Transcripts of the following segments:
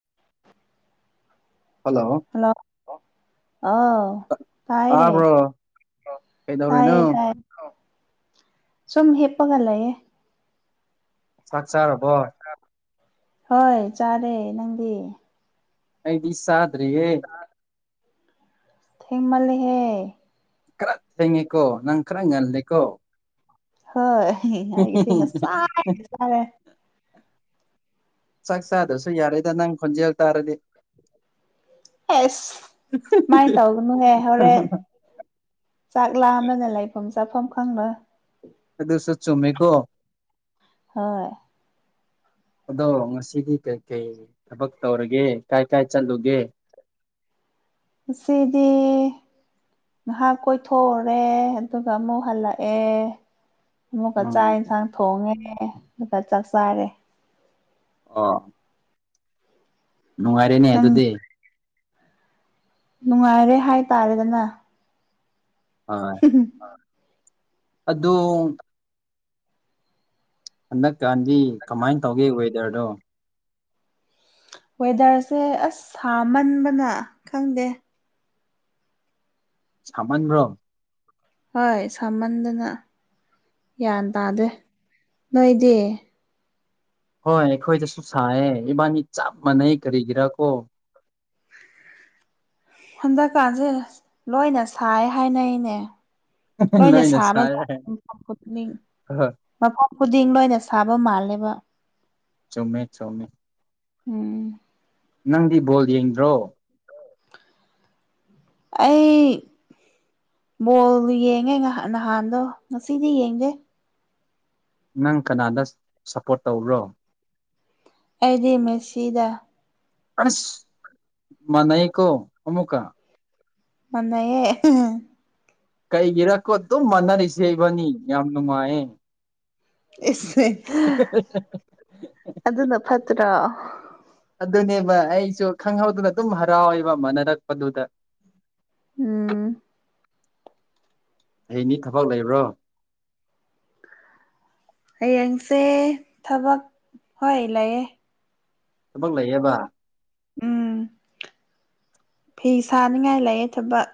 [inaudible] Hello ꯑ ꯇꯥꯏꯌꯦ ꯇꯥꯏꯌꯦ ꯇꯥꯏꯌꯦ ꯁꯣꯝ ꯍꯦꯄꯒꯂꯌꯦ ꯆꯥꯛ ꯆꯥꯔꯕꯣ ꯍꯣꯏ ꯆꯥꯔꯦ ꯅꯪꯗꯤ ꯑꯗꯤ ꯁꯥꯗꯔꯤꯔꯤꯌꯦ ꯊꯦꯡꯃꯂꯤ ꯍꯦ ꯈꯔ ꯊꯦꯡꯉꯦꯀꯣ ꯅꯪ ꯈꯔ ꯉꯜꯂꯦꯀꯣ ꯍꯣꯏ ꯍꯥꯏꯒꯤꯗꯤ ꯁꯥꯔꯦ ꯆꯔꯦ ꯆꯥꯛ ꯆꯥꯗ꯭ꯔꯁꯨ ꯌꯥꯔꯦꯗ ꯅꯪ ꯈꯣꯟꯖꯦꯜ ꯇꯥꯔꯗꯤ ꯑꯦꯁ ꯃꯥꯏꯅ ꯇꯧꯒꯅꯨꯍꯦ ꯍꯣꯔꯦꯟ ꯆꯥꯛ ꯂꯥꯝꯗꯅ ꯂꯩꯐꯝ ꯆꯥꯐꯝ ꯈꯪꯅ ꯑꯗꯨꯗꯁ ꯆꯃꯤꯒꯣ ꯍꯣꯏ ꯑꯗꯣ ꯉꯁꯤꯗꯤ ꯀꯩ ꯀꯩ ꯊꯕꯛ ꯇꯧꯔꯒꯦ ꯀꯥꯏ ꯀꯥꯏ ꯆꯠꯂꯨꯒꯦ [inaudible] ꯁꯤꯗꯤ ꯉꯍꯥꯛ ꯀꯣꯏꯊꯣꯛꯎꯔꯦ ꯑꯗꯨꯒ ꯑꯃꯨꯛ ꯍꯜꯂꯛꯑꯦ ꯑꯃꯨꯛꯀ ꯆꯥꯛ ꯌꯦꯟꯁꯥꯡ ꯊꯣꯡꯉꯦ ꯑꯗꯨꯒ ꯆꯥꯛ ꯆꯥꯏꯔꯦ ꯑꯥ ꯅꯨꯡꯉꯥꯏꯔꯦꯅꯦ ꯑꯗꯨꯗꯤ ꯅꯨꯡꯉꯥꯏꯔꯦ ꯍꯥꯏꯇꯥꯔꯦꯗꯅ [inaudible] ꯑꯗꯨ ꯍꯟꯗꯛꯀꯥꯟꯗꯤ ꯀꯃꯥꯏꯅ ꯇꯧꯒꯦ ꯋꯦꯗꯔꯗꯣ ꯋꯦꯗꯔꯁꯦ ꯑꯁ ꯁꯥꯃꯟꯕꯅ ꯈꯪꯗꯦ ꯁꯃꯥꯟ ꯔꯝ ꯍꯣꯏ ꯁꯥꯃꯟꯗꯅ ꯒ꯭ꯌꯥꯟ ꯇꯥꯗꯦ ꯅꯣꯏꯗꯤ ꯍꯣꯏ ꯑꯩꯈꯣꯏꯗꯁꯨ ꯁꯥꯏꯌꯦ ꯏꯕꯥꯅꯤ ꯆꯞ ꯃꯥꯟꯅꯩ ꯀꯔꯤꯒꯤꯔꯥ ꯀꯣ ꯍꯟꯗꯛꯀꯥꯟꯁꯦ ꯂꯣꯏꯅ ꯁꯥꯏ ꯍꯥꯏꯅꯩꯅꯦ ꯂꯣꯏꯅ ꯁꯥꯕ ꯃꯐꯝ ꯈꯨꯗꯤꯡ ꯃꯐꯝ ꯈꯨꯗꯤꯡ ꯂꯣꯏꯅ ꯁꯥꯕ ꯃꯥꯜꯂꯦꯕ ꯆꯨꯝꯃꯦ ꯆꯨꯝꯃꯦ ꯎꯝ ꯅꯪꯗꯤ ꯕꯣꯜ ꯌꯦꯡꯗ꯭ꯔꯣ ꯑꯩ ꯕꯣꯜꯗꯨ ꯌꯦꯡꯉꯦꯍ ꯅꯍꯥꯟꯗꯣ ꯉꯁꯤꯗꯤ ꯌꯦꯡꯒꯦ ꯅꯪ ꯀꯅꯥꯗ ꯁꯞꯄꯣꯔꯠ ꯇꯧꯕꯔꯣ ꯑꯩꯗꯤ ꯃꯦꯁꯤꯗ ꯑ ꯃꯅꯩꯀꯣ ꯑꯃꯃꯨꯀ ꯉꯅꯥꯑꯦ ꯀꯩꯒꯤꯔꯀꯣ ꯑꯗꯨꯝ ꯃꯥꯟꯅꯔꯤꯁꯦ ꯏꯕꯅꯤ ꯌꯥꯝ ꯅꯨꯡꯉꯥꯏꯌꯦ ꯏꯁꯦ ꯑꯗꯨꯅ ꯐꯠꯇ꯭ꯔꯥ ꯑꯗꯨꯅꯦꯕ ꯑꯩꯁꯨ ꯈꯪꯍꯧꯗꯅ ꯑꯗꯨꯝ ꯍꯔꯥꯎꯋꯦꯕ ꯃꯥꯟꯅꯔꯛꯄꯗꯨꯗ ꯎꯝ ꯑꯩꯅꯤ ꯊꯕꯛ ꯂꯩꯕ꯭ꯔꯣ ꯍꯌꯦꯡꯁꯦ ꯊꯕꯛ ꯍꯣꯏ ꯂꯩꯑꯦ ꯑꯗꯨꯕꯃꯛ ꯂꯩꯌꯦꯕ ꯎꯝ ꯐꯤ ꯁꯥꯅꯤꯡꯉꯥꯏ ꯂꯩꯑꯦ ꯊꯕꯛ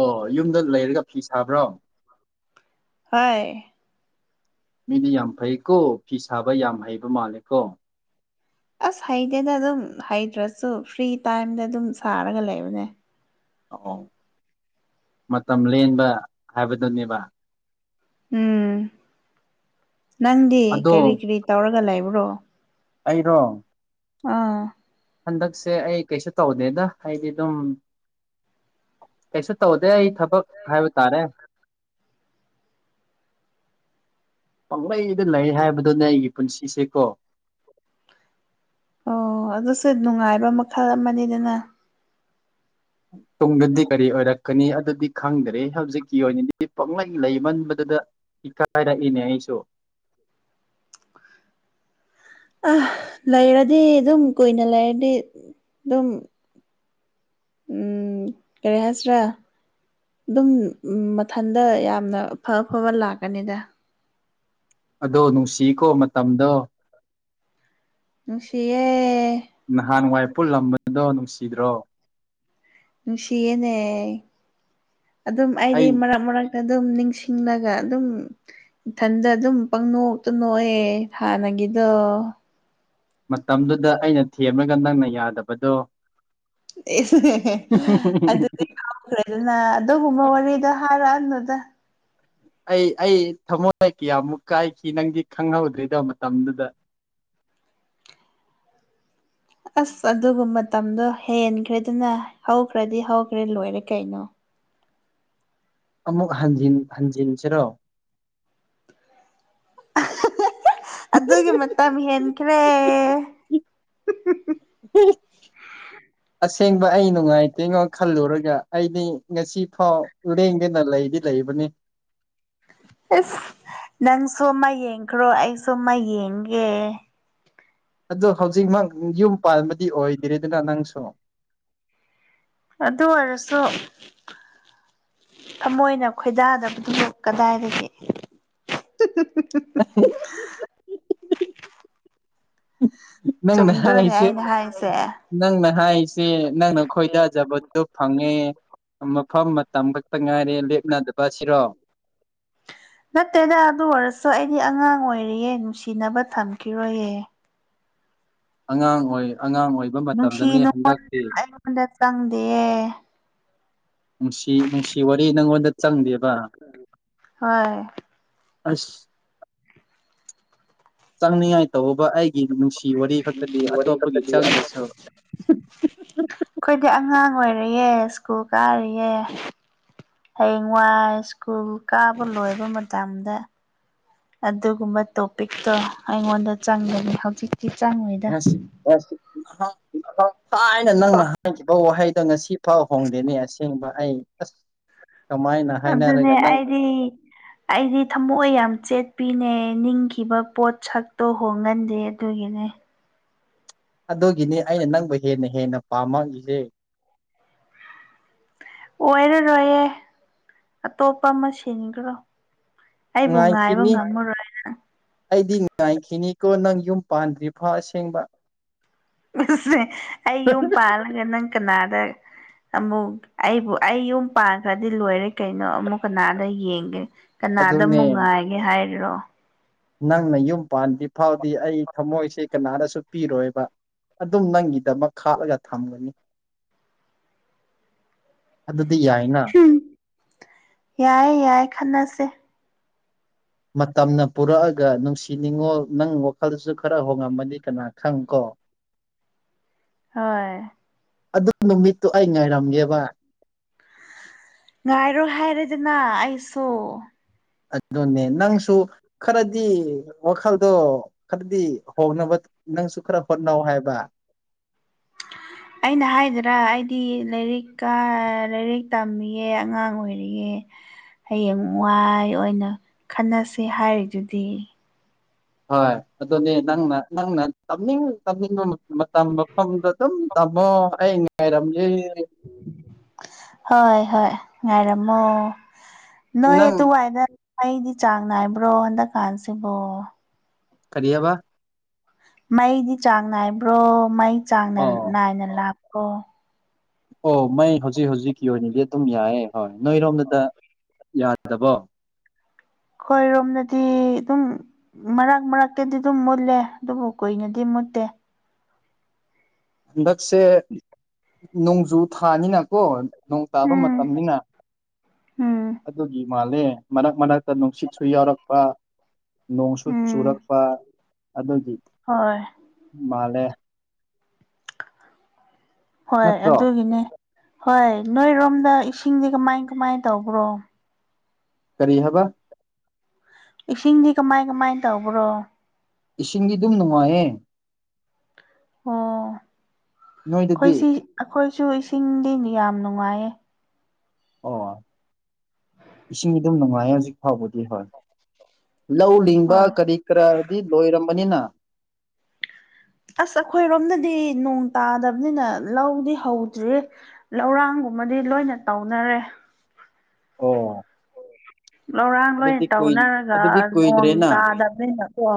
ꯑꯣ ꯌꯨꯝꯗ ꯂꯩꯔꯒ ꯐꯤ ꯁꯥꯕ꯭ꯔꯣ ꯍ ꯃꯤꯗꯤ ꯌꯥꯝ ꯐꯩꯀꯣ ꯐꯤ ꯁꯥꯕ ꯌꯥꯝ ꯍꯩꯕ ꯃꯥꯜꯂꯦꯀꯣ ꯑꯁ ꯍꯩꯇꯦꯅ ꯑꯗꯨꯝ ꯍꯩꯇ꯭ꯔꯁꯨ ꯐ꯭ꯔꯤ ꯇꯥꯏꯝꯗ ꯑꯗꯨꯝ ꯁꯥꯔꯒ ꯂꯩꯕꯅꯦ ꯑ ꯃꯇꯝ ꯂꯦꯟꯕ ꯍꯥꯏꯕꯗꯨꯅꯦꯕ ꯎꯝ ꯅꯪꯗꯤ ꯀꯔꯤ ꯀꯔꯤ ꯇꯧꯔꯒ ꯂꯩꯕ꯭ꯔꯣ ꯑꯩꯔꯣ ꯑꯥ ꯍꯟꯗꯛꯁꯦ ꯑꯩ ꯀꯩꯁꯨ ꯇꯧꯗꯦꯗ ꯍꯥꯏꯗꯤ ꯑꯗꯨꯝ ꯀꯩꯁꯨ ꯇꯧꯗꯦ ꯑꯩ ꯊꯕꯛ ꯍꯥꯏꯕ ꯇꯥꯔꯦ [inaudible] ꯄꯥꯡꯂꯩꯗ ꯂꯩ ꯍꯥꯏꯕꯗꯨꯅꯦ ꯑꯩꯒꯤ ꯄꯨꯟꯁꯤꯁꯦ ꯀꯣ ꯑꯣ ꯑꯗꯨꯁꯨ ꯅꯨꯡꯉꯥꯏꯕ ꯃꯈꯜ ꯑꯃꯅꯤꯗꯅ ꯇꯨꯡꯗꯗꯤ ꯀꯔꯤ ꯑꯣꯏꯔꯛꯀꯅꯤ ꯑꯗꯨꯗꯤ ꯈꯪꯗ꯭ꯔꯦ ꯍꯧꯖꯤꯛꯀꯤ ꯑꯣꯏꯅꯗꯤ ꯄꯥꯛꯂꯩ ꯂꯩꯃꯟꯕꯗꯨꯗ ꯏ ꯀꯥꯏꯔ ꯏ ꯅꯁꯣ ꯑ ꯂꯩꯔꯗꯤ ꯑꯗꯨꯝ ꯀꯨꯏꯅ ꯂꯩꯔꯗꯤ ꯑꯗꯨꯝ ꯎꯝ ꯔꯦꯍꯁ꯭ꯔ ꯑꯗꯨꯝ ꯃꯊꯟꯗ ꯌꯥꯝꯅꯐꯐꯕ ꯂꯥꯛꯀꯅꯤꯗ ꯑꯗꯣ ꯅꯨꯡꯁꯤꯀꯣ ꯃꯇꯝꯗꯣ ꯎꯁꯤꯦ ꯅꯍꯥꯟ ꯋꯥꯏꯄꯨꯜ ꯂꯝꯕꯗꯣ ꯅꯨꯡꯁꯤꯗ꯭ꯔꯣ ꯅꯨꯡꯁꯤꯌꯦꯦꯅꯦ ꯑꯗꯨꯝ ꯑꯩꯗꯤ ꯃꯔꯛ ꯃꯔꯛꯇ ꯑꯗꯨꯝ ꯅꯤꯡꯅꯨꯡꯁꯤ ꯆꯤꯡꯉꯒ ꯑꯗꯨꯝ ꯏꯊꯟꯗ ꯑꯗꯨꯝ ꯄꯪꯅꯣꯛꯇ ꯅꯣꯛꯑꯦ ꯍꯥꯟꯅꯒꯤꯗꯣ ꯃꯇꯝꯗꯨꯗ ꯑꯩꯅ ꯊꯦꯝꯂꯒ ꯅꯪꯅ ꯌꯥꯗꯕꯗꯣ ꯑꯦ ꯑꯗꯨꯗꯤꯈ꯭ꯔꯦꯗꯅ ꯑꯗꯨꯒꯨꯝꯕ ꯋꯥꯔꯤꯗ ꯍꯥꯏꯔꯛꯑꯅꯨ ꯗ ꯑꯩ ꯑꯩ ꯊꯃꯣꯏꯗꯀꯌꯥꯃꯨꯛ ꯀꯥꯏꯈꯤ ꯅꯪꯗꯤ ꯈꯪꯍꯧꯗ꯭ꯔꯤꯗꯕ ꯃꯇꯝꯗꯨꯗ ꯑꯁ ꯑꯗꯨꯒ ꯃꯇꯝꯗꯣ ꯍꯦꯟꯈ꯭ꯔꯦꯗꯅ ꯍꯧꯈ꯭ꯔꯗꯤ ꯍꯧꯈ꯭ꯔꯦ ꯂꯣꯏꯔꯦ ꯀꯩꯅꯣ ꯑꯃꯨꯛ ꯍꯟꯖꯤꯟ ꯍꯟꯖꯤꯟꯁꯤꯔꯣ ꯑꯗꯨꯒꯤ ꯃꯇꯝ ꯍꯦꯟꯈ꯭ꯔꯦ ꯑꯁ ꯁꯦꯡꯕ ꯑꯩ ꯅꯨꯡꯉꯥꯏꯇꯦꯅꯣ ꯈꯜꯂꯨꯔꯒ ꯑꯩꯗꯤ ꯉꯁꯤ ꯐꯥꯎ ꯂꯦꯡꯗꯅ ꯂꯩꯗꯤ ꯂꯩꯕꯅꯤ [inaudible] ꯑꯁ ꯅꯪꯁꯨ ꯑꯃ ꯌꯦꯡꯈ꯭ꯔꯣ ꯑꯩꯁꯨ ꯃ ꯌꯦꯡꯒꯦ ꯑꯗꯨ ꯍꯧꯖꯤꯛꯃꯛ ꯌꯨꯝ ꯄꯥꯟꯕꯗꯤ ꯑꯣꯏꯗꯔꯤꯗꯅ ꯅꯪꯁꯨ ꯑꯗꯨ ꯑꯣꯏꯔꯁꯨ ꯊꯃꯣꯏꯅ ꯈꯣꯏꯗꯥꯗꯕꯗꯨꯕꯨ ꯀꯗꯥꯏꯗꯒꯤ [unintelligible] ꯅꯪꯅ ꯍꯥꯏꯁꯦ ꯅꯪꯅ ꯍꯥꯏꯁꯦ ꯅꯪꯅ ꯈꯈꯣꯏꯗꯖꯕꯠꯇꯣ ꯐꯪꯉꯦ ꯃꯐꯝ ꯃꯇꯝ ꯈꯛꯇ ꯉꯥꯏꯔꯦ ꯂꯦꯞꯅꯗꯕ ꯁꯤꯔꯣ ꯅꯠꯇꯦꯗ ꯑꯗꯨ ꯑꯣꯏꯔꯁꯨ ꯑꯩꯗꯤ ꯑꯉꯥꯡ ꯑꯣꯏꯔꯤꯌꯦ ꯅꯨꯡꯁꯤꯅꯕ ꯊꯝꯈꯤꯔꯣꯏꯌꯦ ꯑꯉꯥꯡ ꯑꯣꯏ ꯑꯉꯥꯡ ꯑꯣꯏꯕ ꯃꯇꯝꯗꯅꯦ ꯍꯟꯗꯛꯇꯤ ꯅꯨꯡꯁꯤ ꯅꯨꯡꯁꯤ ꯋꯥꯔꯤ ꯅꯪꯉꯣꯟꯗ ꯆꯪꯗꯦꯕ ꯑꯁ ꯆꯪꯅꯤꯉꯥꯏ ꯇꯧꯑꯣꯕ ꯑꯩ ꯒꯤ ꯅꯨꯡꯁꯤ ꯋꯥꯔꯤ ꯈꯛꯇꯗꯤ ꯑꯇꯣꯞꯄꯒꯤ ꯆꯪꯗꯁꯨ ꯑꯉꯥꯡ ꯑꯣꯏꯔꯤꯑꯦ ꯁ꯭ꯀꯨꯜ ꯀꯥꯔꯤꯌꯦ ꯍꯌꯦꯡꯋꯥꯏ ꯁ꯭ꯀꯨꯜ ꯀꯥꯕ ꯂꯣꯏꯕ ꯃꯇꯝꯗ ꯑꯗꯨꯒꯨꯝꯕ ꯇꯣꯄꯤꯛꯇꯣ ꯑꯩꯉꯣꯟꯗ ꯆꯪꯕꯅꯤ ꯍꯧꯖꯤꯛ ꯉꯁꯤ ꯊꯥꯏꯅ ꯅꯪꯅ ꯍꯥꯏꯈꯤꯕ ꯋꯥꯍꯩ ꯗ ꯉꯁꯤ ꯐꯥꯎ ꯍꯣꯡꯗꯦꯅꯦ ꯑꯁꯦꯡꯕ ꯑꯩ ꯑꯗꯨꯅꯦ ꯑꯩꯗꯤ ꯑꯩꯗꯤ ꯊꯝꯃꯣꯏ ꯌꯥꯝ ꯆꯦꯠꯄꯤꯅꯦ ꯅꯤꯡꯈꯤꯕ ꯄꯣꯠ ꯁꯛꯇꯣ ꯍꯣꯡꯒꯟꯗꯦ ꯑꯗꯨꯒꯤꯅꯦ ꯑꯗꯨꯒꯤꯅꯤ ꯑꯩꯅ ꯅꯪꯕꯨ ꯍꯦꯟꯅ ꯍꯦꯟꯅ ꯄꯥꯝꯃꯏꯁꯦ ꯑꯣꯏꯔ ꯔꯣꯏꯌꯦ ꯑꯇꯣꯞꯄ ꯑꯃ ꯁꯤꯟꯈ꯭ꯔꯣ ꯑꯩꯕꯨ ꯉꯥꯏꯕ ꯉꯝꯃꯔꯣꯏꯅ ꯉꯥꯏꯈꯤꯅꯤꯀꯣ ꯅꯪ ꯌꯨꯝ ꯄꯥꯟꯗ꯭ꯔꯤꯐꯥꯎ ꯑꯁꯦꯡꯕ ꯁꯦ ꯑꯩ ꯌꯨꯝ ꯄꯥꯜꯂꯒ ꯅꯪ ꯀꯅꯥꯗ ꯑꯃꯨꯛ ꯑꯩꯕꯨ ꯑꯩ ꯌꯨꯝ ꯄꯥꯟꯈ꯭ꯔꯗꯤ ꯂꯣꯏꯔꯦ ꯀꯩꯅꯣ ꯑꯃꯨꯛ ꯀꯅꯥꯗ ꯌꯦꯡꯒꯦ ꯀꯅꯥꯗ ꯃꯨꯛꯉꯥꯏꯒꯦ ꯍꯥꯏꯔꯤꯔꯣ ꯅꯪꯅ ꯌꯨꯝ ꯄꯥꯟꯗꯤ ꯐꯥꯎꯗꯤ ꯑꯩ ꯊꯝꯃꯣꯏꯁꯦ ꯀꯅꯥꯗꯁꯨ ꯄꯤꯔꯣꯏꯕ ꯑꯗꯨꯝ ꯅꯪꯒꯤꯗꯃꯛ ꯈꯥꯛꯂꯒ ꯊꯝꯒꯅꯤ ꯗꯨꯗꯤ ꯌꯥꯏꯅ ꯌꯥꯏ ꯌꯥꯏ ꯈꯟꯅꯁꯦ ꯃꯇꯝꯅ ꯄꯨꯔꯛꯑꯒ ꯅꯨꯡꯁꯤꯅꯤꯡꯉꯣ ꯅꯪ ꯋꯥꯈꯜꯁꯨ ꯈꯔ ꯍꯣꯡꯉꯝꯃꯅꯤ ꯀꯅꯥ ꯈꯪ ꯀꯣ [unintelligible] ꯍꯣꯏ ꯑꯗꯨ ꯅꯨꯃꯤꯠꯇꯨ ꯑꯩ ꯉꯥꯏꯔꯝꯒꯦꯕ ꯉꯥꯏꯔꯣ ꯍꯥꯏꯔꯦꯗꯅ ꯑꯩꯁꯨ ꯑꯗꯨꯅꯦ ꯅꯪꯁꯨ ꯈꯔꯗꯤ ꯋꯥꯈꯜꯗꯣ ꯈꯔꯗꯤ ꯍꯣꯡꯅꯕ ꯅꯪ ꯁꯨ ꯈꯔꯥ ꯍꯠꯅꯧ ꯍꯥꯏꯕ ꯑꯩꯅ ꯍꯥꯏꯗ꯭ꯔꯥ ꯑꯩꯗꯤ ꯂꯥꯏꯔꯤꯛꯀ ꯂꯥꯏꯔꯤꯛ ꯇꯝꯃꯤꯌꯦ ꯑꯉꯥꯡ ꯑꯣꯏꯔꯤꯌꯦ [inaudible] ꯍꯌꯦꯡ ꯋꯥꯏ ꯑꯣꯏꯅ ꯈꯟꯅꯁꯤ ꯍꯥꯏꯔꯤꯗꯨꯗꯤ ꯍꯣꯏ ꯑꯗꯨꯅꯦ ꯅꯪꯅ ꯅꯪꯅ ꯇꯝꯅꯤꯡ ꯇꯝꯅꯤꯡ ꯃꯇꯝ ꯃꯐꯝꯗ ꯑꯗꯨꯝ ꯑꯕꯣ ꯑꯩ ꯉꯥꯏꯔꯝꯒ‌ꯦ ꯍꯣꯏ ꯍꯣꯏ ꯉꯥꯏꯔꯝꯃꯣ ꯅꯣꯏ ꯑꯗꯨꯋꯥꯏꯗ ꯃꯩꯗꯤ ꯆꯥꯡ ꯅꯥꯏꯕ꯭ꯔꯣ ꯍꯟꯗꯛꯀꯥꯟꯁꯤꯕꯣ ꯀꯔꯤ ꯑꯕ ꯃꯩꯗꯤ ꯆꯥꯡ ꯅꯥꯏꯕ꯭ꯔꯣ ꯃꯩ ꯆꯥꯡꯅ ꯅꯥꯏꯅ ꯂꯥꯛꯄꯔ‌ꯣ ꯑꯣ ꯃꯩ ꯍꯧꯖꯤꯛ ꯍꯧꯖꯤꯛꯀꯤ ꯑꯣꯏꯅꯗꯤ ꯑꯗꯨꯝ ꯌꯥꯏꯌꯦ ꯍꯣꯏ ꯅꯣꯏꯔꯣꯝꯗꯗ ꯌꯥꯗꯕꯣ ꯈꯣꯏꯔꯣꯝꯅꯗꯤ ꯑꯗꯨꯝ ꯃꯔꯛ ꯃꯔꯛꯇꯗꯤ ꯑꯗꯨꯝ ꯃꯨꯠꯂꯦ ꯑꯗꯨꯕꯨ ꯀꯨꯏꯅꯗꯤ ꯃꯨꯠꯇꯦ ꯍꯟꯗꯛꯁꯦ ꯅꯣꯡꯖꯨ ꯊꯥꯅꯤꯅꯀꯣ ꯅꯣꯡ ꯇꯥꯕ ꯃꯇꯝꯅꯤꯅ ꯑꯗꯨꯒꯤ ꯃꯥꯜꯂꯦ ꯃꯔꯛ ꯃꯔꯛꯇ ꯅꯨꯡꯁꯤꯠꯁꯨ ꯌꯥꯎꯔꯛꯄ ꯅꯣꯡꯁꯨ ꯆꯨꯔꯛꯄ ꯑꯗꯨꯒꯤ ꯃꯥꯜꯂꯦ ꯍꯣꯏ ꯑꯗꯨꯒꯤꯅꯦ ꯍꯣꯏ ꯅꯣꯏꯔꯣꯝꯗ ꯏꯁꯤꯡꯗꯤ ꯀꯃꯥꯏ ꯀꯃꯥꯏ ꯇꯧꯕ꯭ꯔꯣ ꯀꯔꯤ ꯍꯕ ꯏꯁꯤꯡꯗꯤ ꯀꯃꯥꯏ ꯀꯃꯥꯏꯅ ꯇꯧꯕ꯭ꯔꯣ ꯏꯁꯤꯡꯗꯤ ꯑꯗꯨꯝ ꯅꯨꯡꯉꯥꯏꯌꯦ ꯑꯣ ꯈ‌ꯣꯏ ꯁꯤ ꯑꯩꯈꯣꯏꯁꯨ ꯏꯁꯤꯡꯗꯤ ꯌꯥꯝ ꯅꯨꯡꯉꯥꯏꯌꯦ ꯑꯣ ꯏꯁꯤꯡ ꯑꯗꯨꯝ ꯅꯨꯡꯉꯥꯏ ꯍꯧꯖꯤꯛ ꯐꯥꯎꯕꯗꯤ ꯍꯣꯏ ꯂꯧ ꯂꯤꯡꯕ ꯀꯔꯤ ꯀꯔꯥꯗꯤ ꯂꯣꯏꯔꯝꯃꯅꯤꯅ ꯑꯁ ꯑꯩꯈꯣꯏꯔꯣꯝꯗꯗꯤ ꯅꯣꯡ ꯇꯥꯗꯕꯅꯤꯅ ꯂꯧꯗꯤ ꯍꯧꯗ꯭ꯔꯤ ꯂꯧꯔꯥꯡ ꯃꯗꯤ ꯂꯣꯏꯅ ꯇꯧꯅꯔꯦ ꯑꯣ ꯂꯧꯔꯥꯡ ꯂꯣꯏꯅ ꯇꯧꯅꯔꯒ ꯅꯣꯡ ꯇꯥꯗꯕꯅꯤꯅꯀꯣ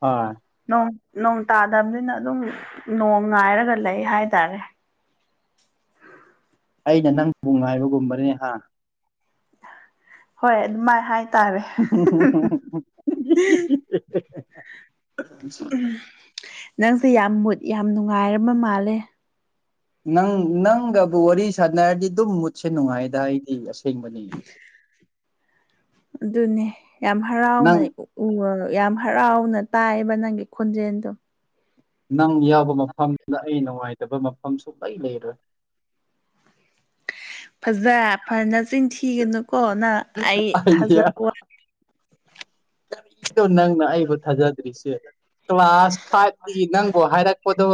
ꯑ ꯅꯣꯡ ꯇꯥꯗꯕꯅꯤꯅ ꯑꯗꯨꯝ ꯅꯣꯡ ꯉꯥꯏꯔꯒ ꯂꯩ ꯍꯥꯏꯇꯥꯔꯦ [inaudible] ꯑꯩꯅ ꯅꯪꯕꯨ ꯉꯥꯏꯕꯒꯨꯝꯕꯅꯤ ꯍꯥ ꯍꯣꯏ ꯑꯗꯨꯃꯥꯏ ꯍꯥꯏ [unintelligible] [unintelligible] ꯅꯪꯁꯦ ꯌꯥꯝ ꯃꯨꯠ ꯌꯥꯝ ꯅꯨꯡꯉꯥꯏꯔꯕ ꯃꯥꯜꯂꯦ ꯅꯪ ꯅꯪꯒꯕꯨ ꯋꯥꯔꯤ ꯁꯥꯟꯅꯔꯗꯤ ꯑꯗꯨꯝ ꯃꯨꯠꯁꯦ ꯅꯨꯡꯉꯥꯏꯗ ꯑꯩꯗꯤ ꯏꯁ ꯊꯤꯡꯕꯅꯤ ꯑꯗꯨꯅꯦ ꯌꯥꯝ ꯍꯔꯥꯎꯅ ꯎ [unintelligible] ꯌꯥꯝ ꯍꯔꯥꯎꯅ ꯇꯥꯏ ꯕ ꯅꯪꯒꯤ ꯈ‌ꯣꯟꯖ‌ꯦꯟꯗꯣ ꯅꯪ ꯌꯥꯎꯕ ꯃꯐꯝꯗ ꯑꯩ ꯅꯨꯡꯉꯥꯏꯇꯕ ꯃꯐꯝ ꯁꯨꯡꯂꯩ ꯂꯩꯔꯣꯏ ꯐꯖ ꯐꯅ ꯆꯤꯟꯊꯤꯒꯅꯨꯀꯣ ꯅꯪ ꯑꯩ ꯊꯥꯖꯕ ꯋꯥꯠ ꯏꯗꯣ ꯅꯪꯅ ꯑꯩꯕꯨ ꯊꯥꯖꯗ꯭ꯔꯤꯁꯦ ꯀ꯭ꯂꯥꯁ ꯐꯥꯏꯚꯀꯤ ꯅꯪꯕꯨ ꯍꯥꯏꯔꯛꯄꯗꯣ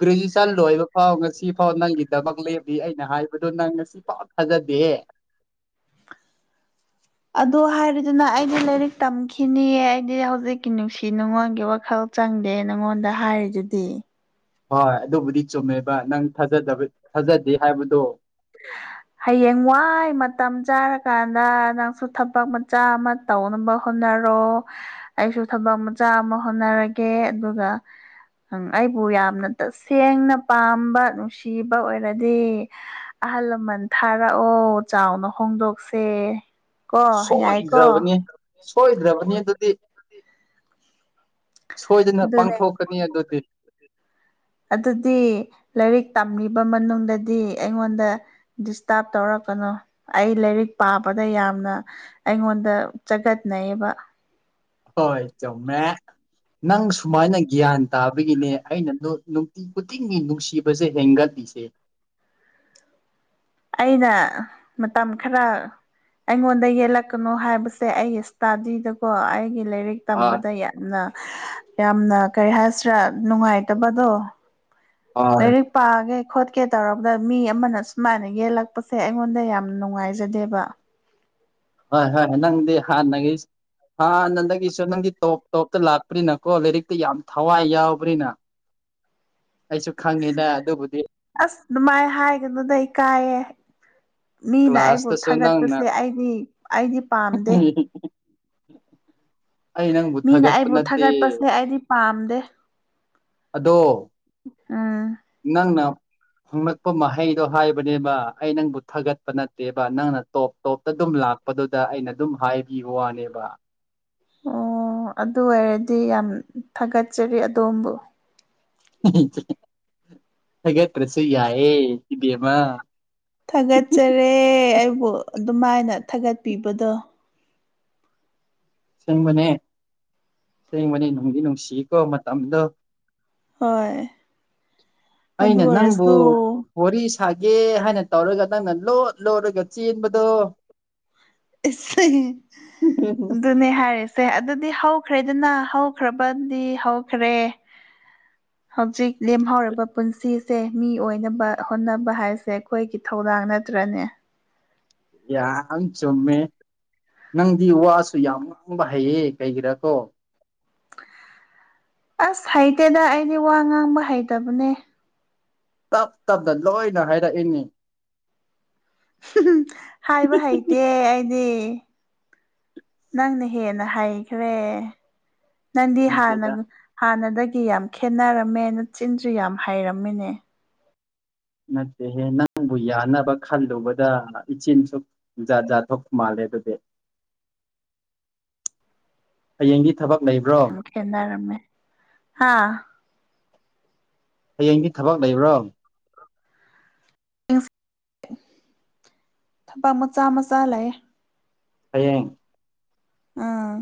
ꯒ꯭ꯔꯦꯖꯨꯁꯟ ꯂꯣꯏꯕ ꯐꯥꯎ ꯉꯁꯤ ꯐꯥꯎ ꯅꯪꯒꯤꯗꯃꯛ ꯂꯦꯞꯄꯤ ꯑꯩꯅ ꯍꯥꯏꯕꯗꯣ ꯅꯪ ꯉꯁꯤ ꯐꯥꯎ ꯊꯥꯖꯗꯦ ꯑꯗ‌ꯣ ꯍꯥꯏꯔꯤꯗꯨꯅ ꯑꯩꯗꯤ ꯂꯥꯏꯔꯤꯛ ꯇꯝꯈꯤꯅꯤ ꯑꯩꯗꯤ ꯍꯧꯖꯤꯛꯀꯤ ꯅꯨꯡꯁꯤ ꯅꯨꯡꯉꯣꯟꯒꯤ ꯋꯥꯈꯜ ꯆꯪꯗ‌ꯦ ꯆꯪꯗꯦ ꯅꯪꯉꯣꯟꯗ ꯍꯥꯏꯔꯤꯗꯨꯗꯤ ꯍꯣꯏ ꯑꯗꯨꯕꯨꯗꯤ ꯆꯨꯝꯃꯦꯕ ꯅꯪꯥ ꯊꯥꯖꯗꯕ ꯊꯥꯖꯗꯦ ꯍꯥꯏꯕꯗꯣ ꯍꯌꯦꯡ ꯋꯥꯏ ꯃꯇꯝ ꯆꯥꯔꯀꯥꯟꯗ ꯅꯪꯁꯨ ꯊꯕꯛ ꯃꯆꯥ ꯑꯃ ꯇꯧꯅꯕ ꯍꯣꯠ ꯅꯔꯣ ꯑꯩꯁꯨ ꯊꯕꯛ ꯃꯆꯥ ꯑꯃ ꯍꯣꯠꯅꯔꯒꯦ ꯑꯗꯨꯒ ꯎꯪ ꯑꯩꯕꯨ ꯌꯥꯝꯅ ꯇꯁꯦꯡꯅ ꯄꯥꯝꯕ ꯅꯨꯡꯁꯤꯕ ꯑꯣꯏꯔꯗꯤ ꯑꯍꯜ ꯂꯃꯟ ꯊꯥꯔꯛꯑꯣ ꯆꯥꯎꯅ ꯍꯣꯡꯗꯣꯛꯁꯦ ꯀꯣ ꯌꯥꯏ ꯀꯣ ꯁꯣꯏꯗ꯭ꯔꯕꯅꯤ ꯑꯗꯨꯗꯤ ꯁꯣꯏꯗꯅ ꯄꯥꯡꯊꯣꯛꯀꯅꯤ ꯑꯗꯨꯗꯤ ꯑꯗꯨꯗꯤ ꯂꯥꯏꯔꯤꯛ ꯇꯝꯂꯤꯕ ꯃꯅꯨꯡꯗꯗꯤ ꯑꯩꯉꯣꯟꯗ ꯗꯤꯁꯇꯥꯔꯕ ꯇꯧꯔꯛꯀꯅꯣ ꯑꯩ ꯂꯥꯏꯔꯤꯛ ꯄꯥꯕ ꯌꯥꯝꯅ ꯑꯩꯉꯣꯟꯗ ꯆꯒꯠꯅꯩꯌꯦꯕ ꯍꯣꯏ ꯆꯨꯨꯝꯃꯦ ꯅꯪ ꯁꯨꯃꯥꯏꯅ ꯒ꯭ꯌꯥꯟ ꯇꯥꯕꯒꯤꯅꯦ ꯑꯩꯅ ꯅꯨꯡꯇꯤ ꯈꯨꯗꯤꯡꯒꯤ ꯅꯨꯡꯁꯤꯕꯁꯦ ꯍꯦꯟꯒꯠꯂꯤꯁꯦ [inaudible] ꯑꯩꯅ ꯃꯇꯝ ꯈꯔ ꯑꯩꯉꯣꯟꯗ ꯌꯦꯠꯂꯛꯀꯅꯣ ꯍꯥꯏꯕꯁꯦ ꯑꯩꯒꯤ ꯏꯁꯇꯥꯗꯤꯗꯀꯣ ꯑꯩꯒꯤ ꯂꯩ ꯂꯥꯏꯔꯤꯛ ꯇꯝꯕꯗ ꯌꯥꯝꯅ ꯌꯥꯝꯅ ꯀꯔꯤ ꯍꯥꯏꯁꯤ꯭ꯔ ꯅꯨꯡꯉꯥꯏꯇꯕꯗꯣ ꯂꯥꯏꯔꯤꯛ ꯄꯥꯒꯦ ꯈꯣꯠꯀꯦ ꯇꯧꯔꯕꯗ ꯃꯤ ꯑꯃꯅ ꯁꯨꯃꯥꯏꯅ ꯌꯦꯠꯂꯛꯄꯁꯦ ꯑꯩꯉꯣꯟꯗ ꯌꯥꯝ ꯅꯨꯡꯉꯥꯏꯖꯗꯦꯕ ꯍꯣꯏ ꯍꯣꯏ ꯅꯪꯗꯤ ꯍꯥꯟꯅꯒꯤ ꯍꯥ ꯅꯍꯥꯟꯗꯒꯤꯁꯨ ꯅꯪꯒꯤ ꯇꯣꯞ ꯇꯣꯞꯇ ꯂꯥꯛꯄꯅꯤꯅꯀꯣ ꯂꯥꯏꯔꯤꯛꯇ ꯌꯥꯝ ꯊꯋꯥꯏ ꯌꯥꯎꯕꯅꯤꯅ ꯑꯁ ꯑꯗꯨꯃꯥꯏ ꯍꯥꯏꯒꯅꯨꯗ ꯏꯀꯥꯏꯌꯦ ꯃꯤꯅ ꯑꯩꯕꯨ ꯊꯥꯒꯠꯄꯁꯦ ꯑꯩꯗꯤ ꯑꯩꯗꯤ ꯄꯥꯝꯗꯦ ꯑꯩ ꯅꯪꯕꯨ ꯊꯥꯒꯠꯄ ꯅꯠꯇꯦ ꯑꯗꯣ ꯅꯪꯅ ꯍꯣꯡꯂꯛꯄ ꯃꯍꯩꯗꯣ ꯍꯥꯏꯕꯅꯦꯕ ꯑꯩ ꯅꯪꯕꯨ ꯊꯥꯒꯠ ꯅꯠꯇꯦꯕ ꯅꯪꯅ ꯇꯣꯞ ꯇꯣꯞꯇ ꯑꯗꯨꯝ ꯂꯥꯛꯄꯗꯨꯗ ꯑꯩꯅ ꯑꯗꯨꯝ ꯍꯥꯏꯕꯤꯕꯩ ꯋꯥꯅꯦꯕ ꯑꯣ ꯑꯗꯨ ꯑꯣꯏꯔꯗꯤ ꯌꯥꯝ ꯊꯥꯒꯠꯆꯔꯤ ꯑꯗꯣꯝꯕꯨ ꯊꯥꯒꯠꯇꯔꯁꯨ ꯌꯥꯏꯌꯦ ꯏꯕꯦꯝꯃ ꯊꯥꯒꯠꯆꯔꯦ ꯑꯩꯕꯨ ꯑꯗꯨꯝ ꯃꯥꯏꯅ ꯊꯥꯒꯠꯄꯤꯕꯗꯣ ꯑꯁꯦꯡꯕꯅꯦ ꯑꯁꯦꯡꯕꯅꯦ ꯅꯨꯡꯗꯤ ꯅꯨꯡꯁꯤꯀꯣ ꯃꯇꯝꯗꯣ ꯍꯣꯏ ꯑꯩꯅ ꯅꯪꯕꯨ ꯋꯥꯔꯤ ꯁꯥꯒꯦ ꯍꯥꯏꯅ ꯇꯧꯔꯒ ꯅꯪꯅ ꯂꯣꯠ ꯂꯣꯠꯂꯒ ꯆꯦꯟꯕꯗꯣ ꯑꯗꯨꯅꯦ ꯍꯥꯏꯔꯦ ꯁꯦ ꯑꯗꯨꯗꯤ ꯍꯧꯈ꯭ꯔꯦꯗꯅ ꯍꯧꯈ꯭ꯔꯕꯗꯤ ꯍꯧꯈ꯭ꯔꯦ [inaudible] ꯍꯧꯖꯤꯛ ꯂꯦꯝꯍꯧꯔꯕ ꯄꯨꯟꯁꯤꯁꯦ ꯃꯤ ꯑꯣꯏꯅꯕ ꯍꯣꯠꯅꯕ ꯍꯥꯏꯁꯦ ꯑꯩꯈꯣꯏꯒꯤ ꯊꯧꯗꯥꯡ ꯅꯠꯇ꯭ꯔ ꯇꯔꯅꯦ ꯌꯥꯝ ꯆꯨꯝꯃꯦ ꯅꯪꯗꯤ ꯋꯥꯁꯨ ꯌꯥꯝ ꯉꯥꯡꯕ ꯍꯩꯌꯦ ꯀꯩꯒꯤꯔ ꯀꯣ ꯑꯁ ꯍꯩꯇꯦꯗ ꯑꯩꯗꯤ ꯋꯥ ꯉꯥꯡꯕ ꯍꯩꯇꯕꯅꯦ ꯇꯞ ꯇꯞꯅ ꯂꯣꯏꯅ ꯍꯥꯏꯔꯛꯏꯅꯦ ꯍꯥꯏꯕ ꯍꯩꯇꯦ ꯑꯩ ꯁꯦ ꯅꯪꯅ ꯍꯦꯟꯅ ꯍꯩꯈ꯭ꯔꯦ ꯅꯪꯗꯤ ꯍꯥꯟꯅ ꯍꯥꯟꯅꯗꯒꯤ ꯒꯤ ꯌꯥꯝ ꯈꯦꯠꯅꯔꯝꯃꯦ ꯅꯆꯤꯟꯁꯨ ꯌꯥꯝ ꯍꯩꯔꯝꯃꯤꯅꯦ ꯅꯠꯇꯦꯍꯦ ꯅꯪꯕꯨ ꯌꯥꯅꯕ ꯈꯜꯂꯨꯕꯗ ꯏꯆꯤꯜꯁꯨ ꯖꯥꯠ ꯖꯥꯠ ꯊꯣꯛꯄ ꯃꯥꯜꯂꯦ ꯍꯌꯦꯡꯒꯤ ꯌꯥꯝ ꯈꯦꯠꯅꯔꯝꯃꯦ ꯍꯥꯥ ꯍꯌꯦꯡꯒꯤ ꯊꯕꯛ ꯂꯩꯕ꯭ꯔꯣ ꯊꯕꯛ ꯃꯆꯥ ꯃꯆꯥ ꯂꯩ ꯍꯌꯦꯡ ꯑꯥ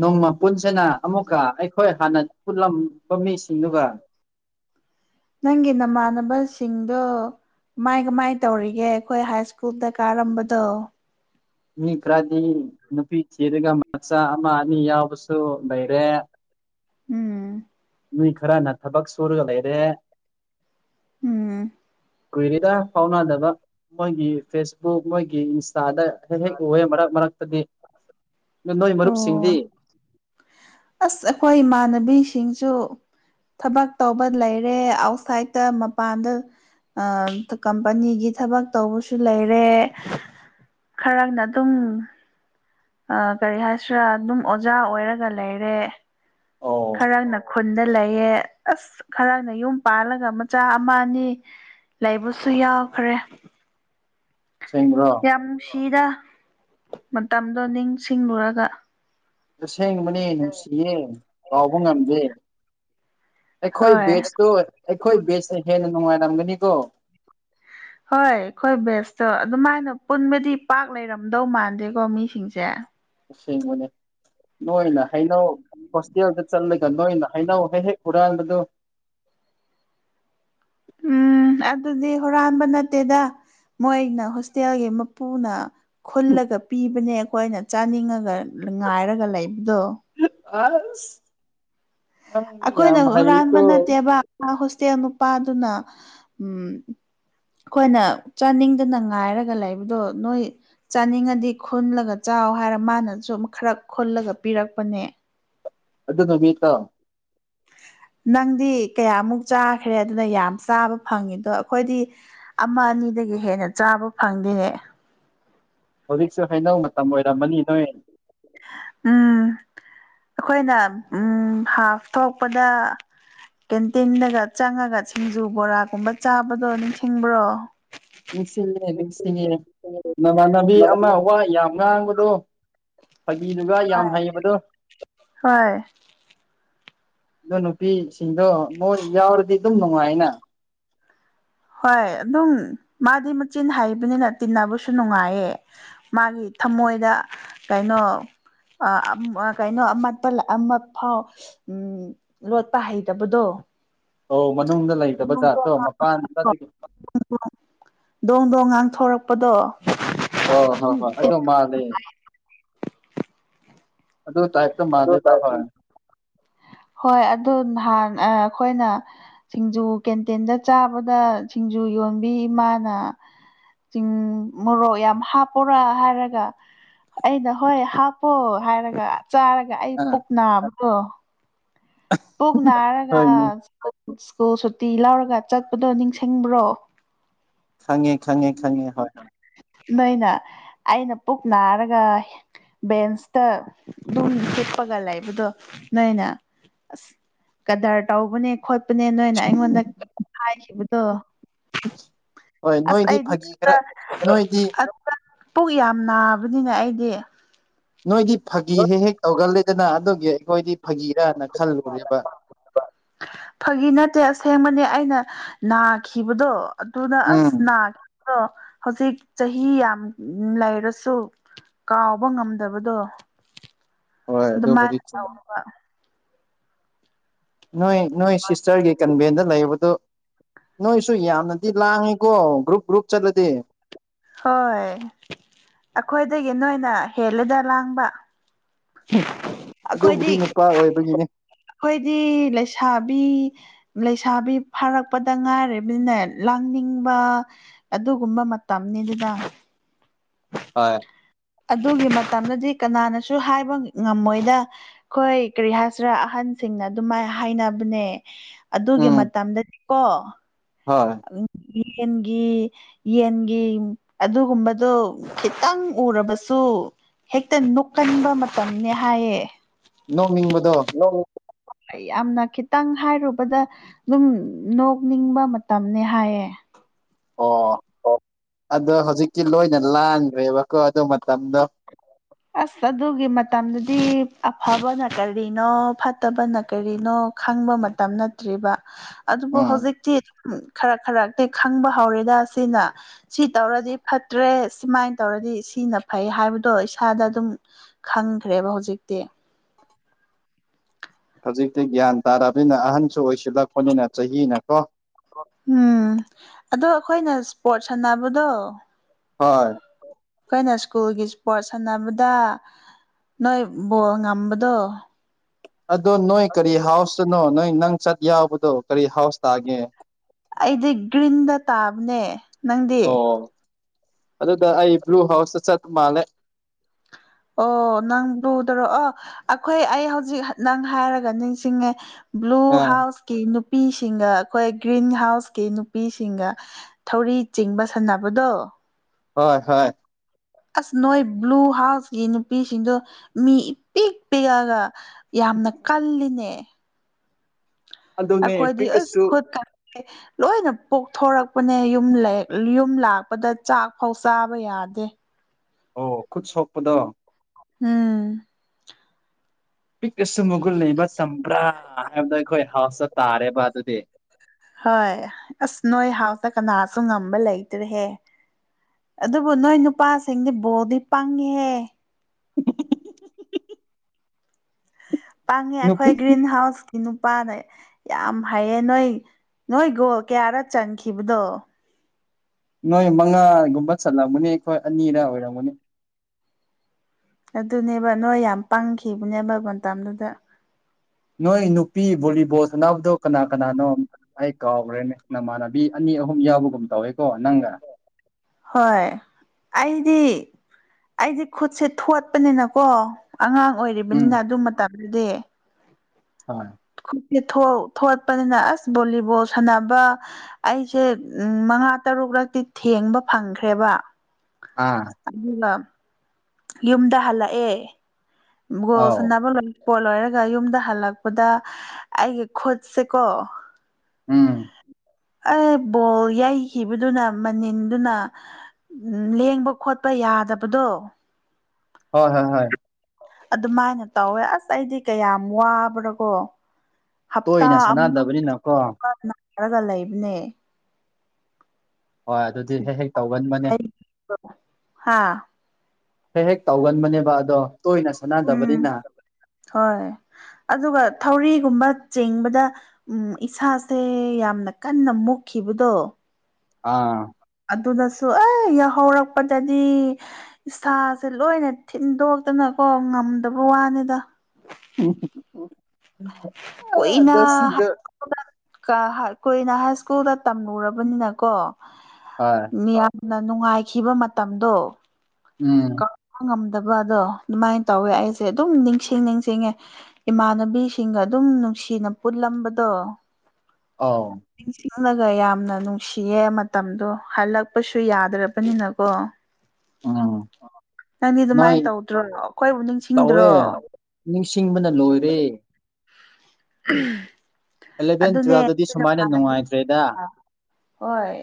ꯅꯣꯡꯃ ꯄꯨꯟꯁꯤꯅ ꯑꯃꯨꯛꯀ ꯑꯩꯈꯣꯏ ꯍꯥꯟꯅ ꯎꯠꯂꯝꯕ ꯃꯤꯁꯤꯡꯗꯨꯒ [unintelligible] ꯅꯪꯒꯤ ꯅꯃꯥꯟꯅꯕꯁꯤꯡꯗꯣ ꯃꯥꯏꯒ ꯃꯥꯏ ꯇꯧꯔꯤꯒꯦ ꯑꯩꯈꯣꯏ ꯍꯥꯏ ꯁ꯭ꯀꯨꯜꯗ ꯀꯥꯔꯝꯕꯗꯣ ꯃꯤ ꯈꯔꯗꯤ ꯅꯨꯄꯤ ꯊꯤꯔꯒ ꯃꯆꯥ ꯑꯃ ꯑꯅꯤ ꯌꯥꯎꯕꯁꯨ ꯂꯩꯔꯦ ꯎꯝ ꯃꯤ ꯈꯔꯅ ꯊꯕꯛ ꯁꯨꯔꯒ ꯂꯩꯔꯦ ꯎꯝ ꯀꯨꯏꯔꯦꯗ ꯐꯥꯎꯅꯗꯕ ꯃꯣꯏꯒꯤ ꯐꯦꯁꯕꯨꯛ ꯃꯣꯏꯒꯤ ꯆꯥꯗ ꯍꯦꯛ ꯍꯦꯛ ꯎꯦ ꯃꯔꯛ ꯃꯔꯛꯇꯗꯤ ꯅꯣꯏ ꯃꯔꯨꯞꯁꯤꯡꯗꯤ꯫ ꯑꯁ ꯑꯩꯈꯣꯏ ꯏꯃꯥꯟꯅꯕꯤꯁꯤꯡꯁꯨ ꯊꯕꯛ ꯇꯧꯕ ꯂꯩꯔꯦ ꯑꯥꯎꯠꯁꯥꯏꯠꯇ ꯃꯄꯥꯟꯗ ꯀꯝꯄꯅꯤꯒꯤ ꯊꯕꯛ ꯇꯧꯕꯁꯨ ꯂꯩꯔꯦ ꯈꯔꯅ ꯑꯗꯨꯝ ꯑ ꯀꯔꯤ ꯍꯥꯏꯁꯤ꯭ꯔꯥ ꯑꯗꯨꯝ ꯑꯣꯖꯥ ꯑꯣꯏꯔꯒ ꯂꯩꯔꯦ ꯈꯔꯅ ꯈꯨꯟꯗ ꯂꯩꯌꯦ ꯑꯁ ꯈꯔꯅ ꯌꯨꯝ ꯄꯥꯜꯂꯒ ꯃꯆꯥ ꯑꯃꯅꯤꯅꯤ ꯂꯩꯕꯁꯨ ꯌꯥꯎꯈ꯭ꯔꯦ ꯌꯥꯝ ꯅꯨꯡꯁꯤꯔ ꯃꯇꯝꯗꯣ ꯅꯤꯡꯁꯤꯡꯂꯨꯔꯒ ꯇꯁꯦꯡꯕꯅꯦ ꯅꯨꯡꯁꯤꯌꯦ ꯀꯥꯎꯕ ꯉꯝꯗꯦ ꯑꯩꯈꯣꯏ ꯕꯦꯠꯁꯇꯨ ꯑꯩꯈꯣꯏ ꯕꯦꯠꯁꯅ ꯍꯦꯟꯅ ꯅꯨꯡꯉꯥꯏꯔꯝꯒꯅꯤꯀꯣ ꯍꯣꯏ ꯑꯩꯈꯣꯏ ꯕꯦꯁꯇꯣ ꯑꯗꯨꯃꯥꯏꯅ ꯄꯨꯟꯕꯗꯤ ꯄꯥꯛ ꯂꯩꯔꯝꯗꯧ ꯃꯥꯟꯗꯦꯀꯣ ꯃꯤꯁꯤꯡꯁꯦ ꯑꯁꯦꯡꯕꯅꯦ ꯅꯣꯏꯅ ꯍꯩꯅꯧ ꯍꯣꯁꯇꯦꯜꯗ ꯆꯠꯂꯒ ꯅꯣꯏꯅ ꯍꯩꯅꯧ ꯍꯦꯛ ꯍꯦꯛ ꯀꯗꯗꯣ ꯎꯝ ꯑꯗꯨꯗꯤ ꯍꯨꯔꯥꯟꯕ ꯅꯠꯇꯦꯗ ꯃꯣꯏꯅ ꯍꯣꯁꯇꯦꯜꯒꯤ ꯃꯄꯨꯅ ꯈꯨꯜꯂꯒ ꯄꯤꯕꯅꯦ ꯑꯩꯈꯣꯏꯅ ꯆꯥꯅꯤꯡꯉꯒ ꯉꯥꯏꯔꯒ ꯂꯩꯕꯗꯣ ꯑ ꯑꯩꯈꯣꯏꯅ ꯍꯨꯔꯥꯟꯕ ꯅꯠꯇꯦꯕ ꯏꯆꯦꯜ ꯅꯨꯄꯥꯗꯨꯅ ꯎꯝ ꯑꯩꯈꯣꯏꯅ ꯆꯥꯅꯤꯡꯗꯅ ꯉꯥꯏꯔꯒ ꯂꯩꯕꯗꯣ ꯅꯣꯏ ꯆꯥꯅꯤꯡꯉꯗꯤ ꯈꯨꯨꯜꯂꯒ ꯆꯥꯎ ꯍꯥꯏꯔ ꯃꯥꯅꯁꯨ ꯈꯔ ꯈꯨꯨꯜꯂꯒ ꯄꯤꯔꯛꯄꯅꯦ ꯑꯗꯨ ꯅ ꯤꯇꯥ ꯅꯪꯗꯤ ꯀꯌꯥꯃꯨꯛ ꯆꯥꯈ꯭ꯔꯦ ꯑꯗꯨꯅ ꯌꯥꯝ ꯆꯥꯕ ꯐꯪꯉꯤꯗꯣ ꯑꯩꯈꯣꯏꯗꯤ ꯑꯃ ꯑꯅꯤ ꯁꯤꯗꯒꯤ ꯍꯦꯟꯅ ꯆꯥꯕ ꯐꯪꯗꯦꯅꯦ ꯍꯧꯖꯤꯛꯁꯨ ꯍꯥꯏꯩꯅꯧ ꯃꯇꯝ ꯑꯣꯏꯔꯝꯃꯅꯤ ꯅꯣꯏ ꯎꯝ ꯑꯩꯈꯣꯏꯅ ꯎ ꯍꯥꯞꯊꯣꯛꯄꯗ ꯀꯦꯟꯇꯤꯟꯗꯒ ꯆꯪꯉꯒ ꯁꯤꯡꯖꯨ ꯕꯣꯔꯥꯒꯨꯝꯕ ꯆꯥꯕꯗꯣ ꯅꯤꯡꯁꯤꯡꯕ꯭ꯔꯣ ꯅꯤꯡꯁꯤꯡꯉꯦ ꯅꯤꯡꯁꯤꯡꯉꯦ ꯅꯃꯥꯟꯅꯕꯤ ꯑꯃ ꯋꯥ ꯌꯥꯝ ꯑꯉꯥꯡꯕꯗꯣ ꯐꯥꯒꯤꯗꯨꯒ ꯌꯥꯝ ꯍꯩꯕꯗꯣ ꯍꯣꯏ ꯑꯣ ꯅꯨꯄꯤꯁꯤꯡꯗꯣ ꯃꯣꯏ ꯌꯥꯎꯔꯗꯤ ꯑꯗꯨꯝ ꯅꯨꯡꯉꯥꯏꯅ ꯍꯣꯏ ꯑꯗꯨꯝ ꯃꯥꯗꯤ ꯃꯆꯤꯟ ꯍꯩꯕꯅꯤꯅ ꯇꯤꯟꯅꯕꯁꯨ ꯅꯨꯡꯉꯥꯏꯌꯦ ꯃꯥꯒꯤ ꯊꯃꯣꯏꯗ ꯀꯩꯅꯣ ꯀꯩꯅꯣ ꯑꯃꯄ ꯑꯃ ꯐꯥꯎ ꯎ ꯂꯣꯠꯄ ꯍꯩꯇꯕꯗꯣ ꯗꯣꯡ ꯗꯣꯡ ꯉꯥꯡꯊꯣꯔꯛꯄꯗꯣ ꯑꯣ ꯍꯣꯏ ꯍꯣꯏ ꯑꯗꯨ ꯃꯥꯂꯦ ꯑꯗꯨ ꯇꯥꯏ ꯃꯥꯗꯦꯗ ꯍ ꯍꯣꯏ ꯑꯗꯨ ꯅꯍꯥꯟ ꯑꯩꯈꯣꯏꯅ ꯁꯤꯡꯖꯨ ꯀꯦꯟꯇꯦꯟꯗ ꯆꯥꯕꯗ ꯁꯤꯡꯖꯨ ꯌꯣꯟꯕꯤ ꯏꯃꯥꯅ ꯆꯤꯡ ꯃꯣꯔꯣꯛ ꯌꯥꯝ ꯍꯥꯞꯄꯔꯥ ꯍꯥꯏꯔꯒ ꯑꯩꯅ ꯍꯣꯏ ꯍꯥꯞꯄꯣ ꯍꯥꯏꯔꯒ ꯆꯥꯔꯒ ꯑꯩ ꯄꯨꯛ ꯅꯥꯕꯗꯣ ꯄꯨꯛ ꯅꯔꯒ ꯁ꯭ꯀꯨꯜ ꯁꯨꯇꯤ ꯂꯧꯔꯒ ꯆꯠꯄꯗꯣ ꯅꯤꯡꯁꯤꯡꯕ꯭ꯔꯣ ꯈꯪꯉꯦ ꯈꯪꯉꯦ ꯈꯪꯉꯦ ꯍꯣꯏ ꯍꯣꯏ ꯅꯣꯏꯅ ꯑꯩꯅ ꯄꯨꯛ ꯅꯥꯔꯒ ꯕꯦꯟꯁꯇ ꯑꯗꯨꯨꯝ ꯆꯤꯠꯄꯒ ꯂꯩꯕꯗꯣ ꯅꯣꯏꯅ ꯑꯁ ꯀꯗꯔ ꯇꯧꯕꯅꯦ ꯈꯣꯠꯄꯅꯦ ꯅꯣꯏꯅ ꯑꯩꯉꯣꯟꯗ ꯍꯥꯏꯈꯤꯕꯗꯣ ꯑꯁ ꯑꯩꯗꯤ ꯑꯗꯨꯗ ꯑꯗꯨꯗ ꯄꯨꯛ ꯌꯥꯝ ꯅꯥꯕꯅꯤꯅ ꯑꯩꯗꯤ ꯅꯣꯏꯗꯤ ꯐꯥꯒꯤ ꯍꯦꯛ ꯍꯦꯛ ꯇꯧꯒꯜꯂꯤꯗꯅ ꯑꯗꯨꯒꯤ ꯑꯩꯈꯣꯏꯗꯤ ꯐꯥꯒꯤꯔꯅ ꯐꯥꯒꯤ ꯅꯠꯇꯦ ꯑꯁꯦꯡꯕꯅꯦ ꯑꯩꯅ ꯅꯥꯈꯤꯕꯗꯣ ꯑꯗꯨꯅ ꯑꯁ ꯅꯥ ꯑꯗꯣ ꯍꯧꯖꯤꯛ ꯆꯍꯤ ꯌꯥꯝ ꯂꯩꯔꯁꯨ ꯀꯥꯎꯕ ꯉꯝꯗꯕꯗꯣ ꯍꯣꯏ ꯑꯗꯨ ꯃꯤ ꯆꯃꯦ ꯅꯣꯏ ꯅꯣꯏ ꯁꯤꯁꯇꯔꯒꯤ ꯀꯟꯚꯦꯟꯗ ꯂꯩꯕꯗꯨ ꯅꯣꯏꯁꯨ ꯌꯥꯝꯅꯗꯤ ꯂꯥꯡꯉꯤꯀꯣ ꯒ꯭ꯔꯨꯞ ꯒ꯭ꯔꯨꯞ ꯆꯠꯂꯗꯤ ꯍꯣꯏ ꯑꯩꯈꯣꯏꯗꯒꯤ ꯅꯣꯏꯅ ꯍꯦꯜꯂꯦꯗ ꯂꯥꯡꯕ ꯑꯗꯨꯕꯨꯗꯤ ꯅꯨꯄꯥ ꯑꯣꯏꯕꯒꯤꯗꯤ ꯑꯩꯈꯣꯏꯗꯤ ꯂꯩꯁꯥꯕꯤ ꯂꯩꯁꯥꯕꯤ ꯐꯥꯔꯛꯄꯗ ꯉꯥꯏꯔꯤꯕꯅꯤꯅ ꯂꯥꯡꯅꯤꯡꯕ ꯑꯗꯨꯒꯨꯝꯕ ꯃꯇꯝ ꯗꯨꯗ ꯍꯣꯏ ꯑꯗꯨꯒꯤ ꯃꯇꯝꯗꯗꯤ ꯀꯅꯥꯅꯁꯨ ꯍꯥꯏꯕ ꯉꯝꯃꯣꯏꯗ ꯑꯩꯈꯣꯏ ꯀꯔꯤ ꯍꯥꯏꯁꯤꯔꯥ ꯑꯍꯟ ꯁꯤꯡꯅ ꯑꯗꯨꯃꯥꯏꯅ ꯍꯥꯏꯅꯕꯅꯦ ꯑꯗꯨꯒꯤ ꯃꯇꯝꯗꯗꯤ ꯀꯣ ꯍꯣꯏ ꯌꯦꯟꯒꯤ ꯌꯦꯟꯒꯤ ꯑꯗꯨꯒꯨꯝꯕꯗꯨꯣ ꯈꯤꯇꯪ ꯎꯔꯕꯁꯨ ꯍꯦꯛꯇ ꯅꯣꯛꯀꯟꯕ ꯃꯇꯝꯅꯤꯅꯦ ꯍꯥꯏꯌꯦ ꯅꯣꯡꯅꯤꯡꯕꯗꯣ ꯌꯥꯝꯅ ꯈꯤꯇꯪ ꯍꯥꯏꯔꯨꯕꯗ ꯑꯗꯨꯝ ꯅꯣꯛꯅꯤꯡꯕ ꯇꯝꯅꯦ ꯍꯥꯏꯌꯦꯦ ꯑꯣ ꯑꯗꯣ ꯍꯧꯖꯤꯛꯤ ꯂꯣꯏꯅ ꯂꯥꯟꯈ꯭ꯔꯦꯕꯀꯣ ꯑꯗꯨ ꯑꯁ ꯑꯗꯨꯒꯤ ꯃꯇꯝꯗ ꯁꯤ ꯑꯐꯕꯅ ꯀꯔꯤꯅꯣ ꯐꯠꯇꯕꯅ ꯀꯔꯤꯅꯣ ꯈꯪꯕ ꯃꯇꯝ ꯅꯠꯇ꯭ꯔꯤꯕ ꯑꯗꯨꯕꯨ ꯍꯧꯖꯤꯛꯇꯤ ꯎ ꯈꯔ ꯈꯔꯛꯇꯤ ꯈꯪꯕ ꯍꯧꯔꯦꯗ ꯁꯤꯅ ꯁꯤ ꯇꯧꯔꯗꯤ ꯐꯠꯇ꯭ꯔꯦ ꯁꯨꯃꯥꯏꯅ ꯇꯧꯔ ꯗꯤ ꯁꯤꯅ ꯐꯩ ꯍꯥꯏꯕꯗꯣ ꯏꯁꯥꯗ ꯑꯗꯨꯝ ꯈꯪꯈ꯭ꯔꯦꯕ ꯍꯧꯖꯤꯛꯇꯤ ꯍꯧꯖꯤꯛꯇꯤ ꯒ꯭ꯌꯥꯟ ꯇꯥꯔꯕꯅꯤꯅ ꯑꯍꯟꯁꯨ ꯑꯣꯏꯁꯤꯜꯂꯛꯄꯅꯤꯅ ꯆꯍꯤꯅꯀꯣ ꯎꯝ ꯑꯗꯣ ꯑꯩꯈꯣꯏꯅ ꯏꯁꯄꯣꯔꯠ ꯁꯥꯟꯅꯕꯗꯣ ꯍꯣꯏ ꯑꯩꯈꯣꯏꯅ ꯁ꯭ꯀꯨꯜꯒꯤ ꯏꯁꯄꯣꯔꯠ ꯁꯥꯟꯅꯕꯗ ꯅꯣꯏ ꯕꯣꯜ ꯉꯝꯕꯗꯣ ꯑꯗ ꯅꯣꯏ ꯀꯔꯤ ꯍꯥꯎꯁꯇꯅꯣ ꯅꯣꯏ ꯅꯪ ꯆꯠ ꯌꯥꯎꯕꯗꯣ ꯀꯔꯤ ꯍꯥꯎꯁ ꯇꯥꯒꯦ ꯑꯩꯗꯤ ꯒ꯭ꯔꯤꯟꯗ ꯇꯥꯕꯅꯦ ꯅꯪꯗꯤ ꯑꯗꯨꯗ ꯑꯩ ꯕ꯭ꯂꯨ ꯍꯥꯎꯁꯇ ꯆꯠꯄ ꯃꯥꯜꯂꯦ ꯑꯣ ꯅꯪ ꯂꯗꯔꯣꯑꯣ ꯑꯩꯈꯣꯏ ꯑꯩ ꯍꯧꯖꯤꯛ ꯅꯪ ꯍꯥꯏꯔꯒ ꯅꯤꯡꯁꯤꯡꯉꯦ ꯕ꯭ꯂꯨ ꯍꯥꯎꯁꯀꯤ ꯅꯨ ꯅꯨꯄꯤꯁꯤꯡꯒ ꯑꯩꯈꯣꯏ ꯒ꯭ꯔꯤꯟ ꯍꯥꯎꯁꯀꯤ ꯅꯨꯄꯤꯁꯤꯡꯒ ꯊꯧꯔꯤ ꯆꯤꯡꯕ ꯁꯥꯟꯅꯕꯗꯣ ꯍꯣꯏ ꯍꯣꯏ ꯑꯁ ꯅꯣꯏ ꯕ꯭ꯂꯨ ꯍꯥꯎꯁꯀꯤ ꯅꯨꯄꯤꯁꯤꯡꯗꯣ ꯃꯤ ꯄꯤꯛ ꯄꯤꯛꯑꯒ ꯌꯥꯝꯅ ꯀꯜꯂꯤꯅꯦ ꯑꯩꯈꯣꯏꯗꯤ ꯈꯨꯣꯠꯀ ꯂꯣꯏꯅ ꯄꯣꯛꯊꯣꯔꯛꯄꯅꯦ ꯌ ꯌꯨꯝ ꯂꯥꯛꯄꯗ ꯆꯥꯛ ꯐꯥꯎ ꯆꯥꯕ ꯌꯥꯔ ꯐꯗꯦ ꯑꯣ ꯈꯨꯠ ꯁꯣꯛꯄꯗꯣ ꯎꯝ ꯄꯤꯛꯛꯇꯁꯨ ꯃꯒꯨꯟ ꯂꯩꯕ ꯆꯝꯄ꯭ꯔꯥ ꯍꯥꯏꯕꯗꯣ ꯑꯩꯈꯣꯏ ꯍꯥꯎꯁꯇ ꯇꯥꯔꯦꯕ ꯑꯗꯨꯗꯤ ꯍꯣꯏ ꯑꯁ ꯅꯣꯏ ꯍꯥꯎꯁꯇ ꯀꯅꯥꯁꯨ ꯉꯝꯕ ꯂꯩꯇ꯭ꯔꯦꯍꯦ ꯑꯗꯨꯕꯨ ꯅꯣꯏ ꯅꯨꯄꯥꯁꯤꯡꯗꯤ ꯕꯣꯗꯤ ꯄꯪꯉꯦꯍꯦ ꯄꯥꯡꯉꯦ ꯑꯩꯈꯣꯏ ꯒ꯭ꯔꯤꯟ ꯍꯥꯎꯁ ꯀꯣ ꯅꯨꯄꯥꯅ ꯌꯥꯝ ꯍꯥꯏꯩꯌꯦ ꯅꯣꯏ ꯅꯣꯏ ꯒꯣꯜ ꯀꯌꯥꯔ ꯆꯪꯈꯤꯕꯗꯣ ꯅꯣꯏ ꯃꯉꯥꯒꯨꯝꯕ ꯆꯠꯂꯝꯒꯅꯦ ꯑꯩꯈꯣꯏ ꯑꯅꯤꯗ ꯑꯣꯏꯔꯝꯒꯅꯦ ꯑꯗꯨꯅꯦꯕ ꯅꯣꯏ ꯌꯥꯝ ꯄꯪꯈꯤꯕꯅꯦꯕ ꯃꯇꯝꯗꯨꯗ ꯅꯣꯏ ꯅꯨꯄꯤ ꯚꯣꯂꯤꯕꯣꯜ ꯁꯥꯟꯅꯕꯗꯣ ꯀꯅꯥ ꯀꯅꯥꯅꯣ ꯑꯩ ꯀꯥꯎꯈ꯭ꯔꯦꯅꯦ ꯅꯃꯥꯟꯅꯕꯤ ꯑꯅꯤ ꯑꯍꯨꯝ ꯌꯥ ꯕꯨꯒꯨꯝ ꯇꯧꯋꯦꯀꯣ ꯅꯪꯒ ꯍꯣꯏ ꯑꯩꯗꯤ ꯑꯩꯗꯤ ꯈꯨꯠꯁꯦ ꯊꯣꯠꯄꯅꯤꯅꯀꯣ ꯑꯉꯥꯡ ꯑꯣꯏꯔꯤꯕꯅꯤꯅ ꯑꯗꯨ ꯃꯇꯝꯗꯨꯗꯤ ꯍ [unintelligible] [inaudible] ꯊꯣꯛꯣꯠꯄꯅꯤꯅ ꯑꯁ ꯚꯣꯂꯤꯕꯣꯜ ꯁꯥꯟꯅꯕ ꯑꯩꯁꯦ ꯎ ꯃꯉꯥ ꯇꯔꯨꯛ ꯐꯔꯛꯂꯛꯇꯤ ꯊꯦꯡꯕ ꯐꯪꯈ꯭ꯔꯦꯕ ꯑꯗꯨꯒ ꯌꯨꯝꯗ ꯍꯜꯂꯛꯑꯦꯣ ꯁ ꯄꯣ ꯂꯣꯏꯔꯒ ꯌꯨꯝꯗ ꯍꯜꯂꯛꯄꯗ ꯑꯩꯒꯤ ꯈꯨꯠꯁꯦꯀꯣ ꯎꯝ ꯑꯦ ꯕꯣꯜ ꯌꯥꯩꯈꯤꯕꯗꯨꯅ ꯃꯅꯤꯟꯗꯨꯅ ꯎꯝ ꯂꯦꯡꯕ ꯈꯣꯠꯄ ꯌꯥꯗꯕꯗꯣ ꯍꯣꯏ ꯍꯣꯏ ꯍꯣꯏ ꯑꯗꯨꯃꯥꯏꯅ ꯇꯧꯋꯦ ꯑꯁ ꯑꯩꯗꯤ ꯀꯌꯥꯝ ꯋꯥꯕ꯭ꯔꯥꯀꯣ ꯍꯞꯇꯥ ꯑꯃꯔꯒ ꯂꯩꯕꯅꯦ ꯍꯣꯏ ꯑꯗꯨꯗꯤ ꯍꯦꯛ ꯍꯦꯛ ꯇꯧꯒꯟꯕꯅꯦ ꯍꯥꯥ [unintelligible] [inaudible] ꯍꯦꯛ ꯍꯦꯛ ꯇꯧꯒꯟꯕꯅꯦꯕ ꯑꯗꯣ ꯎꯝ ꯍꯣꯏ ꯑꯗꯨꯒ ꯊꯧꯔꯤ ꯀꯒꯨꯝꯕ ꯆꯤꯡꯕꯗ ꯎ ꯏꯁꯥꯁꯦ ꯌꯥꯝꯅ ꯀꯟꯅ ꯃꯨꯈꯤꯕꯗꯣ ꯑꯥ [unintelligible] [inaudible] ꯑꯗꯨꯅꯁꯨ ꯑꯩ ꯌꯥꯍꯧꯔꯛꯄꯗꯗꯤ ꯏꯁꯥꯁꯦ ꯂꯣꯏꯅ ꯊꯤꯟꯗꯣꯛꯇꯅ ꯍꯣ ꯉꯝꯗꯕ ꯋꯥꯅꯤꯗ ꯀꯣꯏꯅ ꯀꯨꯏꯅ ꯍꯥꯏ ꯁ꯭ꯀꯨꯜꯗ ꯇꯝꯂꯨꯔꯕꯅꯤꯅꯀꯣ ꯃꯤꯌꯥꯝ ꯅ ꯅꯨꯡꯉꯥꯏꯈꯤꯕ ꯃꯇꯝꯗꯣ ꯐꯠꯇꯕ ꯑꯗꯣ ꯑꯗꯨꯃꯥꯏꯅ ꯇꯧꯋꯦ ꯑꯩꯁꯦ ꯑꯗꯨꯝ ꯅꯤꯡꯁꯤꯡ ꯅꯤꯡꯁꯤꯡꯉꯦ ꯏꯃꯥꯟꯅꯕꯤꯁꯤꯡꯒ ꯑꯗꯨꯝ ꯅꯨꯡꯁꯤꯅ ꯄꯨꯜꯂꯝꯕꯗꯣ ꯑꯥꯎ ꯅꯪꯅꯒ ꯌꯥꯝꯅ ꯅꯨꯡꯁꯤꯌꯦ ꯃꯇꯝꯗꯣ ꯍꯜꯂꯛꯄꯁꯨ ꯌꯥꯗ꯭ꯔꯕꯅꯤꯅꯀꯣ ꯅꯪꯗꯤ ꯑꯗꯨꯃꯥꯏꯅ ꯇꯧꯗ꯭ꯔꯣ ꯑꯩꯈꯣꯏꯕꯨ ꯅꯤꯡꯁꯤꯡꯗ꯭ꯔꯣ ꯅꯤꯡꯁꯤꯡꯕꯅ ꯂꯣꯏꯔꯦ ꯑꯗꯨꯅꯦ ꯑꯩꯈꯣꯏ ꯍꯣꯏ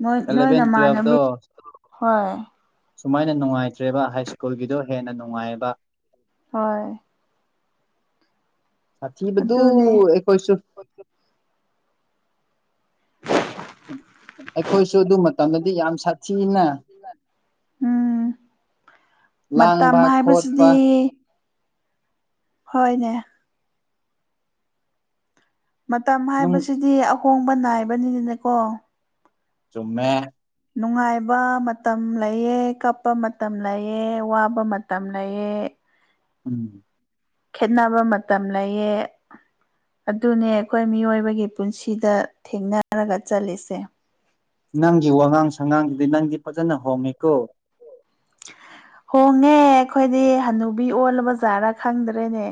ꯃꯣꯏ ꯅꯣꯏꯅꯃꯥꯟꯕꯤ ꯍꯣꯏ ꯁꯨꯃꯥꯏꯅ ꯅꯨꯡꯉꯥꯏꯇ꯭ꯔꯦꯕ ꯍꯥꯏ ꯁ꯭ꯀꯨꯜꯒꯤꯗꯣ ꯍꯦꯟꯅ ꯅꯨꯡꯉꯥꯏꯑꯕ ꯍꯣꯏ ꯁꯥꯤꯕꯗꯨꯨ ꯀꯣꯏꯁꯨ ꯑꯩꯈꯣꯏꯁꯨ ꯑꯗꯨ ꯃꯇꯝꯗꯗꯤ ꯌꯥꯝ ꯁꯥꯊꯤꯅ ꯂꯥꯡꯕ ꯈꯣꯠꯄ ꯍꯣꯏꯅꯦ ꯃꯇꯝ ꯍꯥꯏꯕꯁꯤꯗꯤ ꯑꯍꯣꯡꯕ ꯅꯥꯏꯕꯅꯤꯅꯅꯦꯀꯣ ꯆꯨꯝꯃꯦ ꯅꯨꯡꯉꯥꯏꯕ ꯃꯇꯝ ꯂꯩꯑꯦ ꯀꯞꯄ ꯃꯇꯝ ꯂꯩꯑꯦ ꯋꯥꯕ ꯃꯇꯝ ꯂꯩꯑꯦ ꯎꯝ ꯈꯦꯠꯅꯕ ꯃꯇꯝ ꯂꯩꯌꯦ ꯑꯗꯨꯅꯦ ꯑꯩꯈꯣꯏ ꯃꯤꯑꯣꯏꯕꯒꯤ ꯄꯨꯟꯁꯤꯗ ꯊꯦꯡꯅꯔꯒ ꯆꯠꯂꯤꯁꯦ ꯅꯪꯒꯤ ꯋꯥꯉꯥꯡ ꯁꯉꯥꯡꯗꯨꯗꯤ ꯅꯪꯗꯤ ꯐꯖꯅ ꯍꯣꯡꯉꯀꯣ ꯍꯣꯡꯉꯦ ꯑꯩꯈꯣꯏꯗꯤ ꯍꯅꯨꯕꯤ ꯑꯣꯜꯂꯕ ꯖꯥꯔꯥ ꯈꯪꯗ꯭ꯔꯦꯅꯦ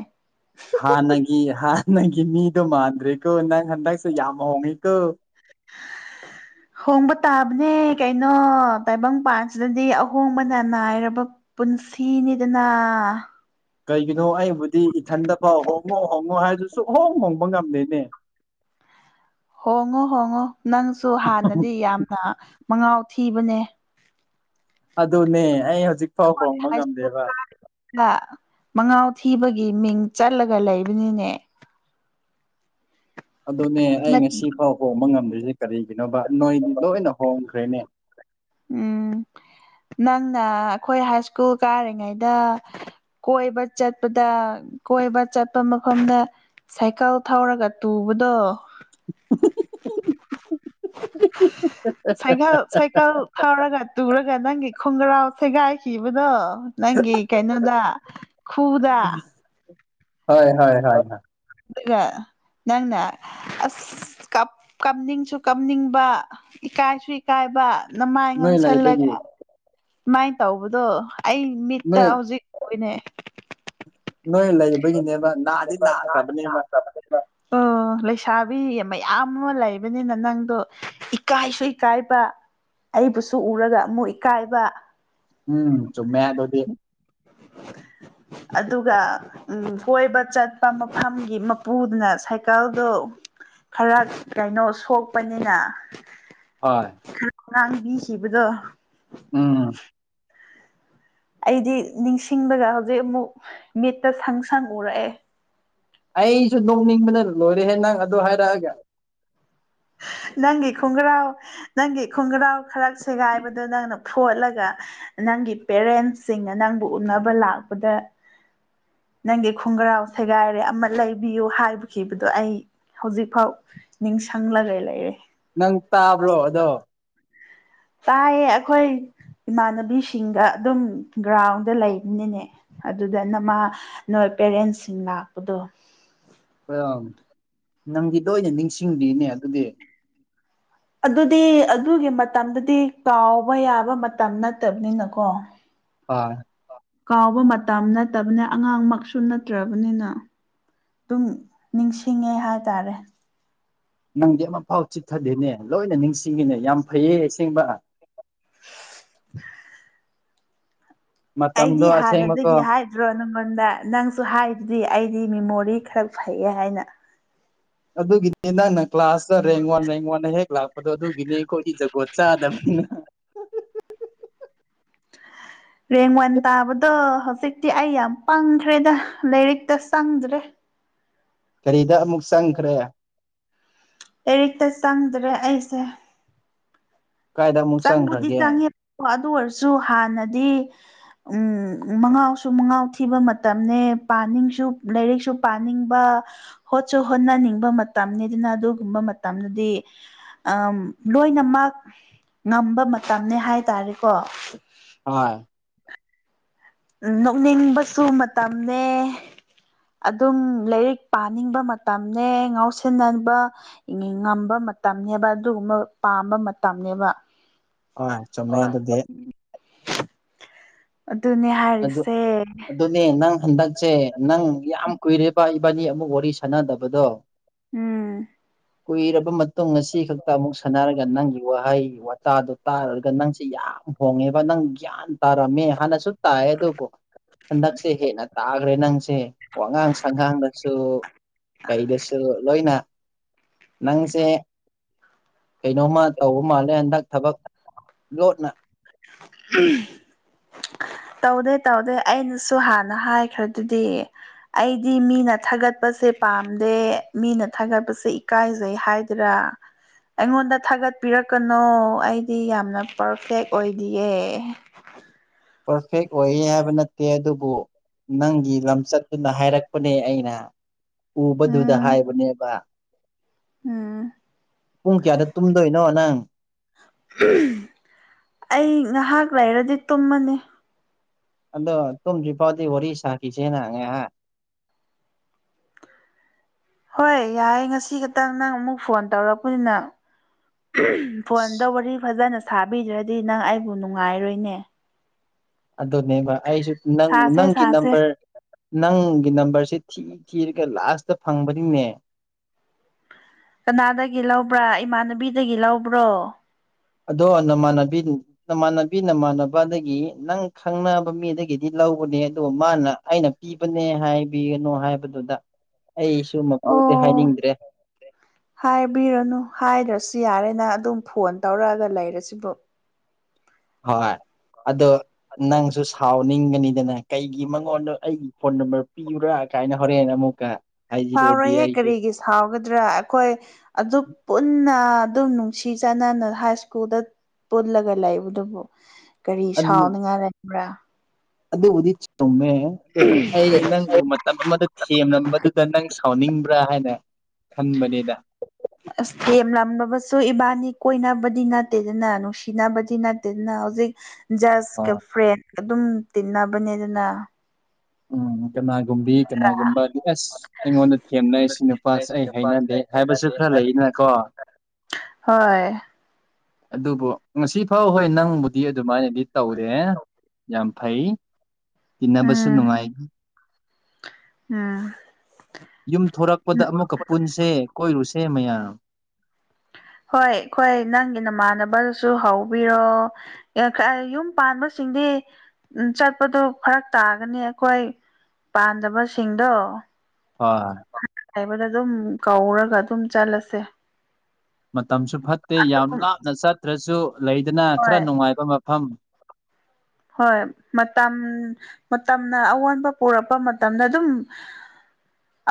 ꯍꯥꯟꯅꯒꯤ ꯍꯥꯟꯅꯒꯤ ꯃꯤꯗꯣ ꯃꯥꯟꯗ꯭ꯔꯦꯀꯣ ꯅꯪ ꯍꯟꯗꯛꯁꯦ ꯌꯥꯝ ꯍꯣꯡꯉꯤꯀꯣ [inaudible] ꯍꯣꯡꯕ ꯇꯥꯕꯅꯦ ꯀꯩꯅꯣ ꯇꯥꯏꯕꯪꯄꯥꯟꯁꯤꯗꯗꯤ ꯑꯍꯣꯡꯕꯅ ꯅꯥꯏꯔꯕ ꯄꯨꯟꯁꯤꯅꯤꯗꯅ ꯀꯩꯒꯤꯅꯣ ꯑꯩꯕꯨꯗꯤ ꯏꯊꯟꯗꯐꯥꯎ ꯍꯣꯡꯉꯣ ꯍꯣꯡꯉꯣ ꯍꯥꯏꯗꯨꯁꯨ ꯑꯍꯣꯡ ꯍꯣꯡꯕ ꯉꯝꯗꯣꯏꯅꯦ ꯍꯣꯡꯉꯨ ꯍꯣꯡꯉꯨ ꯅꯪꯁꯨ ꯍꯥꯟꯅꯗꯤ ꯌꯥꯝꯅ ꯃꯉꯥꯎ ꯊꯤꯕꯅꯦ ꯑꯗꯨꯅꯦ ꯑꯩ ꯍꯧꯖꯤꯛ ꯐꯥꯎ ꯍꯣꯡꯕ ꯉꯝꯗꯦꯕ ꯃꯉꯥꯎ ꯊꯤꯕꯒꯤ ꯃꯤꯡ ꯆꯠꯂꯒ ꯂꯩꯕꯅꯤꯅꯦ ꯑꯗꯨꯅꯦ ꯑꯩ ꯉꯁꯤ ꯐꯥꯎ ꯍꯣꯡꯕ ꯉꯝꯗꯣꯏꯁꯦ ꯀꯔꯤꯒꯤꯅꯣꯕ ꯅꯣꯏꯗꯤ ꯂꯣꯏꯅ ꯍꯣꯡ ꯇ꯭ꯔꯦꯅꯦ ꯅꯪꯅ ꯑꯩꯈꯣꯏ ꯍꯥꯏ ꯁ꯭ꯀꯨꯜ ꯀꯥꯔꯤꯉꯩꯗ ꯀꯣꯏꯕ ꯆꯠꯄꯗ ꯀꯣꯏꯕ ꯆꯠꯄ ꯃꯐꯝꯗ ꯁꯥꯏꯀꯜ ꯊꯧꯔꯒ ꯇꯨꯕꯗꯣ [inaudible] ꯁꯥꯏꯀꯦꯜ ꯁꯥꯏꯀꯦꯜ ꯇꯧꯔꯒ ꯇꯨꯔꯒ ꯅꯪꯒꯤ ꯈꯣꯡꯒ꯭ꯔꯥꯎ ꯁꯦꯒꯥꯏꯈꯤꯕꯗꯣ ꯅꯪꯒꯤ ꯀꯩꯅꯣꯗ ꯎꯝ ꯍꯣꯏ ꯍꯣꯏ ꯍꯣꯏ ꯑꯗꯨ ꯅꯪꯅ ꯑꯁ ꯀꯞꯅꯤꯡꯁꯨ ꯀꯞꯅꯤꯡꯕ ꯏꯀꯥꯏꯁꯨ ꯏꯀꯥꯏꯕ ꯅꯃꯥꯏ ꯉꯥꯡꯁꯜꯂꯒ ꯃꯥꯏꯅ ꯇꯧꯕꯗꯣ ꯑꯩ ꯃꯤꯠꯇ ꯍꯧꯖꯤꯛ ꯎꯏꯅꯦ ꯅꯣꯏ ꯂꯩꯕꯒꯤꯅꯦꯕ ꯅꯥꯗꯤ ꯅꯥꯈ꯭ꯔꯕꯅꯦꯕ ꯂꯩꯁꯥꯕꯤ ꯃꯌꯥꯝ ꯑꯃ ꯂꯩꯕꯅꯤꯅ ꯅꯪꯗꯣ ꯏꯀꯥꯏꯁꯨ ꯏꯀꯥꯏꯕ ꯑꯩꯕꯨꯁꯨ ꯎꯔꯒ ꯑꯃꯨꯛ ꯏꯀꯥꯏꯕ ꯎꯝ ꯆꯨꯝꯃꯦ ꯌꯥꯗꯣꯗꯤ ꯑꯗꯨꯒ ꯀꯣꯏꯕ ꯆꯠꯄ ꯃꯐꯝꯒꯤ ꯃꯄꯨꯗꯨꯅ ꯁꯥꯏꯀꯜꯗꯣ ꯈꯔ ꯀꯩꯅꯣ ꯁꯣꯛꯄꯅꯤꯅ ꯍꯣꯏ ꯉꯔꯥꯡꯕꯤꯈꯤꯕꯗꯣ ꯑꯩꯗꯤ ꯅꯤꯡꯁꯤꯡꯕꯒ ꯍꯧꯖꯤꯛ ꯑꯃꯨꯛ ꯃꯤꯦꯠꯇ ꯁꯪ ꯁꯪ ꯎꯔꯛꯑꯦ ꯑꯩꯁꯨ ꯅꯣꯛꯅꯤꯡꯕꯅ ꯂꯣꯏꯔꯦꯍꯦ ꯅꯪ ꯑꯗꯨꯗ ꯍꯥꯏꯔꯛꯑꯒꯦ ꯅꯪꯒꯤ ꯈꯣꯡꯒ꯭ꯔꯥꯎ ꯅꯪꯒꯤ ꯈꯣꯡꯒ꯭ꯔꯥꯎ ꯈꯔ ꯁꯦꯒꯥꯏꯕꯗꯨꯣ ꯅꯪꯅ ꯐꯣꯠꯂꯒ ꯅꯪꯒꯤ ꯄꯦꯔꯦꯟꯁꯁꯤꯡꯅ ꯅꯪꯕꯨ ꯎꯅꯕ ꯂꯥꯛꯄꯗ [inaudible] ꯅꯪꯒꯤ ꯈꯣꯡꯒ꯭ꯔꯥꯎ ꯁꯦꯒꯥꯏꯔꯦ ꯑꯃ ꯂꯩꯕꯤꯌꯨ ꯍꯥꯏꯕꯈꯤꯕꯗꯣ ꯑꯩ ꯍꯧꯖꯤꯛ ꯐꯥꯎ ꯅꯤꯡꯁꯤꯡꯂ ꯂꯩꯔꯦ ꯅꯪ ꯇꯥꯕ꯭ꯔꯣ ꯑꯗꯣ ꯇꯥꯏꯌꯦ ꯑꯩꯈꯣꯏ ꯏꯃꯥꯟꯅꯕꯤꯁꯤꯡꯒ ꯑꯗꯨꯝ ꯒ꯭ꯔꯥꯎꯟꯗ ꯂꯩꯕꯅꯤꯅꯦ ꯑꯗꯨꯗ ꯅꯃ ꯅꯣꯏ ꯄꯦꯔꯦꯟꯁꯤꯡ ꯂꯥꯛꯄꯗꯣ ꯅꯪꯒꯤꯗ ꯑꯣꯏꯅ ꯅꯤꯡꯁꯤꯡꯗ꯭ꯔꯤꯅꯦ ꯑꯗꯨꯗꯤ ꯑꯗꯨꯗꯤ ꯑꯗꯨꯒꯤ ꯃꯇꯝꯗꯨꯗꯤ ꯀꯥꯎꯕ ꯌꯥꯕ ꯃꯇꯝ ꯅꯠꯇꯕꯅꯤꯅꯀꯣ ꯑ ꯀꯥꯎꯕ ꯃꯇꯝ ꯅꯠꯇꯕꯅ ꯑꯉꯥꯡꯃꯛꯁꯨ ꯅꯠꯇ꯭ꯔꯕꯅꯤꯅ ꯑꯗꯨꯝ ꯅꯤꯡꯁꯤꯡꯉꯦ ꯍꯥꯏꯇꯥꯔꯦ ꯅꯪꯗꯤ ꯑꯃꯐꯥꯎ ꯆꯤꯊꯗꯦꯅꯦ ꯂꯣꯏꯅ ꯅꯤꯡꯁꯤꯡꯉꯤꯅꯦ ꯌꯥꯝ ꯐꯩꯌꯦ ꯑꯁꯦꯡꯕ [unintelligible] ꯑꯩꯗꯤ ꯍꯥꯟꯅꯗꯒꯤ ꯍꯥꯏꯗ꯭ꯔꯣ ꯃꯉꯣꯟꯗ ꯅꯪꯁꯨ ꯍꯥꯏꯗꯨꯗꯤ ꯑꯩꯗꯤ ꯃꯦꯃꯣꯔꯤ ꯈꯔ ꯐꯩꯌꯦ ꯍꯥꯏꯅ ꯑꯗꯨꯒꯤꯅꯦ ꯅꯪꯅ ꯀ꯭ꯂꯥꯁꯇ ꯔꯦꯡ ꯋꯥꯟ ꯔꯦꯡ ꯋꯥꯟꯅ ꯍꯦꯛ ꯂꯥꯛꯄꯗꯣ ꯑꯗꯨꯒꯤꯅꯦ ꯑꯩꯈꯣꯏꯒꯤ ꯖꯒꯣꯠ ꯆꯥꯗꯕꯅꯤ [unintelligible] ꯔꯦꯡ ꯋꯥꯏꯟ ꯇꯥꯕꯗꯣ ꯍꯧꯖꯤꯛꯇꯤ ꯑꯩ ꯌꯥꯝ ꯄꯪꯈ꯭ꯔꯦꯗ ꯂꯥꯏꯔꯤꯛꯇ ꯆꯪꯗ꯭ꯔꯦ ꯀꯔꯤꯗ ꯑꯃꯨꯛ ꯆꯪꯈ꯭ꯔꯦ ꯂꯔꯤꯛꯇ ꯆꯪꯗ꯭ꯔꯦ ꯑꯩꯁꯦ ꯆꯪꯕꯨꯗꯤ ꯆꯪꯉꯦꯕ ꯑꯗꯨ ꯑꯣꯏꯔꯁꯨ ꯍꯥꯟꯅꯗꯤ ꯎꯝ ꯃꯉꯥꯎꯁꯨ ꯃꯉꯥꯎ ꯊꯤꯕ ꯃꯇꯝꯅꯤ ꯄꯥꯅꯤꯡ ꯂꯥꯏꯔꯤꯛꯁꯨ ꯄꯥꯅꯤꯡꯕ ꯍꯣꯠꯁꯨ ꯍꯣꯠꯅꯅꯤꯡꯕ ꯃꯇꯝꯅꯤ ꯑꯗꯨꯅ ꯑꯗꯨꯒꯨꯝꯕ ꯃꯇꯝꯗꯨꯗꯤ ꯑꯝ ꯂꯣꯏꯅꯃꯛ ꯉꯝꯕ ꯃꯇꯝꯅꯦ ꯍꯥꯏꯇꯥꯔꯦꯀꯣ ꯍ [inaudible] ꯅꯣꯛꯅꯤꯡꯕꯁꯨ ꯃꯇꯝꯅꯦ ꯑꯗꯨꯝ ꯂꯥꯏꯔꯤꯛ ꯄꯥꯅꯤꯡꯕ ꯃꯇꯝꯅꯦ ꯉꯥꯎꯁꯤꯟꯅꯕ ꯉꯝꯕ ꯃꯇꯝꯅꯦꯕ ꯑꯗꯨꯒꯨꯝꯕ ꯄꯥꯝꯕ ꯃꯇꯝꯅꯦꯕ ꯆꯨꯝꯃꯦ ꯑꯗꯨꯗꯦ ꯑꯗꯨꯅꯦ ꯑꯗꯨ ꯑꯗꯨꯅꯦ ꯅꯪ ꯍꯟꯗꯛꯁꯦ ꯅꯪ ꯌꯥꯝ ꯀꯨꯏꯔꯤꯕ ꯏꯕꯥꯅꯤ ꯑꯃꯨꯛ ꯋꯥꯔꯤ ꯁꯥꯟꯅꯗꯕꯗꯣ ꯎꯝ ꯀꯨꯏꯔꯕ ꯃꯇꯨꯡ ꯉꯁꯤ ꯈꯛꯇ ꯑꯃꯨꯛ ꯁꯥꯟꯅꯔꯒ ꯅꯪꯒꯤ ꯋꯥꯍꯩ ꯋꯥꯇꯥꯗꯨꯣ ꯇꯥꯔꯨꯔꯒ ꯅꯪꯁꯤ ꯌꯥꯝ ꯍꯣꯡꯉꯦꯕ ꯅꯪ ꯒ꯭ꯌꯥꯟ ꯇꯥꯔꯝꯃꯦ ꯍꯥꯟꯅꯁꯨ ꯇꯥꯏ ꯑꯗꯨꯕꯨ ꯍꯟꯗꯛꯁꯦ ꯍꯦꯟꯅ ꯇꯥꯈ꯭ꯔꯦ ꯅꯪꯁ ꯁꯦ ꯋꯥꯉꯥꯡ ꯁꯪꯉꯥꯡꯗꯁꯨ ꯀꯩꯗꯁꯨ ꯂꯣꯏꯅ ꯅꯪꯁꯦ ꯀꯩꯅꯣꯃ ꯇꯧꯕ ꯃꯥꯜꯂꯦ ꯍꯟꯗꯛ ꯊꯕꯛ ꯂꯣꯠꯅ ꯎꯝ ꯇꯧꯗꯦ ꯇꯧꯗꯦ ꯑꯩꯅꯁꯨ ꯍꯥꯟꯅ ꯍꯥꯏꯈ꯭ꯔꯗꯨꯗꯤ ꯑꯩꯗꯤ ꯃꯤꯅ ꯊꯥꯒꯠꯄ ꯁꯦ ꯄꯥꯝꯗꯦ ꯃꯤꯅ ꯊꯥꯒꯠꯄꯁꯦ ꯏꯀꯥꯏꯖꯩ ꯍꯥꯏꯗꯔꯥ ꯑꯩꯉꯣꯟꯗ ꯊꯥꯒꯠꯄꯤꯔꯛꯀꯅꯣ ꯑꯩꯗꯤ ꯌꯥꯝꯅ ꯄꯔꯐꯦꯛ ꯑꯣꯏꯗꯤꯌꯦ ꯄꯔꯐꯦꯛ ꯑꯣꯏꯌꯦ ꯍꯥꯏꯕ ꯅꯠꯇꯦ ꯑꯗꯨꯕꯨ ꯅꯪꯒꯤ ꯂꯝꯆꯠꯇꯨꯅ ꯍꯥꯏꯔꯛꯄꯅꯦ ꯑꯩꯅ ꯎꯕꯗꯨꯗ ꯍꯥꯏꯕꯅꯦꯕ ꯄꯨꯡ ꯀꯌꯥꯗ ꯇꯨꯝꯗꯣꯏꯅꯣ ꯅꯪ ꯑꯩ ꯉꯍꯥꯛ ꯂꯩꯔꯗꯤ ꯇꯨꯝꯃꯅꯤ ꯑꯗꯣ ꯇꯨꯝꯗ꯭ꯔꯤ ꯐꯥꯎꯗꯤ ꯋꯥꯔꯤ ꯁꯥꯈꯤꯁꯦꯅ ꯉꯥꯏꯍ [inaudible] [unintelligible] ꯍꯣꯏ ꯌꯥꯏꯦ ꯉꯁꯤ ꯈꯛꯇꯪ ꯅꯪ ꯑꯃꯨꯛ ꯐꯣꯟ ꯇꯧꯔꯛꯄꯅꯤꯅ ꯐꯣꯟ ꯇꯧꯕꯗꯤ ꯐꯖꯅ ꯁꯥꯕꯤꯗ꯭ꯔꯗꯤ ꯅꯪ ꯑꯩꯕꯨ ꯅꯨꯡꯉꯥꯏꯔꯣꯏꯅꯦ ꯑꯗꯨꯅꯦꯕ ꯑꯩꯁꯨ ꯅꯪ ꯅꯪꯒꯤ ꯅꯝꯕꯔ ꯅꯪꯒꯤ ꯔꯁ ꯊꯤ ꯊꯤꯔꯒ ꯂꯥꯁꯇ ꯐꯪꯕꯅꯤꯅꯦ ꯀꯅꯥꯗꯒꯤ ꯂꯧꯕ꯭ꯔꯥ ꯏꯃꯅꯕꯤꯗꯒꯤ ꯂꯧꯕ꯭ꯔꯣ ꯑꯗꯣ ꯅꯃꯥꯟꯅꯕꯤ ꯅꯃꯥꯟꯅꯕꯤ ꯅꯃꯥꯟꯅꯕꯗꯒꯤ ꯅꯪ ꯈꯪꯅꯕ ꯃꯤꯗꯒꯤꯗꯤ ꯂꯧꯕꯅꯦ ꯑꯗꯨꯣ ꯃꯥꯅ ꯑꯩꯅ ꯄꯤꯕꯅꯦ ꯍꯥꯏꯕꯤꯒꯅꯨ ꯍꯥꯏꯕꯗꯨꯗ ꯑꯣ ꯍꯥꯏꯕꯤꯔꯅꯨ ꯍꯥꯏꯔꯁꯤ ꯁꯤ ꯌꯥꯔꯦꯅ ꯑꯗꯨꯝ ꯐꯣꯟ ꯇꯧꯔꯛꯑꯒ ꯂꯩꯔꯁꯤꯕꯨ ꯍꯣꯏ ꯑꯗꯣ ꯅꯪꯁꯨ ꯁꯥꯎꯅꯤꯡꯒꯅꯤꯗꯅ ꯀꯩꯒꯤ ꯃꯉꯣꯟꯗꯣ ꯑꯩꯒꯤ ꯐꯣꯟ ꯅꯝꯕꯔ ꯄꯤꯔꯨꯔꯒ ꯀꯥꯏꯅ ꯍꯔꯦꯅ ꯑꯃꯨꯛ ꯀ ꯁꯥꯎꯔꯣꯏꯍꯦ ꯀꯔꯤꯒꯤ ꯁꯥꯎꯒꯗ꯭ꯔꯥ ꯑꯩꯈꯣꯏ ꯑꯗꯨ ꯄꯨꯟꯅ ꯑꯗꯨꯝ ꯅꯨꯡꯁꯤ ꯆꯥꯟꯅꯅ ꯍꯥꯏ ꯁ꯭ꯀꯨꯜꯗ ꯄꯨꯜꯂꯒ ꯂꯩꯕꯗꯨꯕꯨ ꯀꯔꯤ ꯁꯥꯎꯅꯤꯡꯉꯥꯏ ꯂꯩꯕ꯭ꯔꯥ ꯑꯗꯨꯕꯨꯗꯤ ꯆꯨꯝꯃꯦ ꯑꯗꯨꯕꯨ ꯑꯩ ꯅꯪꯕꯨ ꯃꯇꯝ ꯑꯃꯗ ꯊꯦꯝꯂꯝꯕꯗꯨꯗ ꯅꯪ ꯇꯥꯎꯅꯤꯡꯕ꯭ꯔꯥ ꯍꯥꯏꯅ ꯈꯟꯕꯅꯤ ꯑꯁ ꯌꯥꯝ ꯂꯝꯝꯕꯕꯁꯨ ꯏꯕꯥꯅꯤ ꯀꯣꯏꯅꯕꯗꯤ ꯅꯠꯇꯦꯗꯅ ꯅꯨꯡꯁꯤꯅꯕꯗꯤ ꯅꯠꯇꯦꯗꯅ ꯍꯧꯖꯤꯛ ꯖꯁꯀ ꯐ꯭ꯔꯦꯟ ꯑꯗꯨꯝ ꯇꯤꯟꯅꯕꯅꯦꯗꯅ ꯎꯝ ꯒꯨꯝꯕꯤ ꯀꯅꯥꯒꯨꯝꯕ ꯑꯁ ꯑꯩꯉꯣꯟꯗ ꯊꯦꯝꯅꯩ ꯁꯤ ꯅꯨꯄꯥꯁꯦ ꯑꯩ ꯍꯩꯅꯗꯦ ꯍꯥꯏꯕꯁꯨ ꯈꯔ ꯂꯩꯅ ꯀꯣ ꯍꯣꯏ ꯑꯗꯨꯕꯨ ꯉꯁꯤ ꯐꯥꯎ ꯍꯣꯏ ꯅꯪꯕꯨꯗꯤ ꯑꯗꯨꯃꯥꯏꯅꯗꯤ ꯇꯧꯔꯦ ꯌꯥꯝ ꯐꯩ ꯇꯤꯟꯅꯕꯁꯨ ꯅꯨꯡꯉꯥꯏꯒꯦ ꯎꯝ ꯌꯨꯝ ꯊꯣꯔꯛꯄꯗ ꯑꯃꯨꯛꯀ ꯄꯨꯟꯁꯦ ꯀꯣꯏꯔꯨꯁꯦ ꯃꯌꯥꯝ ꯍꯣꯏ ꯑꯩꯈꯣꯏ ꯅꯪꯒꯤ ꯅꯃꯥꯟꯅꯕꯗꯨꯁꯨ ꯍꯥꯎꯕꯤꯔꯣ ꯌꯨꯝ ꯄꯥꯟꯕ ꯁꯤꯡꯗꯤ ꯎ ꯆꯠꯄꯗꯨ ꯐꯔꯛ ꯇꯥꯒꯅꯤ ꯑꯩꯈꯣꯏ ꯄꯥꯟꯗꯕꯁꯤꯡꯗꯣ ꯍꯣꯏ ꯍꯥꯏꯕꯗ ꯑꯗꯨꯝ ꯀꯧꯔꯒ ꯑꯗꯨꯝ ꯆꯠꯂꯁꯦ ꯃꯇꯝꯁꯨ ꯐꯠꯇꯦ ꯌꯥꯝ ꯂꯥꯞꯅ ꯆꯠꯇ꯭ꯔꯁꯨ ꯂꯩꯗꯅ ꯈꯔ ꯅꯨꯡꯉꯥꯏꯕ ꯃꯐꯝ ꯍꯣꯏ ꯃꯇꯝ ꯃꯇꯝꯅ ꯑꯑꯣꯟꯕ ꯄꯨꯔꯛꯄ ꯃꯇꯝꯗ ꯑꯗꯨꯝ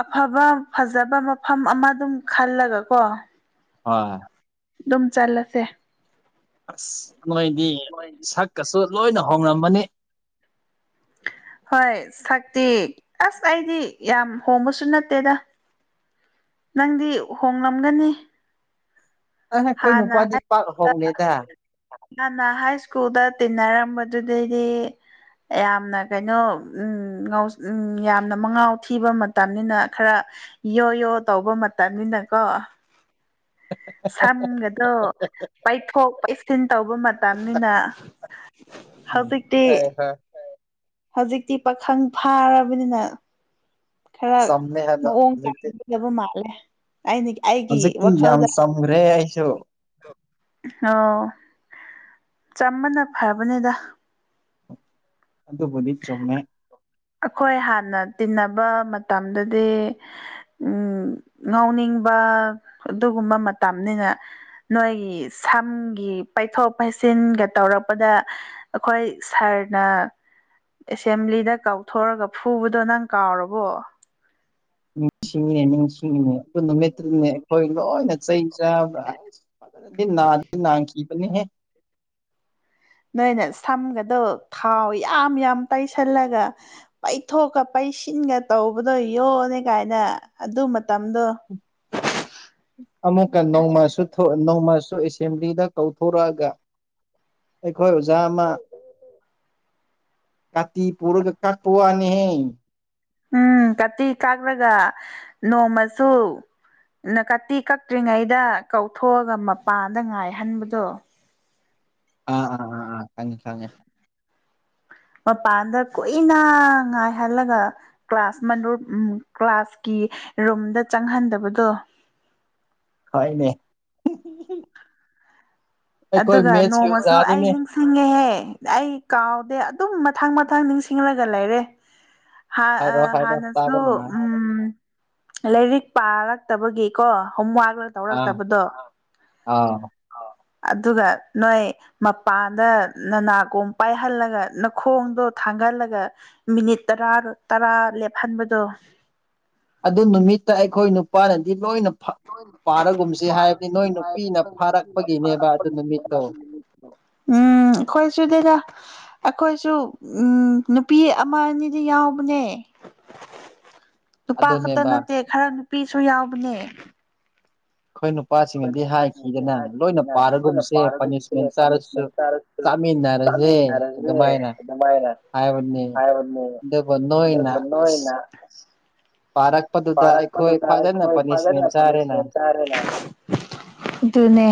ꯑꯐꯕ ꯐꯖꯕ ꯃꯐꯝ ꯑꯃ ꯑꯗꯨꯝ ꯈꯜꯂꯒ ꯀꯣ ꯍꯣꯏ ꯑꯗꯨꯝ ꯆꯜꯂꯁꯦ ꯑꯁ ꯅꯣꯏꯗꯤ ꯁꯛꯀꯁꯨ ꯂꯣꯏꯅ ꯍꯣꯡꯉꯃꯅꯤ [inaudible] ꯍꯣꯏ ꯁꯛꯇꯤ ꯑꯁ ꯑꯩꯗꯤ ꯌꯥꯝ ꯍꯣꯡꯕꯁꯨ ꯅꯠꯇꯦꯗ ꯅꯪꯗꯤ ꯍꯣꯡꯂꯝꯒꯅꯤ ꯍ ꯅ ꯅꯅ ꯍꯥꯏ ꯁ꯭ꯀꯨꯜꯗ ꯇꯤꯟꯅꯔꯝꯕꯗꯨꯗꯩꯗꯤ ꯌꯥꯝꯅ ꯀꯩꯅꯣ ꯌꯥꯝꯅ ꯃꯉꯥꯎ ꯊꯤꯕ ꯃꯇꯝꯅꯤꯅ ꯈꯔ ꯌꯣ ꯌꯣ ꯇꯧꯕ ꯃꯇꯝꯅꯤꯅꯀꯣ ꯁꯝꯒꯗꯣ ꯄꯩꯊꯣꯛ ꯄꯩꯁꯤꯟ ꯇꯧꯕ ꯃꯇꯝꯅꯤꯅ ꯑ ꯍ ꯍꯧꯖꯤꯛꯇꯤ ꯄꯥꯈꯪ ꯐꯥꯔꯕꯅꯤꯅ ꯈꯔ ꯃꯑꯣꯡ ꯇꯥꯒꯗꯕ ꯃꯥꯜꯂꯦ ꯑꯅꯤ ꯑꯩ ꯀ ꯋꯥꯁꯗ ꯑꯣ ꯆ ꯃꯅ ꯐꯔꯕꯅꯦꯗ ꯑꯗꯨꯕꯨꯗꯤ ꯆꯨꯝꯃꯦ ꯇꯤꯟꯅꯕ ꯃꯇꯝꯗꯗꯤ ꯎꯝ ꯉꯥꯎꯅꯤꯡꯕ ꯑꯗꯨꯒ ꯨꯝꯕ ꯃꯇꯝꯅꯤꯅ ꯅꯣꯏꯒꯤ ꯁꯝꯒꯤ ꯄꯩꯊꯣꯛ ꯄꯩꯁꯤꯟꯒ ꯇꯧꯔꯛꯄꯗ ꯑꯩꯈꯣꯏ ꯁꯥꯔꯅ ꯑꯦꯁꯦꯝꯕ꯭ꯂꯤꯗ ꯀꯥꯎꯊꯣꯔꯒ ꯐꯨꯕꯗꯣ ꯅꯪ ꯀꯥꯎꯔꯕꯣ ꯁꯤꯡꯉꯦ ꯃꯤꯁꯤꯡꯉꯅꯦ ꯑꯗꯨ ꯅꯨꯃꯤꯠꯇꯨꯅꯦ ꯑꯩꯈꯣꯏ ꯂꯣꯏꯅ ꯆꯩ ꯆꯥꯕ ꯅ ꯅ ꯀ ꯀꯅꯤ ꯍꯦ ꯅꯣꯏꯅ ꯁꯝꯒꯗꯧ ꯊꯥꯎ ꯌꯥꯝ ꯌꯥꯝ ꯇꯩꯁꯜꯂꯒ ꯄꯩꯊꯣꯛꯒꯩ ꯁꯤꯟꯒ ꯇꯧꯕꯗꯣ ꯌꯣꯅꯤ ꯀꯥꯏꯅ ꯑꯗꯨ ꯑꯃꯨꯛꯀ ꯅꯧꯃꯁꯨ ꯊꯣꯛ ꯅꯧ ꯃꯥ ꯨ ꯑꯦꯁꯦꯝꯕ꯭ꯂꯤꯗ ꯀꯧꯊꯣꯔꯛꯑꯒ ꯑꯩꯈꯣꯏ ꯑꯣꯖꯥ ꯑꯃ ꯀꯇꯤ ꯄꯨꯔꯛꯒ ꯀꯥꯄꯋꯥꯅꯦ ꯎꯝ ꯀꯥꯇꯤ ꯀꯥꯛꯂꯒ ꯅꯣꯡꯃꯁꯨ ꯅꯀꯥꯇꯤ ꯀꯛꯇ꯭ꯔꯤꯉꯩꯗ ꯀꯧꯊꯣꯛꯑꯒ ꯃꯄꯥꯟꯗ ꯉꯥꯏꯍꯟꯕꯗꯣ ꯑꯥ ꯑꯥ ꯑꯥꯥ ꯈꯪ ꯈꯉꯤ ꯃꯄꯥꯟꯗ ꯀꯨꯏꯅ ꯉꯥꯏꯍꯜꯂꯒ ꯀ꯭ꯂꯥꯁ ꯃꯅꯨꯡꯗ ꯎ ꯀ꯭ꯂꯥꯁꯀꯤ ꯔꯨꯝꯗ ꯆꯪꯍꯟꯗꯕꯗꯣ ꯈꯣꯏꯅꯦ ꯑꯗꯨꯒ ꯅꯣꯡꯃꯁꯨ ꯑꯩ ꯅꯤꯡꯁꯤꯡꯉꯦꯍꯦ ꯑꯩ ꯀꯥꯎꯗꯦ ꯑꯗꯨꯝ ꯃꯊꯪ ꯃꯊꯪ ꯅꯤꯡꯁꯤꯡꯂꯒ ꯂꯩꯔꯦ ꯍꯥ ꯍꯥꯟ ꯅꯁꯂꯣ ꯎꯝ ꯂꯥꯏꯔꯤꯛ ꯄꯥꯔꯛꯇꯕꯒꯤꯀꯣ ꯍꯣꯝꯋꯥꯔꯛ ꯇꯧꯔꯛꯇꯕꯗꯣ ꯑꯗꯨꯒ ꯅꯣꯏ ꯃꯄꯥꯟꯗ ꯅꯅꯥꯒꯣꯝ ꯄꯥꯏꯍꯜꯂꯒ ꯅꯈꯣꯡꯗꯣ ꯈꯥꯡꯒꯜꯂꯒ ꯃꯤꯅꯤꯠ ꯇꯔꯥ ꯇꯔꯥ ꯂꯦꯞꯍꯟꯕꯗꯣ [inaudible] ꯑꯗꯨ ꯅꯨꯃꯤꯠꯇ ꯑꯩꯈꯣꯏ ꯅꯨꯄꯥꯅꯗꯤ ꯂꯣꯏꯅ ꯄꯥꯔꯒꯨꯝ ꯥ ꯎꯝꯣꯏ ꯁꯤꯗꯗ ꯑꯩꯈꯣꯏꯁꯨ ꯎꯝ ꯅꯨꯄꯤ ꯑꯃ ꯑꯅꯤꯗꯤ ꯌꯥꯎꯕꯅꯦ ꯅꯨꯄꯥ ꯈꯛꯇ ꯅꯠꯇꯦ ꯈꯔ ꯅꯨꯄꯤꯁꯨ ꯌꯥꯎꯕꯅꯦ ꯑꯩꯈꯣꯏꯅꯥꯁ ꯍꯥꯏꯣꯏꯅ ꯄꯥꯔꯅꯤ ꯇꯔ ꯃꯤꯔꯦꯃꯅ ꯍꯥꯏ [inaudible] ꯐꯔꯛꯄꯗꯨ ꯆ ꯐꯒꯦ ꯄꯅꯤꯁꯃꯦ ꯆꯥꯔꯦ ꯑꯗꯨꯅꯦ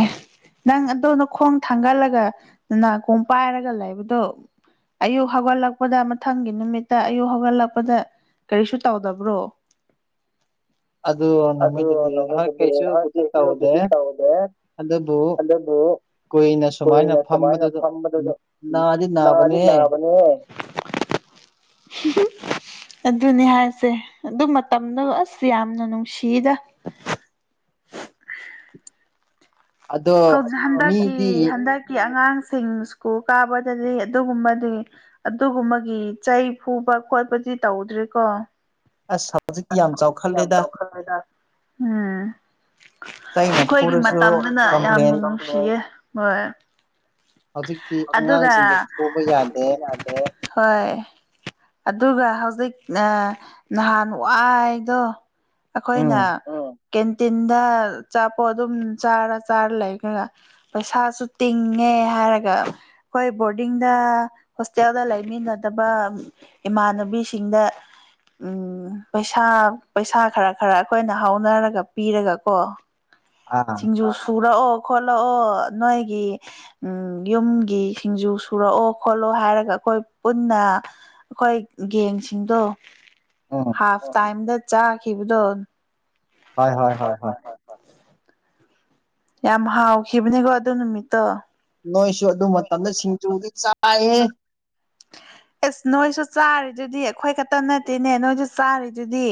ꯅꯪ ꯑ ꯑꯗꯨꯧꯅ ꯈꯣꯡ ꯊꯥꯡꯒꯠꯂꯒ ꯅꯥꯀꯣꯡ ꯄꯥꯏꯔꯒ ꯂꯩꯕꯗꯣ ꯑꯌꯨꯛ ꯍꯧꯒꯠꯂꯛꯄꯗ ꯃꯊꯪꯒꯤ ꯅꯨꯃꯤꯠꯇ ꯑꯌꯨꯛ ꯍꯧꯒꯠꯂꯛꯄꯗ ꯀꯔꯤꯁꯨ ꯇꯧꯗꯕ꯭ꯔꯣ ꯑꯗꯨ ꯅꯨꯃꯤꯠꯇꯗꯤ ꯍꯣꯏ ꯀꯩꯁꯨꯕꯨꯗꯤ ꯇꯧꯗꯦ ꯑꯗꯕꯣ ꯀꯨꯏꯅ ꯁꯨꯃꯥꯏꯅ ꯐꯝꯕꯗꯨꯗ ꯅꯥꯗꯤ ꯅꯥꯕꯅꯦ [inaudible] ꯑꯗꯨꯅꯤ ꯍꯥꯏꯥꯏꯁꯦ ꯑꯗꯨꯝ ꯇꯝꯅ ꯑꯁ ꯌꯥꯝꯅ ꯅꯨꯡꯁꯤꯗ ꯍꯧ ꯍꯟꯗꯛꯀꯤ ꯍꯟꯗꯛꯀꯤ ꯑꯉꯥꯡ ꯁꯤꯡ ꯁꯀꯨꯜ ꯀꯥꯕꯗꯗꯤ ꯑꯗꯨꯒꯨꯝꯕꯗꯤ ꯑꯗꯨꯒꯨꯝꯕꯒꯤ ꯆꯩ ꯐꯨꯕ ꯈꯣꯠꯄ ꯗꯤ ꯇꯧꯗ꯭ꯔꯦꯀꯣ ꯌꯥꯝ ꯆꯥꯎꯈꯠꯂꯦꯗ ꯎꯝ ꯑꯩꯈꯣꯏꯒꯤ ꯃꯇꯝꯗꯅ ꯌꯥꯝꯅ ꯅꯨꯡꯁꯤꯌꯦ ꯍꯣꯏ ꯍꯧꯖꯤꯛꯇꯤ ꯑꯉꯥꯡꯁꯤꯡꯕꯨ ꯐꯨꯕ ꯌꯥꯗꯦ ꯍꯣꯏ ꯑꯗꯨꯒ ꯍꯧꯖꯤꯛ ꯅꯍꯥꯟ ꯋꯥꯏꯗꯣ ꯑꯩꯈꯣꯏꯅ ꯀꯦꯟꯇꯤꯟꯗ ꯆꯥꯄꯣ ꯑꯗꯨꯝ ꯆꯥꯔ ꯆꯥꯔ ꯂꯩꯈꯒ ꯄꯩꯁꯥꯁꯨ ꯇꯤꯡꯉꯦ ꯍꯥꯏꯔꯒ ꯑꯩꯈꯣꯏ ꯕꯣꯔꯗꯤꯡꯗ ꯍꯣꯁꯇꯦꯜꯗ ꯂꯩꯃꯤꯟꯅꯗꯕ ꯏꯃꯥꯟꯅꯕꯤꯁꯤꯡꯗ ꯎ ꯄꯩꯁꯥ ꯄꯩꯁꯥ ꯈꯔ ꯈꯔ ꯑꯩꯈꯣꯏꯅ ꯍꯧꯥꯎꯅꯔꯒ ꯄꯤꯔꯒ ꯀꯣ ꯁꯤꯡꯖꯨ ꯁꯨꯔ ꯑꯣ ꯈꯣꯠꯂꯛꯑꯣ ꯅꯣꯏꯒꯤ ꯎ ꯌꯨꯝꯒꯤ ꯁꯤꯡꯖꯨ ꯁꯨꯔꯛꯑꯣ ꯈꯣꯠꯂꯣ ꯍꯥꯏꯔꯒ ꯑꯩꯈꯣꯏ ꯄꯨꯟꯅ ꯑꯩꯈꯣꯏ ꯒꯦꯝꯁꯤꯡꯗꯣ ꯍꯥꯥꯐ ꯇꯥꯏꯝꯗ ꯆꯥꯈꯤꯕꯗꯣ ꯍꯣꯏ ꯍꯣꯏ ꯍꯣꯏ ꯍ ꯌꯥꯝ ꯍꯥꯎꯈꯤꯕꯅꯦꯒꯣ ꯑꯗꯨ ꯅꯃꯤꯠꯇ ꯅꯣꯏꯁꯨ ꯑꯗꯨ ꯃꯇꯝꯗ ꯁꯤꯡꯖꯨꯗꯤ ꯆꯥꯏꯌꯦ ꯑꯦꯁ ꯅꯣꯏꯁꯨ ꯆꯥꯔꯤꯗꯨꯗꯤ ꯑꯩꯈꯣꯏ ꯈꯛꯇ ꯅꯠꯇꯦꯅꯦ ꯅꯣꯏꯁꯨ ꯆꯥꯔꯤꯗꯨꯗꯤ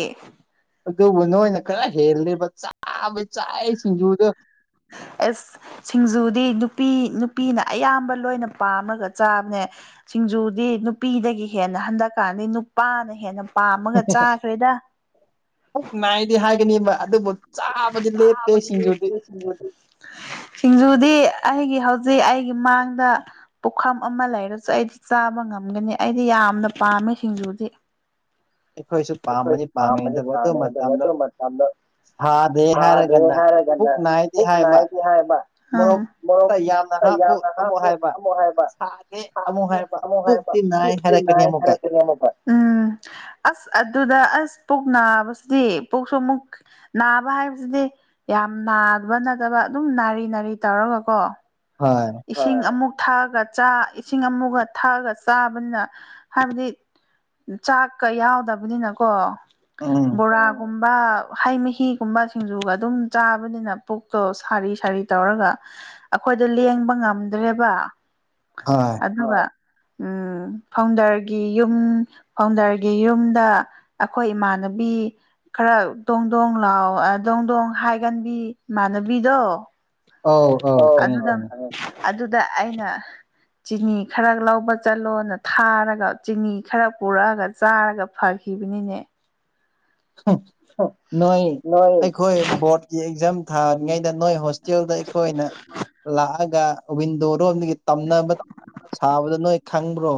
ꯑꯗꯨꯕꯨ ꯅꯣꯏꯅ ꯈꯔ ꯍꯦꯂꯦꯕ ꯆꯥꯕꯩ ꯆꯥꯛ ꯁꯤꯡꯖꯨꯗꯣ ꯑꯦꯁ ꯁꯤꯡꯖꯨꯗꯤ ꯅꯨꯄꯤ ꯅꯨꯄꯤꯅ ꯑꯌꯥꯝꯕ ꯂꯣꯏꯅ ꯄꯥꯝꯃꯒ ꯆꯥꯕꯅꯦ ꯁꯤꯡꯖꯨꯗꯤ ꯅꯨꯄꯤꯗꯒꯤ ꯍꯦꯟꯅ ꯍꯟꯗꯛꯀꯥꯟꯅꯤ ꯅꯨꯄꯥꯅ ꯍꯦꯟꯅ ꯄꯥꯝꯃꯒ ꯆꯥꯈ꯭ꯔꯦꯗ ꯁꯤꯖꯎꯗꯤ ꯑꯩꯒꯤ ꯍꯧꯖꯤꯛ ꯑꯩꯒꯤ ꯃꯥꯡꯗ ꯄꯨꯈꯝ ꯑꯃ ꯂꯩꯔꯁꯨ ꯑꯩꯗꯤ ꯆꯥꯕ ꯉꯝꯒꯅꯤ ꯗꯤ ꯌꯥꯝꯅ ꯄꯥꯝꯃꯦ ꯁꯤꯡꯖꯨꯗꯤ ꯣꯏꯁꯤ ꯄꯥ ꯄꯅꯦꯗ꯭ꯔ ꯃ ꯍꯥ ꯑꯗꯨ ꯍꯥꯏꯔꯦ ꯀꯏ ꯀ ꯍꯥꯏ ꯃꯣꯔꯣꯛ ꯌꯥꯝꯅ ꯍꯥꯄꯨ ꯑꯃꯨꯛ ꯍꯥꯏꯕ ꯍꯥꯄ ꯑꯃꯨꯛ ꯍꯥꯏꯕ ꯎꯝ ꯑꯁ ꯑꯗꯨꯗ ꯑꯁ ꯄꯨꯛ ꯅꯥꯕꯁꯤꯗꯤ ꯄꯨ ꯁ ꯑꯃꯨꯛ ꯅꯥꯕ ꯍꯥꯏꯕꯁꯤꯗꯤ ꯌꯥꯝ ꯅꯥꯗꯕ ꯅꯗꯕ ꯑꯗꯨꯝ ꯅꯥꯔꯤ ꯅꯥꯔꯤ ꯇꯧꯔꯒ ꯀꯣ ꯏꯁꯤꯡ ꯑꯃꯨꯛ ꯊꯛꯑꯒ ꯆꯥ ꯏꯁꯤꯡ ꯑꯃꯨꯒ ꯊꯛꯑꯒ ꯆꯥꯕꯅꯤꯅ ꯍꯥꯏꯕꯗꯤ ꯆꯥꯛꯀ ꯌꯥꯎꯗꯕꯅꯤꯅꯀꯣ ꯕꯣꯔꯥꯒꯨꯝꯕ ꯒꯨꯝꯕ ꯍꯩ ꯃꯍꯤꯒꯨꯝꯕ ꯁꯤꯡꯖꯨꯒ ꯑꯗꯨꯝ ꯆꯥꯕꯅꯤꯅ ꯄꯨꯛꯇꯣ ꯁꯥꯔꯤ ꯁꯥꯔꯤ ꯇꯧꯔꯒ ꯑꯩꯈꯣꯏꯗ ꯂꯦꯡꯕ ꯉꯝꯗ꯭ꯔꯦꯕ ꯑꯗꯨꯒ ꯎꯝ ꯐꯥꯎꯟꯗꯔꯒꯤ ꯌꯨꯝ ꯐꯥꯎꯟꯗꯔꯒꯤ ꯌꯨꯝꯗ ꯑꯩꯈꯣꯏ ꯏꯃꯥ ꯃꯥꯟꯅꯕꯤ ꯈꯔ ꯗꯣꯡ ꯗꯣꯡ ꯂꯥꯎ ꯗꯣꯡ ꯗꯣꯡ ꯍꯥꯏꯒꯟꯕꯤ ꯏꯃꯥꯟꯅꯕꯤꯗꯣ ꯑꯗꯨꯗ ꯑꯗꯨꯗ ꯑꯩꯅ ꯆꯤꯅꯤ ꯈꯔ ꯂꯧꯕ ꯆꯠꯂꯣꯅ ꯊꯥꯔꯒ ꯆꯤꯅꯤ ꯈꯔ ꯄꯨꯔꯛꯑꯒ ꯆꯥꯔꯒ ꯐꯈꯤ ꯊꯕꯅꯤꯅꯦ ꯅꯣꯏ ꯑꯩꯈꯣꯏ ꯕꯣꯔꯠꯀꯤ ꯑꯦꯛꯖꯥꯝ ꯊꯥꯔꯤꯉꯩꯗ ꯅꯣꯏ ꯍꯣꯁꯇꯦꯜꯗ ꯑꯩꯈꯣꯏꯅ ꯂꯥꯛꯑꯒ ꯋꯤꯟꯗꯣ ꯑꯗꯣꯝꯗꯒꯤ ꯇꯝꯅꯕ ꯁꯥꯕꯗ ꯅꯣꯏ ꯈꯪꯕ꯭ꯔꯣ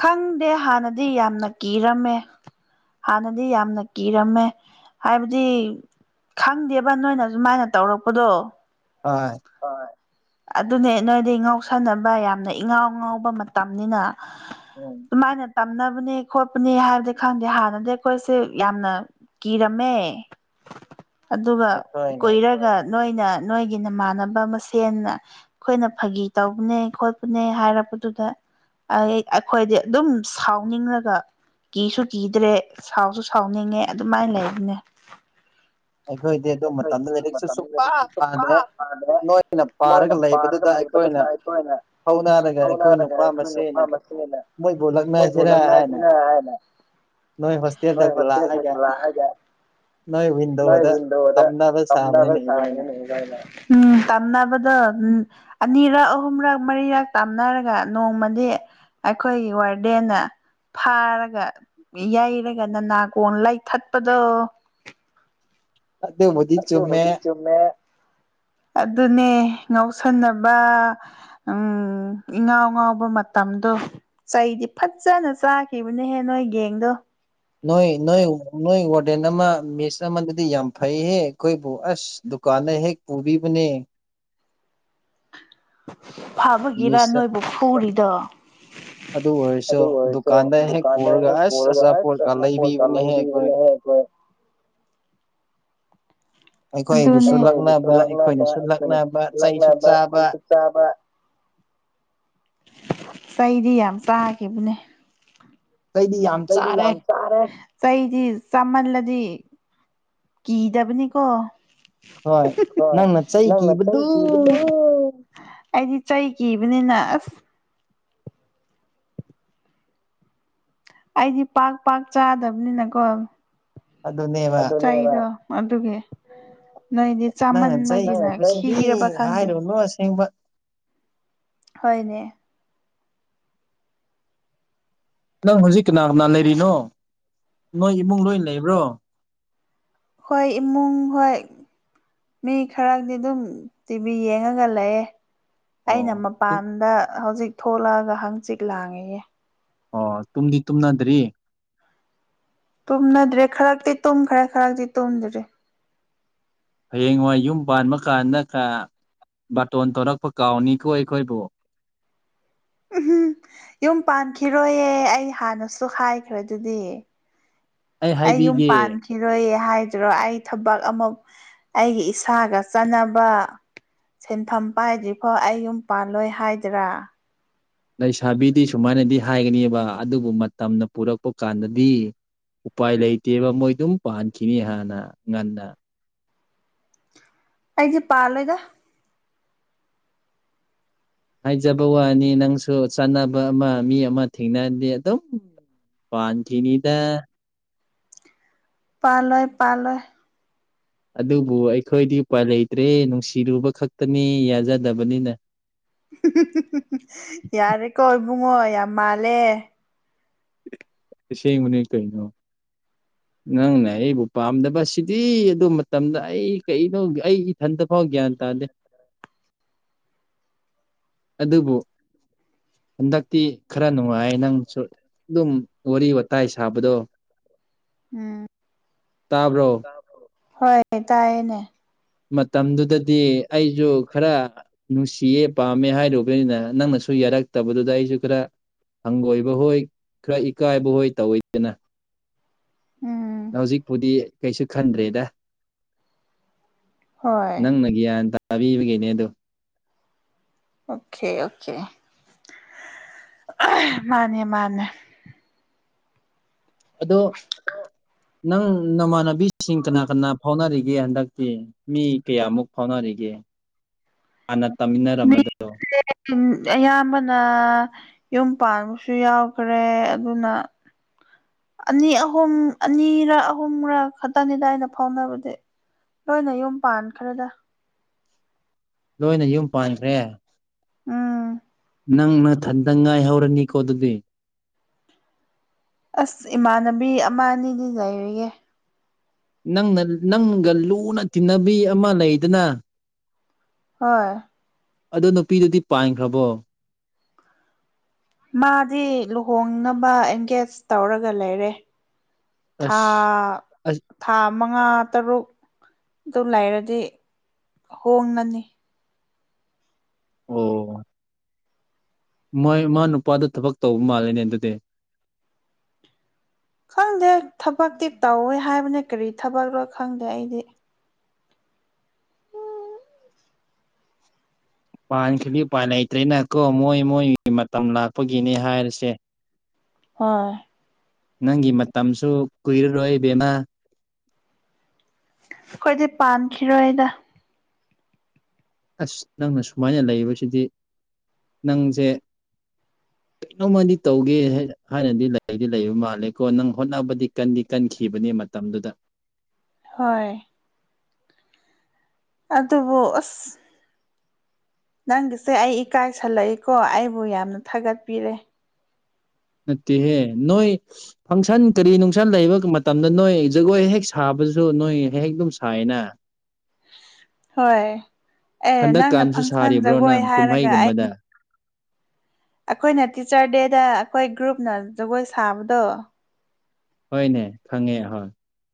ꯈꯪꯗꯦ ꯍꯥꯟꯅꯗꯤ ꯌꯥꯝꯅ ꯀꯤꯔꯝꯃꯦ ꯍꯥꯟꯅꯗꯤ ꯌꯥꯝꯅ ꯀꯤꯔꯝꯃꯦ ꯍꯥꯏꯕꯗꯤ ꯈꯪꯗꯦꯕ ꯅꯣꯏꯅ ꯁꯨꯃꯥꯏꯅ ꯇꯧꯔꯛꯄꯗꯣ ꯍꯣꯏ ꯑꯗꯨꯅꯦ ꯅꯣꯏꯗꯤ ꯉꯥꯎꯁꯥꯟꯅꯕ ꯌꯥꯝꯅ ꯏꯉꯥꯎ ꯉꯥꯎꯕ ꯃꯇꯝꯅꯤꯅ ꯇꯃꯥꯏꯅ ꯇꯝꯅꯕꯅꯦ ꯈꯣꯠꯄꯅꯦ ꯍꯥꯏꯕꯗꯤ ꯈꯪꯗꯦ ꯍꯥꯟꯅꯗꯤ ꯑꯩꯈꯣꯏꯁꯦ ꯌꯥꯝꯅ ꯀꯤꯔꯝꯃꯦ [inaudible] ꯑꯗꯨꯒ ꯀꯨꯏꯔꯒ ꯅꯣꯏꯅ ꯅꯣꯏꯒꯤꯅꯃꯥꯟꯅꯕ ꯃꯁꯦꯅ ꯑꯩꯈꯣꯏꯅ ꯐꯥꯒꯤ ꯇꯧꯕꯅꯦ ꯈꯣꯠꯄꯅꯦ ꯍꯥꯏꯔꯛꯄꯗꯨꯗ ꯑꯩ ꯑꯩꯈꯣꯏꯗꯤ ꯑꯗꯨꯝ ꯁꯥꯎꯅꯤꯡꯉꯒ ꯀꯤꯁꯨ ꯀꯤꯗ꯭ꯔꯦ ꯁꯥꯎꯁꯨ ꯁꯥꯎꯅꯤꯡꯉꯦ ꯑꯗꯨꯃꯥꯏꯅ ꯂꯩꯕꯅꯦ ꯝꯕ ꯇꯃꯤ꯭ꯔ ꯂꯣꯅ ꯄꯔꯒ ꯃ [unintelligible] ꯊꯧꯅꯥꯔꯒ ꯑꯩꯈꯣꯏ ꯅꯨꯄꯥ ꯃꯁꯦꯅ ꯃꯣꯕꯨ ꯂꯛꯅꯒꯤꯔ ꯍꯥꯏꯅ ꯅꯣꯏ ꯍꯣꯁꯇꯦꯜꯗꯒ ꯂꯥꯛꯑꯒ ꯅꯣꯏ ꯋꯟꯗꯣꯗ [inaudible] ꯎꯝ ꯑꯅꯤꯔꯛ ꯑꯍꯨꯝꯔꯛ ꯃꯔꯤꯔꯛ ꯇꯥꯝꯅꯔꯒ ꯅꯣꯡꯃꯗꯤ ꯑꯩꯈꯣꯏꯒꯤ ꯋꯥꯔꯗꯦ ꯅꯪꯅ ꯐꯥꯔꯒ ꯌꯩꯔꯒ ꯅ ꯅꯥꯒꯣꯟ ꯂꯩꯊꯠꯄꯗꯣ ꯑꯁ ꯍꯧꯗꯤ ꯆꯨꯝꯃꯦ ꯑꯗꯨꯅꯦ ꯉꯥꯎꯁꯟꯅꯕ ꯎ ꯏꯉꯥꯎ ꯉꯥꯎꯕ ꯃꯇꯝꯗꯣ ꯆꯩꯗꯤ ꯐꯖꯅ ꯆꯥꯈꯤꯕꯅꯦꯍꯦ ꯅꯣꯏ ꯌꯦꯡꯗꯣ ꯅꯣꯏ ꯅꯣꯏ ꯅꯣꯏ ꯋꯥ ꯐ꯭ꯔꯦꯟ ꯑꯃ ꯃꯤꯁ ꯑꯃꯗꯗꯤ ꯌꯥꯝ ꯐꯩꯍꯦ ꯑꯩꯈꯣꯏꯕꯨ ꯑꯁ ꯗꯨꯀꯥꯟꯗ ꯍꯦꯛ ꯄꯨꯕꯤꯕꯅꯦ ꯐꯥꯕꯒꯤꯔꯥ ꯅꯣꯏꯕꯨ ꯐꯨꯔꯤꯗꯣ ꯑꯗꯨ ꯑꯣꯏꯁꯨꯣ ꯗꯨꯀꯥꯟꯗ ꯍꯦꯛ ꯀꯔꯒ ꯆꯠꯁꯅ ꯀꯀꯥꯟ ꯂꯩꯗꯤ ꯍꯦ [inaudible] [inaudible] ꯑꯩꯈꯣꯏꯕꯨꯁꯨ ꯂꯛꯅꯕ ꯑꯩꯈꯣꯏꯅꯁꯨ ꯂꯛꯅꯕ ꯆꯩꯁꯨ ꯆꯥꯕ [inaudible] ꯆꯩꯗꯤ ꯌꯥꯝ ꯆꯥꯈꯤꯕꯅꯦ ꯑꯩꯩꯗꯤ ꯌꯥꯝ ꯆꯥꯔꯦ ꯆꯩꯗꯤ ꯆꯥꯃꯜꯂꯗꯤ ꯀꯤꯗꯕꯅꯤꯀꯣ ꯍꯣꯏ ꯅꯪ ꯃꯆꯗ ꯑꯩꯗꯤ ꯆꯩ ꯀꯤꯕꯅꯤꯅ ꯑꯁ ꯑꯩꯗꯤ ꯄꯥꯛ ꯄꯥꯛ ꯆꯥꯗꯕꯅꯤꯅꯀꯣ ꯆꯩꯗꯣ ꯑꯗꯨꯒꯤ ꯅꯣꯏꯗꯤ ꯆꯥꯃꯟꯕꯒꯤꯅꯦ ꯤꯔꯕ ꯈꯪꯗꯦ ꯍꯣꯏꯅꯦ ꯅꯪ ꯍꯧꯖꯤꯛ ꯀꯅꯥ ꯀꯅꯥ ꯂꯩꯔꯤꯅꯣ ꯅꯣꯏ ꯏꯃꯨꯡ ꯂꯣꯏ ꯂꯩꯕ꯭ꯔꯣ ꯍꯣꯏ ꯏꯃꯨꯡ ꯍꯣꯏ ꯃꯤ ꯈꯔꯗꯤ ꯑꯗꯨꯝ ꯇꯤꯚꯤ ꯌꯦꯡꯉꯒ ꯂꯩꯌꯦꯦ ꯑꯩꯅ ꯃꯄꯥꯟꯗ ꯍꯧꯖꯤꯛ ꯊꯣꯛꯂꯛꯑꯒ ꯍꯪꯆꯤꯛ ꯂꯥꯡꯉꯤꯌꯦ ꯑꯣ ꯇꯨꯝꯗꯤ ꯇꯨꯝꯅꯗ꯭ꯔꯤ ꯇꯨꯝꯅꯗ꯭ꯔꯦ ꯈꯔꯛꯇꯤ ꯇꯨꯝꯈ꯭ꯔꯦ ꯈꯔꯛꯇꯤ ꯇꯨꯝꯗ꯭ꯔꯦ ꯍꯌꯦꯡꯋꯥꯏ ꯌꯨꯝ ꯄꯥꯟꯕ ꯀꯥꯟꯗ ꯀ ꯕꯥꯇꯣꯟ ꯊꯣꯛꯂꯛꯄ ꯀꯥꯎꯅꯤꯀꯣ ꯑꯩꯈꯣꯏꯕꯨ ꯎꯝ ꯌꯨꯝ ꯄꯥꯟꯈꯤꯔꯣꯏꯌꯦ ꯑꯩ ꯍꯥꯟꯅꯁꯨ ꯍꯥꯏꯈ꯭ꯔꯦ ꯑꯗꯨꯗꯤ ꯑꯩ ꯌꯨꯝ ꯄꯥꯟꯈꯤꯔꯣꯏꯌꯦ ꯍꯥꯏꯗ꯭ꯔꯣ ꯑꯩ ꯊꯕꯛ ꯑꯃ ꯑꯩꯒꯤ ꯏꯁꯥꯒ ꯆꯥꯟꯅꯕ ꯁꯦꯟꯐꯝ ꯄꯥꯏꯗ꯭ꯔꯤꯐꯣ ꯑꯩ ꯌꯨꯝ ꯄꯥꯜꯂꯣꯏ ꯍꯥꯏꯗꯔꯥ ꯂꯩꯁꯥꯕꯤꯗꯤ ꯁꯨꯃꯥꯏꯅꯗꯤ ꯍꯥꯏꯒꯅꯦꯕ ꯑꯗꯨꯕꯨ ꯃꯇꯝꯅ ꯄꯨꯔꯛꯄ ꯀꯥꯟꯗꯗꯤ ꯎꯄꯥꯏ ꯂꯩꯇꯦꯕ ꯃꯣꯏꯗꯨꯝ ꯄꯥꯟꯈꯤꯅꯤ ꯍꯥꯟꯅ ꯉꯟꯅ ꯑꯩꯗꯤ ꯄꯥꯜꯂꯣꯏꯒ ꯍꯥꯏꯖꯕ ꯋꯥꯅꯤ ꯅꯪꯁꯨ ꯆꯥꯟꯅꯕ ꯑꯃ ꯃꯤ ꯑꯃ ꯊꯦꯡꯅꯔꯗꯤ ꯑꯗꯨꯝ ꯄꯥꯟꯒꯤꯅꯤꯗ ꯄꯥ ꯂꯣꯏ ꯄꯥ ꯂꯣꯏ ꯑꯗꯨꯕꯨ ꯑꯩꯈꯣꯏꯗꯤ ꯎꯄꯥꯏ ꯂꯩꯇ꯭ꯔꯦ ꯅꯨꯡꯁꯤꯔꯨꯕ ꯈꯛꯇꯅꯤ ꯌꯥꯖꯗꯕꯅꯤꯅ ꯌꯥꯔꯦꯀꯣ ꯏꯕꯨꯡꯉꯣ ꯌꯥꯝ ꯃꯥꯜꯂꯦ ꯏꯁꯤꯡ ꯃꯅ ꯀꯩꯅꯣ ꯅꯪꯅꯦ ꯑꯩꯕꯨ ꯄꯥꯝꯗꯕ ꯁꯤꯗꯤ ꯑꯗꯨ ꯃꯇꯝꯗ ꯑꯩ ꯀꯩꯅꯣꯦ ꯑꯩ ꯏꯊꯟꯇ ꯐꯥꯎꯒꯦ ꯒ꯭ꯌꯥꯟ ꯇꯥꯗꯦ ꯑꯗꯨꯕꯨ ꯍꯟꯗꯛꯇꯤ ꯈꯔ ꯅꯨꯡꯉꯥꯏ ꯅꯪꯁꯨ ꯑꯗꯨꯝ ꯋꯥꯔꯤ ꯋꯥ ꯇꯥꯏ ꯁꯥꯕꯗꯣ ꯇꯥꯕ꯭ꯔꯣ ꯍꯣꯏ ꯇꯌꯦꯅꯦ ꯃꯇꯝꯗꯨꯗꯗꯤ ꯑꯩꯁꯨ ꯈꯔ ꯅꯨꯡꯁꯤꯌꯦ ꯄꯥꯝꯃꯦ ꯍꯥꯏꯔꯨꯕꯅꯤꯅ ꯅꯪꯅ ꯁ ꯌꯥꯔꯛꯇꯕꯗꯨꯗ ꯑꯩꯁꯨ ꯈꯔ ꯍꯪꯒꯣꯏꯕ ꯍꯣꯏ ꯈꯔ ꯏꯀꯥꯏꯕ ꯍꯣꯏ ꯇꯧꯋꯏꯗꯅ ꯍꯧꯖꯤꯛꯄꯨꯗꯤ ꯀꯩꯁꯨ ꯈꯟꯗ꯭ꯔꯦꯗ ꯅꯪꯅ ꯒ꯭ꯌꯥꯟ ꯇꯥꯕꯤꯕꯒꯤꯅꯦ ꯑ ꯑꯗꯨ ꯑꯣꯀꯦ ꯑꯣꯀꯦ ꯃꯥꯅꯦ ꯃꯥꯅꯦ ꯑꯗꯣ ꯑ [unintelligible] ꯅꯪ ꯅꯃꯥꯟꯅꯕꯤꯁꯤꯡ ꯀꯅꯥ ꯀꯅꯥ ꯐꯥꯎꯅꯔꯤꯒꯦ ꯍꯟꯗꯛꯇꯤ ꯃꯤ ꯀꯌꯥꯃꯨꯛ ꯐꯥꯎꯅꯔꯤꯒꯦ ꯍꯥꯟꯅ ꯇꯝꯃꯤꯟꯅꯔꯝꯕꯗꯣ ꯑꯌꯥꯝꯕꯅ ꯌꯨꯝ ꯄꯥꯟꯕꯕꯁꯨ ꯌꯥꯎꯈ꯭ꯔꯦ ꯑꯗꯨꯅ [inaudible] ꯑꯅꯤ ꯑꯍꯨꯝ ꯑꯅꯤꯔ ꯑꯍꯨꯝꯔ ꯈꯛꯇꯪꯅꯤꯗ ꯑꯩꯅ ꯐꯥꯎꯅꯕꯗꯤ ꯂꯣꯏꯅ ꯌꯨꯝ ꯄꯥꯟ ꯈꯔꯗ ꯂꯣꯏꯅ ꯌꯨꯝ ꯄꯥꯟꯈ꯭ꯔꯦ ꯅꯪꯅꯊꯟꯗ ꯉꯥꯏ ꯍꯧꯔꯅꯤꯀꯣ ꯑꯗꯨꯗꯤ ꯑꯁ ꯏꯃꯥꯟꯅꯕꯤ ꯑꯃ ꯑꯅꯤꯗꯤ ꯂꯩꯔꯤꯒꯦ ꯅꯪꯅ ꯅꯪꯒ ꯂꯨꯅ ꯇꯤꯟꯅꯕꯤ ꯑꯃ ꯂꯩꯗꯅ ꯍꯣꯏ ꯑꯗ ꯅꯨꯄꯤꯗꯨꯗꯤ ꯄꯥꯟꯈ꯭ꯔꯕꯣ ꯃꯥꯗꯤ ꯂꯨꯍꯣꯡꯅꯕ ꯑꯦꯡꯒꯦꯖ ꯇꯧꯔꯒ ꯂꯩꯔꯦ ꯊꯥ ꯊꯥ ꯃꯉꯥ ꯇꯔꯨꯛ ꯑꯗꯨ ꯂꯩꯔꯗꯤ ꯍꯣꯡꯉꯅꯤ ꯑꯣ ꯃꯣꯏ ꯃꯥ ꯅꯨꯄꯥꯗ ꯊꯕꯛ ꯇꯧꯕ ꯃꯥꯜꯂꯦꯅꯦ ꯑꯗꯨꯗꯤ ꯈꯪꯗꯦ ꯊꯕꯛꯇꯤ ꯇꯧꯋꯦ ꯍꯥꯏꯕꯅꯦ ꯀꯔꯤ ꯊꯕꯛꯣ ꯈꯪꯗꯦ ꯑꯩꯗꯤ ꯄꯥꯟꯈꯗꯤ ꯎꯄꯥꯟ ꯂꯩꯇ꯭ꯔꯦꯅ ꯀꯣ ꯃꯣꯏ ꯃꯣꯏꯒꯤ ꯃꯇꯝ ꯂꯥꯛꯄꯒꯤꯅꯦ ꯍꯥꯏꯔꯁꯦ [unintelligible] ꯍꯣꯏ ꯅꯪꯒꯤ ꯃꯇꯝꯁꯨ ꯀꯨꯏꯔꯔꯣꯏ ꯕꯦꯝꯃ ꯑꯩꯈꯣꯏꯗꯤ ꯄꯥꯝꯈꯤꯔꯣꯏ ꯑꯩꯗ ꯑꯁ ꯅꯪꯅ ꯁꯨꯃꯥꯏꯅ ꯂꯩꯕꯁꯤꯗꯤ ꯅꯪꯁꯦ ꯀꯔꯤꯩꯅꯣꯧꯃꯗꯤ ꯇꯧꯒꯦ ꯍꯥꯏꯅꯗꯤ ꯂꯩꯗꯤ ꯂꯩꯕ ꯃꯥꯜꯂꯦꯀꯣ ꯅꯪ ꯍꯣꯠꯅꯕꯗꯤ ꯀꯟꯗꯤ ꯀꯟꯈꯤꯕꯅꯤ ꯃꯇꯝꯗꯨꯗ ꯍꯣꯏ ꯑꯗꯨꯕꯨ ꯑꯁ ꯅꯪꯒꯤꯁꯦ ꯑꯩ ꯏꯀꯥꯏꯁꯜꯂꯛꯏꯀꯣ ꯑꯩꯕꯨ ꯌꯥꯝꯅ ꯊꯥꯒꯠꯄꯤꯔꯦ ꯅꯠꯇꯦꯍꯦ ꯅꯣꯏ ꯐꯪꯁꯟ ꯀꯔꯤ ꯅꯨꯡꯁꯥ ꯂꯩꯕ ꯃꯇꯝꯗ ꯅꯣꯏ ꯖꯒꯣꯏ ꯍꯦꯛ ꯁꯥꯕ ꯅꯣꯏ ꯍꯦꯛ ꯍꯦꯛ ꯑꯗꯨꯝ ꯁꯥꯏꯅꯦ ꯍꯟꯗꯛꯀꯥꯟꯁꯨ ꯁꯥꯔꯤꯕ꯭ꯔꯣ ꯅꯪ ꯀꯨꯝꯍꯩꯒꯨꯝꯕꯗ ꯑꯩꯈꯣꯏꯅ ꯇꯤꯆꯔ ꯗꯦꯗ ꯑꯩꯈꯣꯏ ꯒ꯭ꯔꯨꯞꯅ ꯖꯒꯣꯏ ꯁꯥꯕꯗꯣ ꯍꯣꯏꯅꯦ ꯈꯪꯉꯦꯍꯣꯏ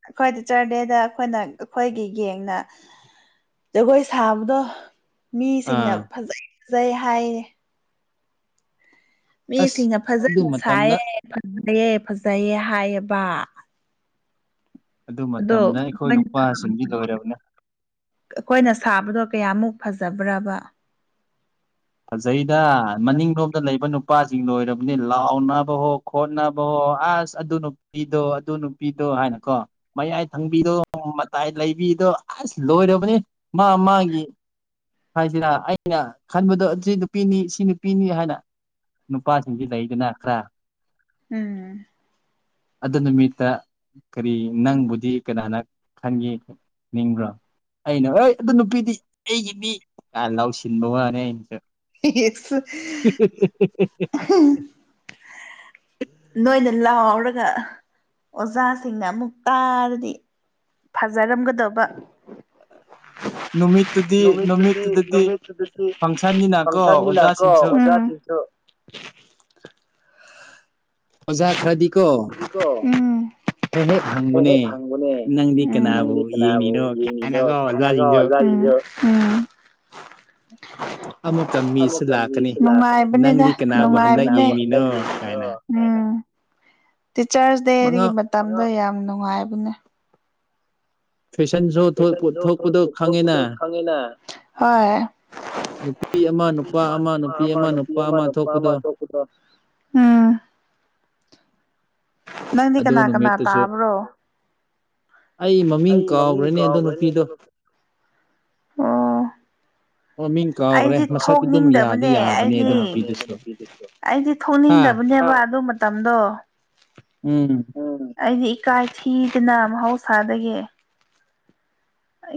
ꯑꯩꯈꯣꯏ ꯇꯤꯆ ꯔ ꯗꯦꯗ ꯑꯩꯈꯣꯏꯅ ꯑꯩꯈꯣꯏꯒꯤ ꯌꯦꯡꯅ ꯖꯒꯣꯏ ꯁꯥꯕꯗꯣ ꯃꯤꯁꯤꯡꯅ ꯐꯖꯩ ꯐꯖꯩ ꯍꯥꯏꯔꯦ ꯃꯤꯁꯤꯡꯅ ꯐꯖꯅ ꯁꯥꯏꯌꯦ ꯐꯖꯩꯌꯦꯦ ꯐꯖꯩꯌꯦꯦ ꯍꯥꯏꯌꯦꯕ ꯑꯗꯣ ꯑꯩꯈꯣꯏꯅ ꯁꯥꯕꯗꯣ ꯀꯌꯥꯃꯨꯛ ꯐꯖꯕ꯭ꯔꯕ ꯐꯖꯩꯗ ꯃꯅꯤꯡꯂꯣꯝꯗ ꯂꯩꯕ ꯅꯨꯄꯥꯁꯤꯡ ꯂꯣꯏꯔꯕꯅꯤ ꯂꯥꯎꯅꯕ ꯍꯣ ꯈꯣꯠꯅꯕ ꯍꯣ ꯑꯣ ꯑꯁ ꯑꯗꯨ ꯅꯨꯄꯤꯗꯣ ꯑꯗꯨ ꯅꯨꯄꯤꯗꯣ ꯍꯥꯏꯅꯀꯣ ꯃꯌꯥꯏ ꯊꯪꯕꯤꯗꯣ ꯃꯇꯥꯏ ꯂꯩꯕꯤ ꯗꯣ ꯑꯁ ꯂꯣꯏꯔꯕꯅꯤ ꯃꯥ ꯃꯥꯒꯤ ꯍꯥꯏꯁꯤꯅ ꯑꯩꯅ ꯈꯟꯕꯗꯣ ꯁꯤ ꯅꯨꯄꯤꯅꯤ ꯁꯤ ꯅꯨꯄꯤꯅꯤ ꯍꯥꯏꯅ ꯅꯨꯄꯥꯁꯤꯡꯁꯤ ꯂꯩꯗꯅ ꯈꯔ ꯎꯝ ꯑꯗꯨ ꯅꯨꯃꯤꯠꯇ ꯀꯔꯤ ꯅꯪꯕꯨꯗꯤ ꯀꯅꯥꯅ ꯈꯟꯒꯦ ꯈ ꯅꯤꯡꯕ꯭ꯔꯣ ꯑꯩꯅ ꯍꯣꯏ ꯑꯗꯨ ꯅꯨꯄꯤꯗꯤ ꯑꯩꯒꯤ ꯃꯤ ꯀ ꯂꯥꯎꯁꯤꯟꯕ ꯋꯥꯅꯤ ꯑꯩꯅꯁꯨ [unintelligible] ꯑꯗꯨꯒ ꯑꯣꯖꯥꯁꯤꯡꯅ ꯑꯃꯨꯛ ꯇꯥꯔꯗꯤ ꯐꯖꯔꯝꯒꯗꯕ ꯑ ꯅꯨꯃꯤꯠꯇꯨꯗꯤ ꯅꯨꯃꯤꯠꯇꯨꯗꯗꯤ ꯐꯪꯁꯟꯅꯤꯅꯀꯣ ꯑꯣꯖꯥꯁꯤꯡꯁꯨ ꯇ [inaudible] ꯎꯝ ꯍꯦꯛ ꯍꯦꯛ ꯍꯪꯕꯅꯦ ꯅꯪꯗꯤ ꯀꯅꯥꯕꯨ ꯌꯦꯡꯉꯅꯣ ꯍꯥꯏꯅꯒ ꯂꯂꯤꯗꯣ ꯎꯝ ꯅꯨꯡꯉꯥꯏꯕꯅꯦꯗ ꯅꯨꯡꯉꯥꯏꯕꯅꯦ ꯎꯝ ꯇꯤꯆꯔꯁ ꯗꯦꯒꯤ ꯃꯇꯝꯗ ꯌꯥꯝ ꯅꯨꯡꯉꯥꯏꯕꯅꯦ ꯐꯦꯁꯟ ꯁ ꯊꯣꯛꯄꯊꯣꯛ ꯈꯪꯉꯤꯅ ꯍ ꯄꯥ ꯑꯃ ꯅꯄꯤ ꯑꯦꯃ ꯅꯄꯥ ꯑꯃ ꯆꯣꯈꯨ ꯇ ꯎꯝ [inaudible] ꯅꯪꯗꯤ ꯀꯅꯥ ꯀꯅꯥ ꯇꯥꯕ꯭ꯔꯣ ꯑꯩ ꯃꯃꯤꯡ ꯀꯥꯎꯈ꯭ꯔꯅꯦ ꯑꯗꯣ ꯅꯨꯄꯤꯗꯣ ꯑꯩꯗꯤ ꯊꯣꯛꯅꯤꯡꯗꯕꯅꯦ ꯑꯩꯗꯤ ꯑꯩꯗꯤ ꯊꯣꯛꯅꯤꯡꯗꯕꯅꯤ ꯅꯦꯕ ꯑꯗꯨ ꯃꯇꯝꯗꯣ ꯑꯩꯗꯤ ꯏ ꯀꯥꯏꯊꯤꯗꯅ ꯃꯍꯧꯁꯥꯗꯒꯤ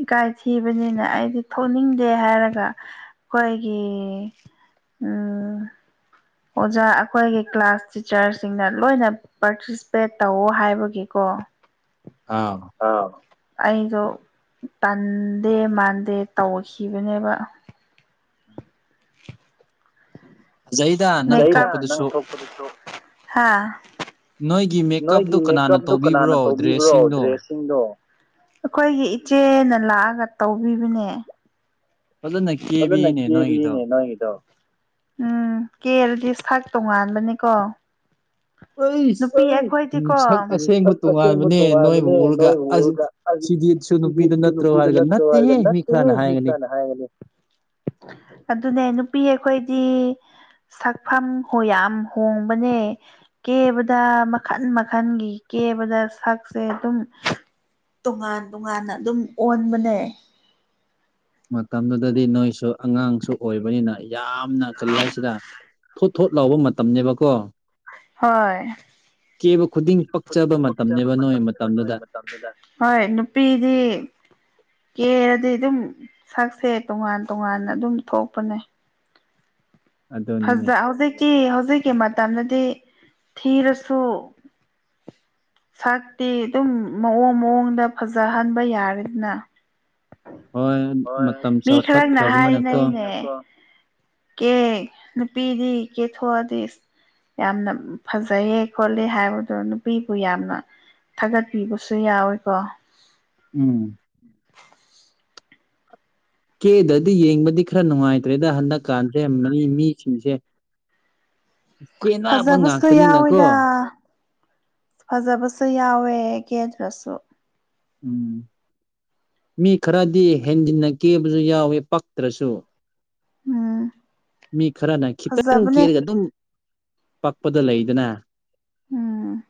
ꯏꯀꯥꯏ ꯊꯤꯕꯅꯤꯅ ꯑꯩꯗꯤ ꯊꯣꯛꯅꯤꯡꯗꯦ ꯍꯥꯏꯔꯒ ꯀꯣꯏꯒꯤ ꯎꯝ ꯑꯣꯖꯥ ꯑꯩꯈꯣꯏꯒꯤ ꯀ꯭ꯂꯥꯁ ꯇꯤꯆꯔꯁꯤꯡꯅ ꯂꯣꯏꯅ ꯄꯥꯔꯇꯤꯁꯤꯄꯦꯠ ꯇꯧꯋ ꯍꯥꯏꯕꯒꯤꯀꯣ ꯋꯥ ꯑꯥ ꯑꯩꯗꯣ ꯇꯟꯗꯦ ꯃꯥꯟꯗꯦ ꯇꯧꯈꯤꯕꯅꯦꯕ [inaudible] [unintelligible] ꯅꯣꯏꯒꯤ ꯃꯦꯀꯞꯇꯣ ꯀꯅꯥꯅ ꯇꯧꯕꯤꯕ꯭ꯔꯣ ꯗ꯭ꯔꯦꯁꯁꯤꯡꯗꯣ ꯑꯩꯈꯣꯏꯒꯤ ꯏꯆꯦꯅ ꯂꯥꯛꯑꯒ ꯇꯧꯕꯤꯕꯅꯦ ꯐꯗꯅ ꯀꯦꯕꯤ ꯏꯅꯦ ꯅꯪꯉꯗꯣ ꯎꯝ ꯀꯦꯔꯗꯤ ꯁꯥꯛ ꯇꯣꯉꯥꯟꯕꯅꯤꯀꯣ ꯑꯣꯏꯁ ꯣ ꯁꯛ ꯑꯁꯦꯡꯕ ꯇꯣꯉꯥꯏꯥꯟꯕꯅꯦ ꯅꯣꯏꯕꯨꯔꯒꯗꯤ ꯄꯤꯗ ꯂꯠꯇꯋꯥꯔꯗ ꯅꯠꯇꯦ ꯍꯤꯁꯅ ꯍꯥꯏꯒꯗꯤ ꯑꯗꯨꯅꯦ ꯅꯨꯄꯤ ꯑꯩꯈꯣꯏꯗꯤ ꯁꯛꯐꯝ ꯍꯣ ꯌꯥꯝ ꯍꯣꯡꯕꯅꯦ ꯀꯦꯕ ꯗ ꯃꯈꯟ ꯃꯈꯟꯒꯤ ꯀꯦꯕꯗ ꯁꯛꯁꯦ ꯑꯗꯨꯝ ꯇꯣꯉꯥꯟ ꯇꯣꯉꯥꯟꯅ ꯑꯗꯨꯝ ꯑꯣꯟꯕꯅꯦ ꯃꯇꯝꯗꯨꯗꯗꯤ ꯅꯣꯏꯁꯨ ꯑꯉꯥꯡꯁꯨ ꯑꯣꯏꯕꯅꯤꯅ ꯌꯥꯝꯅ ꯀꯔꯤ ꯍꯥꯏꯁꯤꯔ ꯊꯣꯠ ꯂꯥꯎꯕ ꯃꯇꯝꯅꯦꯕꯀꯣ ꯍꯣꯏ ꯍꯣꯏ ꯅꯨꯄꯤꯗꯤ [inaudible] ꯀꯦꯔꯗꯤ ꯑꯗꯨꯝ ꯁꯛꯁꯦ ꯇꯣꯉꯥꯟ ꯇꯣꯉꯥꯟꯅ ꯑꯗꯨꯝ ꯊꯣꯛꯄꯅꯦ ꯐꯖ ꯍꯧꯖꯤꯛꯇꯤ ꯍꯧꯖꯤꯛꯀꯤ ꯃꯇꯝꯗꯗꯤ ꯊꯤꯔꯁꯨ ꯁꯛꯇꯤ ꯑꯗꯨꯝ ꯃꯑꯣꯡ ꯃꯑꯣꯡꯗ ꯐꯖꯍꯟꯕ ꯌꯥꯔꯦꯗꯅ ꯃꯤ ꯈꯔꯅ ꯍꯥꯏꯅꯩꯅꯦ ꯀꯦ ꯅꯨꯄꯤꯗꯤ ꯀꯦꯊꯣꯛꯑꯗꯤ ꯌꯥꯝꯅ ꯐꯖꯩꯌꯦ ꯈꯣꯠꯂꯦ ꯍꯥꯏꯕꯗꯣ ꯅꯨꯄꯤ ꯌꯥꯝꯅ ꯊꯥꯒꯠꯄꯤꯕꯁꯨ ꯌꯥꯎꯋꯤꯀꯣ ꯎꯝ ꯀꯦꯗꯗꯤ ꯌꯦꯡꯕꯗꯤ ꯈꯔ ꯅꯨꯡꯉꯥꯏꯇ꯭ꯔꯦꯗ ꯍꯟꯗꯛꯀꯥꯟꯁꯦ ꯃꯤ ꯃꯤꯁꯤꯡꯁꯦ [inaudible] ꯐꯖꯕꯁꯨ ꯌꯥꯎꯋꯤꯗ ꯐꯖꯕꯁꯨ ꯌꯥꯎꯋꯦ ꯀꯦꯗ꯭ꯔꯁꯨ ꯎꯝ ꯃꯤ ꯈꯔꯗꯤ ꯍꯦꯟꯖꯤꯟꯅ ꯀꯦꯕꯁꯨ ꯌꯥꯎꯋꯤ ꯄꯛꯇ꯭ꯔꯁꯨ ꯃꯤ ꯈꯔꯅ ꯈꯤꯇꯪ ꯀꯦꯔꯒ ꯑꯗꯨꯝ ꯄꯛꯄꯗ ꯂꯩꯗꯅ ꯎꯝ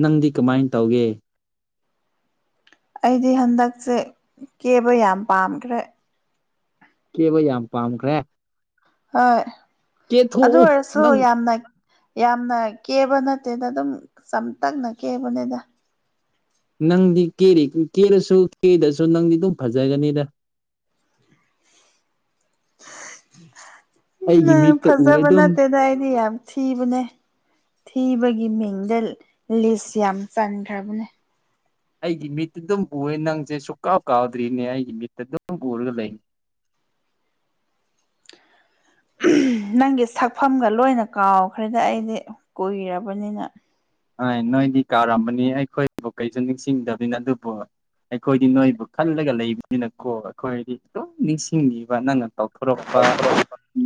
ꯅꯪꯗꯤ ꯀꯃꯥꯏꯅ ꯇꯧꯒꯦ ꯑꯩꯗꯤ ꯍꯟꯗꯛꯁꯦ ꯀꯦꯕ ꯌꯥꯝ ꯄꯥꯝꯈ꯭ꯔꯦ ꯀꯦꯕ ꯌꯥꯝ ꯄꯥꯝꯈ꯭ꯔꯦ ꯍꯣꯏ ꯑꯗꯨ ꯑꯣꯏꯔꯁꯨ ꯌꯥꯝꯅ ꯌꯥꯝꯅ ꯀꯦꯕ ꯅꯠꯇꯦꯗ ꯑꯗꯨꯝ ꯆꯝꯇꯛꯅ ꯀꯦꯕꯅꯦꯗ ꯅꯪꯗꯤ ꯀꯦꯔꯤ ꯀꯦꯔꯁꯨ ꯀꯦꯗꯁꯨ ꯅꯪꯗꯤ ꯑꯗꯨꯝ ꯐꯖꯒꯅꯤꯗ ꯅ ꯐꯖꯕ ꯅꯠꯇꯦꯗ ꯑꯩꯗꯤ ꯌꯥꯝ ꯊꯤꯕꯅꯦ ꯊꯤꯕꯒꯤ ꯃꯤꯡꯗ ꯂꯤꯁ ꯌꯥꯝ ꯆꯟꯈ꯭ꯔꯕꯅꯦ ꯑꯩꯒꯤ ꯃꯤꯠꯇ ꯑꯗꯨꯝ ꯎꯏꯌꯦ ꯅꯪꯁꯦ ꯁꯨꯛꯀꯥꯎ ꯀꯥꯎꯗ꯭ꯔꯤꯅꯦ ꯑꯩꯒꯤ ꯃꯤꯠꯇ ꯑꯗꯨꯝ ꯎꯔꯒ ꯂꯩ [inaudible] ꯅꯪꯒꯤ ꯁꯛꯐꯝꯒ ꯂꯣꯏꯅ ꯀꯥꯎꯈ꯭ꯔꯦꯗ ꯑꯩꯗꯤ ꯀꯨꯏꯔꯕꯅꯤꯅ ꯑ ꯅꯣꯏꯗꯤ ꯀꯥꯎꯔꯝꯃꯅꯤ ꯑꯩꯈꯣꯏꯕꯨ ꯀꯩꯁꯨ ꯅꯤꯡꯁꯤꯡꯗꯕꯤꯅ ꯑꯗꯨꯕꯨ ꯑꯩꯈꯣꯏꯗꯤ ꯅꯣꯏꯕꯨ ꯈꯜꯂꯒ ꯂꯩꯕꯅꯤꯅꯀꯣ ꯑꯩꯈꯣꯏꯗꯤ ꯑꯗꯨꯝ ꯅꯤꯡꯁꯤꯡꯕ ꯅꯪ ꯇꯧꯊꯣꯔꯛꯄ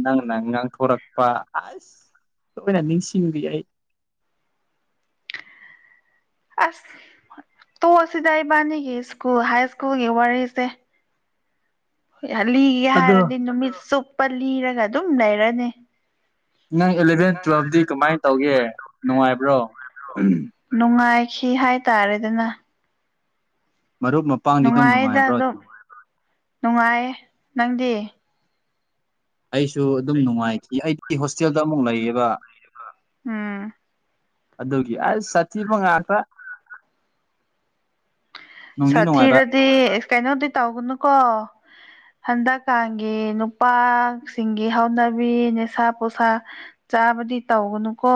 ꯅꯪ ꯉꯥꯡꯊꯣꯔꯛꯄ ꯑꯁ ꯅꯤꯡꯁꯤꯡꯕꯤ ꯑꯩ ꯑꯁ ꯇꯣꯛꯑꯁꯤꯗ ꯏꯕꯥꯅꯤꯒꯤ ꯁ꯭ꯀꯨꯜ ꯍꯥꯏ ꯁ꯭ꯀꯨꯜꯒꯤ ꯋꯥꯔꯤꯁꯦ ꯂꯤꯒꯦ ꯍꯥꯏꯔꯗꯤ ꯅꯨꯃꯤꯠ ꯆꯨꯞꯄ ꯂꯤꯔꯒ ꯑꯗꯨꯝ ꯂꯩꯔꯅꯤ ꯅꯨꯡꯉꯥꯏ ꯈꯤ ꯍꯥꯏ ꯇꯥꯔꯦꯗꯅ ꯅꯨꯡꯉꯥꯏꯗ ꯑꯗꯨꯝ ꯅꯨꯡꯉꯥꯏꯌꯦ ꯅꯪꯗꯤ ꯑꯩꯁꯨ ꯑꯗꯨꯝ ꯅꯨꯡꯉꯥꯏꯈꯤ ꯑꯩꯗꯤ ꯍꯣꯁꯇꯦꯜꯗ ꯑꯃꯨꯛ ꯂꯩꯌꯦꯕ ꯑꯝ ꯑꯗꯨꯒꯤ ꯑꯁ ꯁꯥꯊꯤꯕ ꯉꯥꯛꯇ ꯁꯥꯊꯤꯔꯗꯤ ꯀꯩꯅꯣꯗꯤ ꯇꯧꯒꯅꯨꯀꯣ ꯍꯟꯗꯛꯀꯒꯤ ꯅꯨꯄꯥꯁꯤꯡꯒꯤ ꯍꯧꯅꯕꯤ ꯅꯤꯁꯥ ꯄꯨꯁꯥ ꯆꯥꯕꯗꯤ ꯇꯧꯒꯅꯨꯀꯣ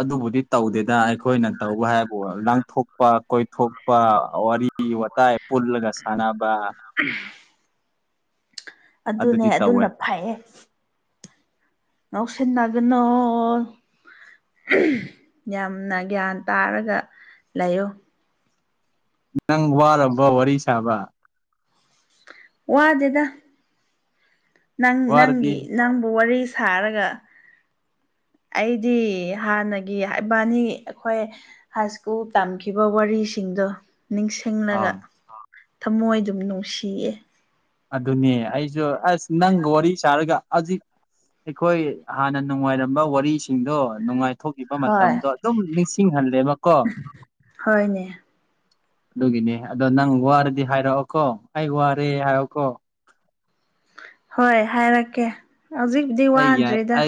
ꯑꯗꯨꯕꯨꯗꯤ ꯇꯧꯗꯦꯗ ꯑꯩꯈꯣꯏꯅ ꯇꯧꯕ ꯍꯥꯏꯕꯨ ꯂꯥꯡꯊꯣꯛꯄ ꯀꯣꯏꯊꯣꯛꯄ ꯋꯥꯔꯤ ꯋꯥ ꯇꯥꯏ ꯄꯨꯜꯂꯒ ꯁꯥꯟꯅꯕ ꯑꯗꯨꯅꯦ ꯑꯗꯨꯝꯅ ꯐꯩꯌꯦ ꯅ ꯅꯎ ꯁꯟꯅꯒꯅꯣ ꯌꯥꯝꯅ ꯒ꯭ꯌꯥꯟ ꯇꯥꯔꯒ ꯂꯩꯌꯨ ꯅꯪ ꯋꯥꯔꯝꯕ ꯋꯥꯔꯤ ꯁꯥꯕ ꯋꯥꯗꯦꯗ ꯅꯪ ꯅꯪꯒꯤ ꯅꯪꯕꯨ ꯋꯥꯔꯤ ꯁꯥꯔꯒ [unintelligible] [inaudible] ꯑꯩꯗꯤ ꯍꯥꯟꯅꯒꯤ ꯏꯕꯥꯅꯤ ꯑꯩꯈꯣꯏ ꯍꯥꯏ ꯁ꯭ꯀꯨꯜ ꯇꯝꯈꯤꯕ ꯋꯥꯔꯤꯁꯤꯡ ꯗꯣ ꯅꯤꯡꯁꯤꯡꯂꯒ ꯊꯃꯣꯏ ꯑꯗꯨꯝ ꯅꯨꯡꯁꯤꯌꯦ ꯑꯗꯨꯅꯦ ꯑꯩꯁꯨ ꯑꯁ ꯅꯪꯒ ꯋꯥꯔꯤ ꯁꯥꯔꯒ ꯍꯧꯖꯤꯛ ꯑꯩꯈꯣꯏ ꯍꯥꯟꯅ ꯅꯨꯡꯉꯥꯏꯔꯝꯕ ꯋꯥꯔꯤꯁꯤꯡꯗꯣ ꯅꯨꯡꯉꯥꯏ ꯊꯣꯛꯈꯤꯕ ꯃꯇꯝꯗꯣ ꯑꯗꯨꯝ ꯅꯤꯡꯁꯤꯡꯍꯜꯂꯦꯕꯀꯣ ꯑꯗꯨꯒꯤꯅꯦ ꯑꯗꯣ ꯅꯪ ꯋꯥꯔꯗꯤ ꯍꯥꯏꯔꯛꯑꯣꯀꯣ ꯑꯩ ꯋꯥꯔꯦ ꯍꯥꯏꯔꯣꯀꯣ ꯍꯣꯏ ꯍꯥꯏꯔꯛꯀꯦ ꯍꯧꯖꯤꯛꯗꯤ ꯋꯥꯗ꯭ꯔꯤꯗ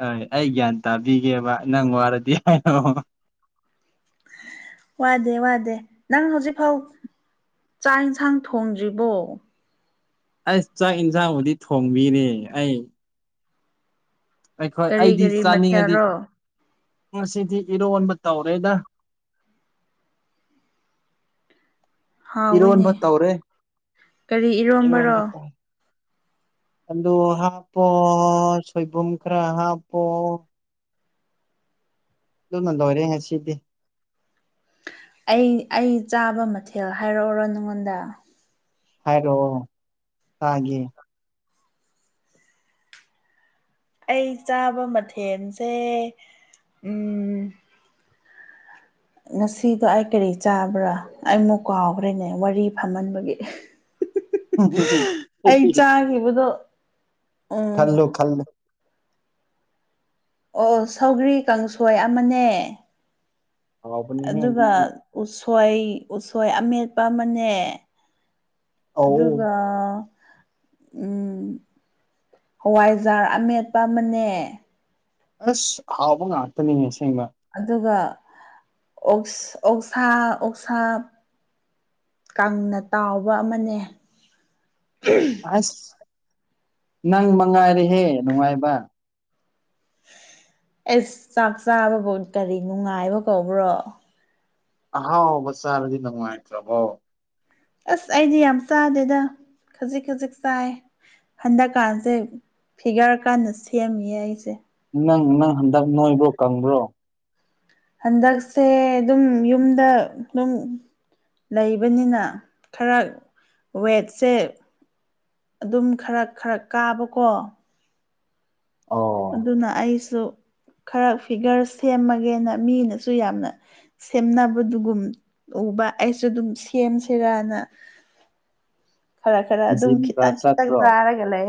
ꯍꯣꯏ ꯑꯩ ꯒ꯭ꯌꯥꯟ ꯇꯥꯕꯤꯒꯦꯕ ꯅꯪ ꯋꯥꯔꯗꯤ ꯍꯥꯏꯅꯣ ꯋꯥꯗꯦ ꯋꯥꯗꯦ ꯅꯪ ꯍꯧꯖꯤꯛꯐꯥꯎ ꯆꯥꯛ ꯌꯦꯟꯁꯥꯡ ꯊꯣꯡꯗ꯭ꯔꯤꯕꯣ ꯑꯁ ꯆꯥꯛ ꯌꯦꯟꯁꯥꯡꯕꯨꯗꯤ ꯊꯣꯡꯕꯤꯔꯤ ꯑꯩ ꯑꯩꯈꯣꯏ ꯑꯩꯗꯤ ꯆꯥꯅꯤꯡꯉꯗꯤ ꯉꯁꯤꯗꯤ ꯏꯔꯣꯟꯕ ꯇꯧꯔꯦꯗ ꯏꯔꯣꯟꯕ ꯇꯧꯔꯦ ꯏꯔꯣꯟꯕ ꯇꯧꯔꯦ ꯑꯗꯨ ꯍꯥꯞꯄꯣ ꯁꯣꯏꯕꯨꯝ ꯈꯔ ꯍꯥꯞꯄꯣ ꯂꯃꯗꯧꯔꯦ ꯉ ꯁꯤꯗꯤ ꯑꯩ ꯑꯩ ꯆꯥꯕ ꯃꯊꯦꯜ ꯍꯥꯏꯔꯛꯎꯔꯣ ꯅꯉꯣꯟꯗ ꯍꯥꯏꯔꯛꯑꯣ ꯇꯥꯒꯦ ꯑꯩ ꯆꯥꯕ ꯃꯊꯦꯜꯁꯦ ꯎꯝ ꯉꯁꯤꯗꯣ ꯑꯩ ꯀꯔꯤ ꯆꯥꯕ꯭ꯔꯥ ꯑꯩꯃꯨꯛ ꯀꯥꯎꯈ꯭ꯔꯦꯅꯦ ꯋꯥꯔꯤ ꯐꯝꯍꯟꯕꯒꯤ ꯑꯩ ꯆꯥꯈꯤꯕꯗꯣ ꯊꯜꯂꯨ ꯈꯜꯂꯨ ꯑꯣ ꯑꯣ ꯁꯧꯒ꯭ꯔꯤ ꯀꯥꯡꯁꯣꯏ ꯑꯃꯅꯦ ꯑꯗꯨꯒꯒ ꯎꯁꯣꯏ ꯎꯁꯣꯏ ꯑꯃꯦꯠꯄ ꯑꯃꯅꯦ ꯑꯗꯨꯒ ꯎꯝ ꯍꯋꯥꯏꯖꯥꯔ ꯑꯃꯦꯠꯄ ꯑꯃꯅꯦ ꯑꯁ ꯍꯥꯎꯕ ꯉꯇꯅꯤꯁ ꯑꯗꯨꯒ ꯑꯣꯛꯁꯥ ꯑꯣꯛꯁꯥ ꯀꯪꯅ ꯇꯥꯎꯕ ꯑꯃꯅꯦ ꯑꯁ ꯅꯪ ꯃꯉꯥꯏꯔꯍꯦ ꯅꯨꯡꯉꯥꯏꯕ ꯑꯦꯁ ꯆꯥꯛ ꯆꯥꯕꯕꯨꯧ ꯀꯔꯤ ꯅꯨꯡꯉꯥꯏꯕ ꯀꯧꯕ꯭ꯔꯣ ꯍꯥꯎꯁ ꯁꯥꯔꯗꯤ ꯅꯪꯉꯉꯥꯏꯇ꯭ꯔꯕꯣ ꯑꯁ ꯑꯩꯗꯤ ꯌꯥꯝ ꯆꯥꯗꯦꯗ ꯈꯖꯤꯛ ꯈꯖꯤꯛ ꯆꯥꯏ ꯍꯟꯗꯛꯀꯥꯟꯁꯦ ꯐꯤꯒꯔ ꯀꯥꯟꯗ ꯁꯦꯝꯃꯤꯌꯦ ꯑꯩꯁꯦ ꯅꯪ ꯅꯪ ꯍꯟꯗꯛ ꯅꯣꯏꯕ꯭ꯔꯣ ꯀꯪꯕ꯭ꯔꯣ ꯍꯟꯗꯛꯁꯦ ꯑꯗꯨꯝ ꯌꯨꯝꯗ ꯑꯗꯨꯝ ꯂꯩꯕꯅꯤꯅ ꯈꯔ ꯋꯦꯠꯁꯦ ꯑꯗꯨꯝ ꯈꯔ ꯈꯔ ꯀꯥꯕꯀꯣ ꯑꯗꯨꯅ ꯑꯩꯁꯨ ꯈꯔ ꯐꯤꯒꯔ ꯁꯦꯝꯃꯒꯦꯅ ꯃꯤꯅꯁꯨ ꯌꯥꯝꯅ ꯁꯦꯝꯅꯕꯗꯨꯒꯨꯝ ꯑꯩꯁꯨ ꯑꯗꯨꯝ ꯁꯦꯝꯁꯤꯔꯅ [inaudible] [unintelligible] ꯈꯔ ꯈꯔ ꯑꯗꯨꯝ ꯈꯤꯇꯪ ꯈꯤꯇꯪ ꯆꯥꯔꯒ ꯂꯩ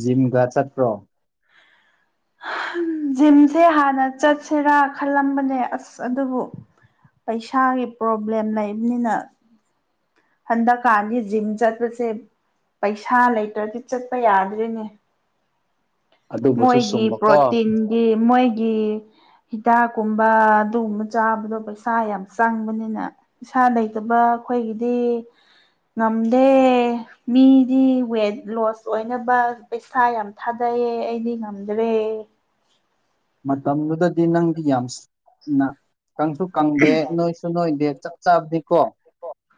ꯖꯤꯝꯒꯥ ꯆꯠ꯭ꯔꯣ [inaudible] [unintelligible] ꯖꯤꯝꯁꯦ ꯍꯥꯟꯅ ꯆꯠꯁꯤꯔꯥ ꯈꯜꯂꯝꯕꯅꯦ ꯑꯁ ꯑꯗꯨꯕꯨ ꯄꯩꯁꯥꯒꯤ ꯄ꯭ꯔꯣꯕ꯭ꯂꯦꯝ ꯂꯩꯕꯅꯤꯅ ꯑꯗ ꯀꯥꯅꯤ ꯖꯤꯝ ꯆꯁꯦ ꯄꯩꯁꯥ ꯂꯩꯇ꯭ꯔꯗꯤ ꯆꯠꯄ ꯌꯥꯗ꯭ꯔꯤꯅꯦ ꯃꯣꯏꯒꯤ ꯄ꯭ꯔꯣꯇꯤꯟꯒꯤ ꯃꯣꯏꯒꯤ ꯍꯤꯗꯥꯛꯀꯨꯝꯕ ꯑꯗꯨꯒꯨꯝꯕ ꯆꯥꯕꯗꯣ ꯄꯩꯁꯥ ꯌꯥꯝ ꯆꯪꯕꯅꯤꯅ ꯏꯁꯩꯥ ꯂꯩꯇꯕ ꯑꯩꯈꯣꯏꯒꯤꯗꯤ ꯉꯝꯗꯦ ꯃꯤꯗꯤ ꯋꯦꯠ ꯂꯣꯁ ꯑꯣꯏꯅꯕ ꯄꯩꯁꯥ ꯌꯥꯝ ꯊꯥꯗꯩ ꯑꯩꯗꯤ ꯉꯝꯗꯕ ꯃꯇꯝꯗꯨꯗꯗꯤ ꯅꯪꯗꯤ ꯌꯥꯝꯅ ꯀꯪꯁꯨ ꯀꯪꯗꯦ ꯅꯣꯏꯁꯨ ꯅꯣꯏꯗꯦ ꯆꯞ ꯆꯥꯕꯗꯤꯀꯣ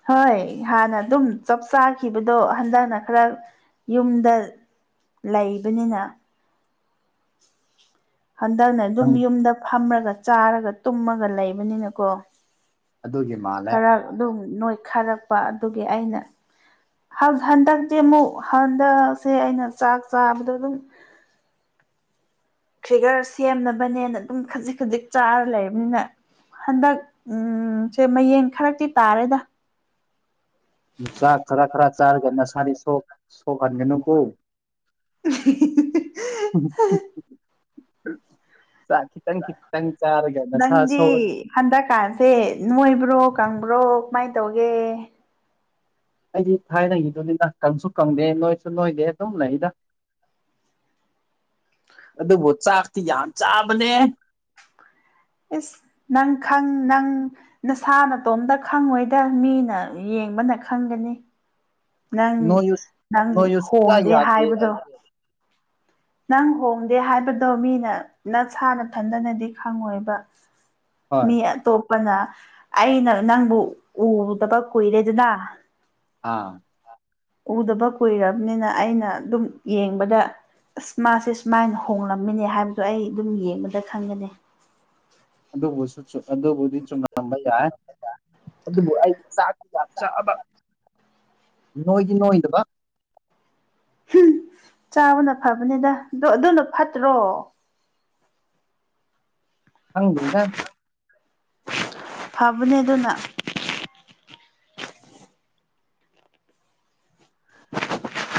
ꯍꯣꯏ ꯍꯥꯟ ꯑꯗꯨꯝ ꯆꯞ ꯆꯥ ꯈꯤꯕꯗꯣ ꯍꯟꯗꯛꯅ ꯈꯔ ꯌꯨꯝꯗ ꯂꯩꯕꯅꯤꯅ ꯍꯟꯗꯛꯅꯦ ꯑꯗꯨꯝ ꯌꯨꯝꯗ ꯐꯝꯃꯒ ꯆꯥꯔꯒ ꯇꯨꯝꯃꯒ ꯂꯩꯕꯅꯤꯅꯀꯣ ꯑꯗꯨꯒꯤ ꯃꯥꯜꯂꯦ ꯅꯣꯏꯈꯥꯔꯛꯄ ꯑꯗꯨꯒꯤ ꯑꯩꯅ ꯍꯟꯗꯛꯇꯤ ꯑꯃꯨꯛ ꯍꯟꯗꯛꯁꯦ ꯑꯩꯅ ꯆꯥꯛ ꯆꯥꯕꯗꯣ ꯑꯗꯨꯝ [inaudible] [unintelligible] ꯐ꯭ꯔꯤꯒꯔ ꯁꯦꯝꯅꯕꯅꯦꯅ ꯑꯗꯨꯝ ꯈꯖꯤꯛ ꯈꯖꯤꯛ ꯆꯥꯔ ꯂꯩꯔꯕꯅꯤꯅ ꯍꯟꯗꯛ ꯎꯝ ꯁꯦ ꯃꯌꯦꯡ ꯈꯔꯛꯇꯤ ꯇꯥꯔꯦꯗ ꯅꯨꯆꯥꯥꯛ ꯈꯔ ꯈꯔ ꯆꯥꯔꯒꯅ ꯁꯥꯅꯤ ꯁ ꯁꯣꯛꯍꯟꯒꯅꯨꯕꯨ ꯎꯝ ꯅꯪꯗꯤ ꯍꯟꯗꯛꯀꯥꯟꯁꯦ ꯅꯣꯏꯕ꯭ꯔꯣ ꯀꯪꯕ꯭ꯔꯣ ꯀꯃꯥꯏꯅ ꯇꯧꯒꯦ ꯑꯩꯗꯤ ꯊꯥꯏꯅꯉꯤꯗꯨꯅꯤꯅ ꯀꯪꯁꯨ ꯀꯪꯗꯦ ꯅꯣꯏꯁꯨ ꯅꯣꯏꯗꯦ ꯑꯗꯨꯝ ꯂꯩꯗ ꯑꯗꯨꯕꯨ ꯆꯥꯛꯇꯤ ꯌꯥꯝ ꯆꯥꯕꯅꯦ ꯏꯁꯁ ꯅꯪꯪ ꯅꯪ ꯅꯁꯥ ꯅꯇꯣꯝꯇ ꯈꯪꯉꯣꯏꯗ ꯃꯤꯅ ꯌꯦꯉ ꯌꯦꯕꯅ ꯈꯪꯒꯅꯤ ꯅꯣ ꯌꯨꯁ ꯅꯣ ꯌꯨꯁ ꯀ ꯌꯥꯗꯦ ꯑꯩꯁꯦ ꯅꯪ ꯍꯣꯡꯗꯦ ꯍꯥꯏꯕꯗꯣ ꯃꯤꯅ ꯅꯪꯁꯥꯅ ꯊꯟꯗꯅꯗꯤ ꯈꯪꯉꯣꯏꯕ ꯃꯤ ꯇꯣ ꯄꯅ ꯑꯩꯅ ꯅꯪꯕꯨ ꯎꯗꯕ ꯀꯨꯏꯔꯦꯗꯅ ꯑꯥ ꯎꯗꯕ ꯀꯨꯏꯔꯕꯅꯤꯅ ꯑꯩꯅ ꯑꯗꯨꯝ ꯌꯦꯡꯕꯗ ꯑꯁ ꯃꯥꯁꯦ ꯁꯨꯃꯥꯏꯅ ꯍꯣꯡꯂꯝꯃꯤꯅꯦ ꯍꯥꯏꯕꯗꯣ ꯑꯩ ꯑꯗꯨꯝ ꯌꯦꯡꯕꯗ ꯈꯪꯒꯅꯤ ꯑꯗꯨꯕꯨꯁꯨ ꯑꯗꯨꯕꯨꯗꯤ ꯆ ꯩ ꯌꯥ ꯑꯗꯨꯕꯨ ꯑ ꯁꯥꯇ ꯑ ꯅꯣꯏꯒꯤ ꯅꯗꯕ ꯎ ꯆꯥꯕꯅ ꯐꯕꯅꯤꯗ ꯑꯗꯨ ꯑꯗꯨꯅ ꯐꯠꯇ꯭ꯔꯣ ꯍꯪꯗ ꯐꯕꯅꯦ ꯑꯗꯨꯅ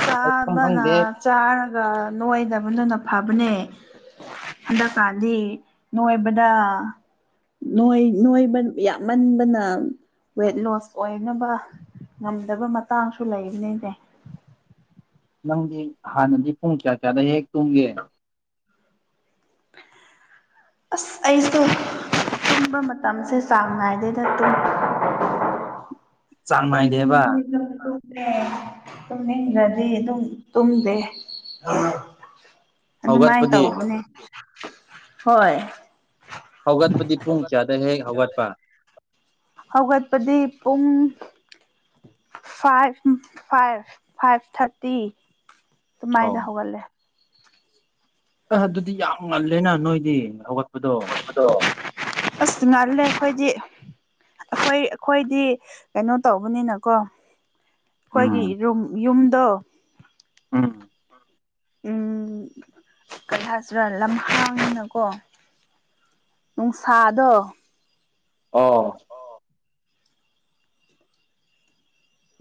ꯆꯥꯕꯅ ꯆꯥꯔꯒ ꯅꯣꯏꯗꯕꯗꯨꯅ ꯐꯕꯅꯦ ꯍꯟꯗꯛꯀꯥꯥꯟꯗꯤ ꯅꯣꯏꯕꯗ ꯅꯣꯏ ꯅꯣꯏꯕ ꯌꯥꯝꯃꯟꯕꯅ ꯋꯦꯠ ꯂꯣꯁ ꯑꯣꯏꯅꯕ ꯉꯝꯗꯕ ꯃꯇꯥꯡꯁꯨ ꯂꯩꯕꯅꯤꯅꯦ ꯅꯪꯗꯤ ꯍꯥꯟꯅꯗꯤ ꯄꯨꯡ ꯀꯌꯥ ꯀꯌꯥꯗ ꯍꯦꯛ ꯇꯨꯝꯒꯦ ꯑꯁ ꯑꯩꯁꯨ ꯇꯨꯝꯕ ꯃꯇꯝꯁꯦ ꯆꯥꯡ ꯅꯥꯏꯗꯩꯗ ꯑꯗꯨꯨꯝ [inaudible] [unintelligible] ꯇꯨꯝꯅꯤꯡꯈ꯭ꯔꯗꯤ ꯑꯗꯨꯝ ꯇꯨꯝꯗꯦ ꯑꯗꯨꯃꯥꯏꯅ ꯇꯧꯕꯅꯦ ꯍꯣꯏ ꯍꯧꯒꯠꯄꯗꯤ ꯄꯨꯡ ꯀꯌꯥꯗ ꯍꯦꯛ ꯍꯧꯒꯠꯄ ꯍꯧꯒꯠꯄꯗꯤ ꯄꯨꯡ ꯐꯥꯏꯚ ꯐꯥꯏꯚ ꯐꯥꯏꯚ ꯊꯥꯔꯇꯤ ꯃꯥꯏꯗ ꯍꯒꯦ ꯑ ꯑꯗꯨꯗꯤ ꯌꯥꯝ ꯉꯜꯂꯦꯅ ꯅꯣꯏꯗꯤꯠ ꯑ ꯑꯁ ꯉꯥꯏꯜꯂꯦ ꯑꯩꯈꯣꯏꯗꯤ ꯑꯩꯈꯣꯏ ꯑꯩꯈꯣꯏꯗꯤ ꯀꯩꯅꯣ ꯇꯧꯕꯅꯤꯅꯀꯣ ꯑꯩꯈꯣꯏꯒꯤ ꯌꯨꯝꯗꯣ ꯎꯝ ꯀꯂꯁꯤꯔꯥ ꯂꯝꯍꯥꯡꯅꯀꯣ ꯅꯨꯡꯁꯥꯗ ꯑꯥ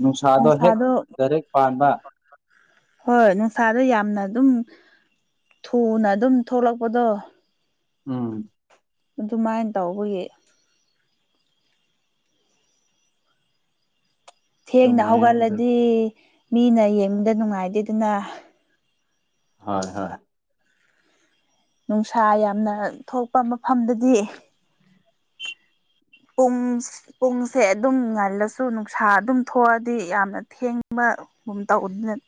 ꯅꯨꯡꯁꯥꯗꯣ ꯍꯦꯛ ꯗꯥꯔꯦꯛ ꯄꯥꯟꯕ ꯍꯣꯏ ꯅꯨꯡꯁꯥꯗ ꯌꯥꯝꯅ ꯑꯗꯨꯝ ꯊꯨꯅ ꯑꯗꯨꯝ ꯊꯣꯛꯂꯛꯄꯗꯣ ꯎꯝ ꯑꯗꯨꯃꯥꯏꯅ ꯇꯧꯕꯒꯤ ꯊꯦꯡꯅ ꯍꯧꯒꯠꯂꯗꯤ ꯃꯤꯅ ꯌꯦꯡꯕꯗ ꯅꯨꯡꯉꯥꯏꯇꯦ ꯑꯗꯨꯅ ꯍꯣꯏ ꯍꯣꯏ ꯅꯨꯡꯁꯥ ꯌꯥꯝꯅ ꯊꯣꯛꯄ ꯃꯐꯝꯗꯗꯤ ꯄꯨꯡ ꯄꯨꯡꯁꯦ ꯑꯗꯨꯝ ꯉꯜꯂꯁꯨ ꯅꯨꯡꯁꯥ ꯑꯗꯨꯝ ꯊꯣꯛꯑꯗꯤ ꯌꯥꯝꯅ ꯊꯦꯡꯕ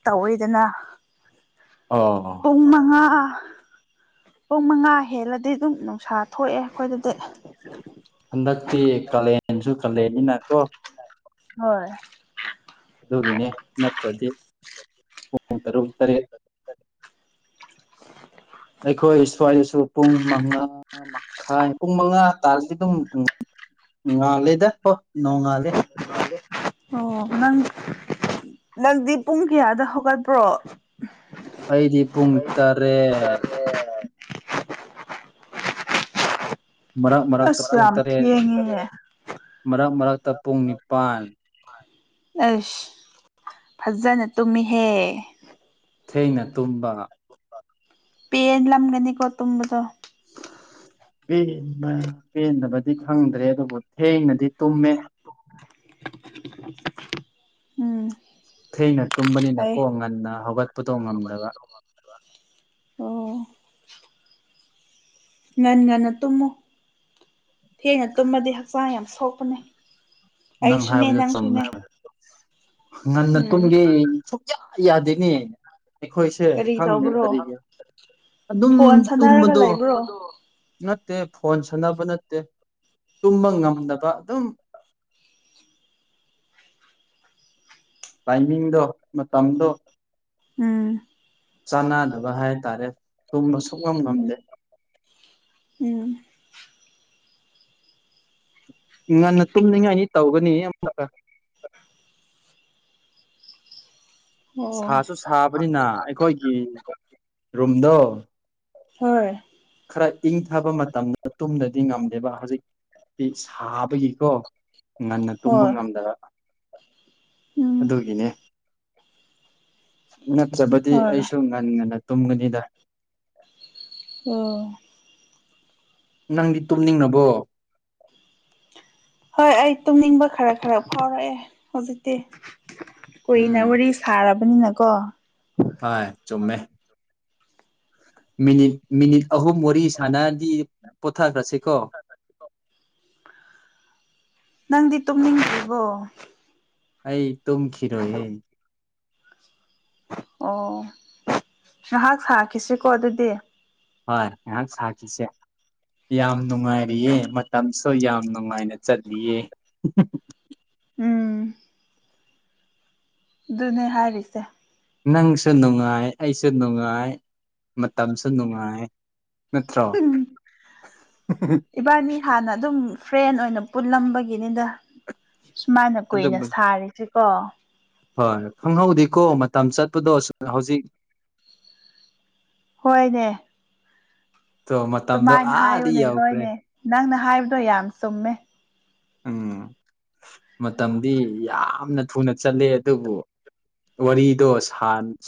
ꯇꯧꯋꯤꯗꯅ ꯄꯨꯡ ꯃꯉꯥ ꯄꯨꯡ ꯃꯉꯥ ꯍꯦꯜꯂꯗꯤ ꯑꯗꯨꯝ ꯅꯨꯡꯁꯥ ꯊꯣꯛꯑꯦ ꯑꯩꯈꯣꯏꯗꯗꯤ ꯍꯟꯗꯛꯇꯤ ꯀꯥꯂꯦꯟꯁꯨ ꯀꯥꯂꯦꯟꯅꯤꯅ ꯀꯣ ꯍꯣꯏ ꯑꯗꯨꯒꯤꯅꯦ ꯅꯠꯇ꯭ꯔꯗꯤ ꯄꯨꯡ ꯇꯔꯨꯛ ꯇꯔꯦꯠ [inaudible] ꯑꯩꯈꯣꯏ ꯁ꯭ꯋꯥꯏꯗꯁꯨ ꯄꯨꯡ ꯃꯉꯥ ꯃꯈꯥꯏ ꯄꯨꯡ ꯃꯉꯥ ꯇꯥꯔꯗꯤ ꯑꯗꯨꯝ ꯄꯨꯡ ꯉꯥꯜꯂꯩꯗ ꯍꯣ ꯅꯣꯡꯉꯥꯜꯂꯦ ꯑꯣ ꯅꯪ ꯅꯪꯗꯤ ꯄꯨꯡ ꯀꯌꯥꯗ ꯍꯧꯒꯠꯄ꯭ꯔꯣ ꯑꯩꯗꯤ ꯄꯨꯡ ꯇꯔꯦꯠ ꯃꯔꯛ ꯃꯔꯛꯇ ꯄꯨꯡ ꯇꯔꯦꯠ ꯃꯔꯛ ꯃꯔꯛꯇ ꯄꯨꯡ ꯅꯤꯄꯜ ꯑꯦꯁ ꯐꯖꯅ ꯇꯨꯝꯃꯤꯍꯦ ꯊꯦꯡꯅ ꯇꯨꯝꯕ ꯄꯦꯟꯂꯝꯒꯅꯤꯀꯣ ꯇꯨꯝꯕꯗꯣ ꯦꯟꯕ ꯄꯦꯟꯗꯕꯗꯤ ꯈꯪꯗ꯭ꯔꯦ ꯑꯗꯨꯕꯨ ꯊꯦꯡꯅꯗꯤ ꯇꯨꯝꯃꯦ ꯎꯝ ꯊꯦꯡꯅ ꯇꯨꯝꯕꯅꯤꯅ ꯀꯣꯛ ꯉꯟꯅ ꯍꯧꯒꯠꯄꯗꯣ ꯉꯝꯗꯕ ꯉꯥꯟ ꯉꯟꯅ ꯇꯨꯝꯃꯨ ꯊꯦꯡꯅ ꯇꯨꯝꯃꯗꯤ ꯍꯛꯆꯥꯡ ꯌꯥꯝ ꯁꯣꯛꯄꯅꯤ ꯑꯩ ꯁꯅꯦ ꯅꯪ ꯁꯅꯦ ꯉꯟꯅ ꯇꯨꯡꯒꯤ ꯁꯨꯝ ꯌꯥꯗꯦꯅꯤꯩꯅ ꯑꯩꯈꯣꯏꯁꯦ ꯈꯪꯅꯤ ꯀꯔꯤꯒꯤ ꯑꯗꯨꯝ ꯇꯨꯝꯕꯗꯣ ꯅꯠꯇꯦ ꯐꯣꯟ ꯁꯥꯟꯅꯕ ꯅꯠꯇꯦ ꯇꯨꯝꯕ ꯉꯝꯗꯕ ꯑꯗꯨꯝ ꯇꯥꯏꯃꯤꯡꯗꯣ ꯃꯇꯝꯗꯣ ꯎꯝ ꯆꯥꯅꯗꯅꯕ ꯍꯥꯏ ꯇꯔꯦ ꯇꯨꯝꯕ ꯁꯣꯛꯉꯝ ꯉꯝꯗꯦ ꯉꯟꯅ ꯇꯨꯝꯅꯤꯡꯉꯥꯏꯅꯤ ꯇꯧꯒꯅꯤ ꯑꯃꯨꯛꯀ ꯁꯥꯁꯨ ꯁꯥꯕꯅꯤꯅ ꯑꯩꯈꯣꯏꯒꯤ ꯔꯨꯝꯗꯣ ꯍꯣꯏ ꯏꯪꯊꯕ ꯃꯇꯝꯗ ꯇꯨꯝꯗꯗꯤ ꯉꯝꯗꯦꯕ ꯍꯧꯖꯤꯛꯇꯤ ꯁꯥꯕꯒꯤꯀꯣ ꯉꯟꯅ ꯇꯨꯝꯕ ꯉꯝꯗꯕ ꯑꯗꯨꯒꯤꯅꯦ ꯅꯞꯆꯕꯗꯤ ꯑꯩꯁꯨ ꯉꯟ ꯉꯟꯅ ꯇꯨꯝꯒꯅꯤꯗ ꯑꯣ ꯅꯪꯗꯤ ꯇꯨꯝꯅꯤꯡꯕꯣ ꯍꯣꯏ ꯑꯩ ꯇꯨꯝꯅꯤꯡꯕ ꯈꯔ ꯈꯔ ꯐꯥꯎꯔꯛꯑꯦ ꯍꯧꯖꯤꯛꯇꯤ ꯀꯨꯏꯅ ꯋꯥꯔꯤ ꯁꯥꯔꯕꯅꯤꯅꯀꯣ ꯍꯥꯏ ꯆꯨꯝꯃꯦ ꯃꯤꯅꯤꯠ ꯃꯤꯅꯤꯠ ꯑꯍꯨꯝ ꯃꯔꯤ ꯁꯥꯟꯅꯗꯤ ꯀꯊ ꯔꯁꯤꯀꯣ ꯅꯪꯗꯤ ꯇꯨꯝꯅꯤꯡꯗꯦꯔꯤꯕꯣ ꯑꯩ ꯇꯝ ꯈꯤꯔꯣ ꯑꯣ ꯉꯍꯥꯛ ꯁꯥꯈꯤꯁꯤꯀꯣ ꯑꯗꯨꯗꯤ ꯍꯣꯏ ꯉꯥꯏꯍꯥꯛ ꯁꯥꯈꯤꯁꯦ ꯌꯥꯝ ꯅꯨꯡꯉꯥꯏꯔꯤꯌꯦ ꯃꯇꯝꯁꯨ ꯌꯥꯝ ꯅꯨꯡꯉꯥꯏꯅ ꯆꯠꯂꯤꯌꯦ ꯎꯝ ꯑꯗꯨꯅꯦ ꯍꯥꯏꯔꯤꯁꯦ ꯅꯪꯁꯨ ꯅꯨꯡꯉꯥꯏ ꯑꯩꯁꯨ ꯅꯨꯡꯉꯥꯏ ꯃꯇꯝꯁꯨ ꯅꯨꯡꯉꯥꯏ ꯎꯝ ꯏꯕꯥꯅꯤ ꯍꯥꯟꯅ ꯑꯗꯨꯝ ꯐ꯭ꯔꯦꯟ ꯑꯣꯏꯅ ꯄꯨꯜꯂꯝꯕꯒꯤꯅꯤꯗ ꯁꯨꯃꯥꯏꯅ ꯀꯨꯏꯅ ꯁꯥꯔꯤꯁꯤꯀꯣ ꯍꯣꯏ ꯈꯪꯍꯧꯗꯦꯀꯣ ꯃꯇꯝ ꯆꯠꯄꯗꯣꯨꯝ ꯍꯧꯖꯤꯛ ꯍꯣꯏꯅꯦ ꯑꯗꯨꯨꯃꯥꯏꯅ ꯍꯥꯏꯌꯨꯅꯦ ꯍꯣꯏꯅꯦ ꯅꯪꯅ ꯍꯥꯏꯕꯗꯣ ꯌꯥꯝ ꯆꯨꯝꯃꯦ ꯎꯝ ꯃꯇꯝꯗꯤ ꯌꯥꯝꯅ ꯊꯨꯅ ꯆꯠꯂꯦ ꯑꯗꯨꯕꯨ ꯋꯥꯔꯤꯗꯣ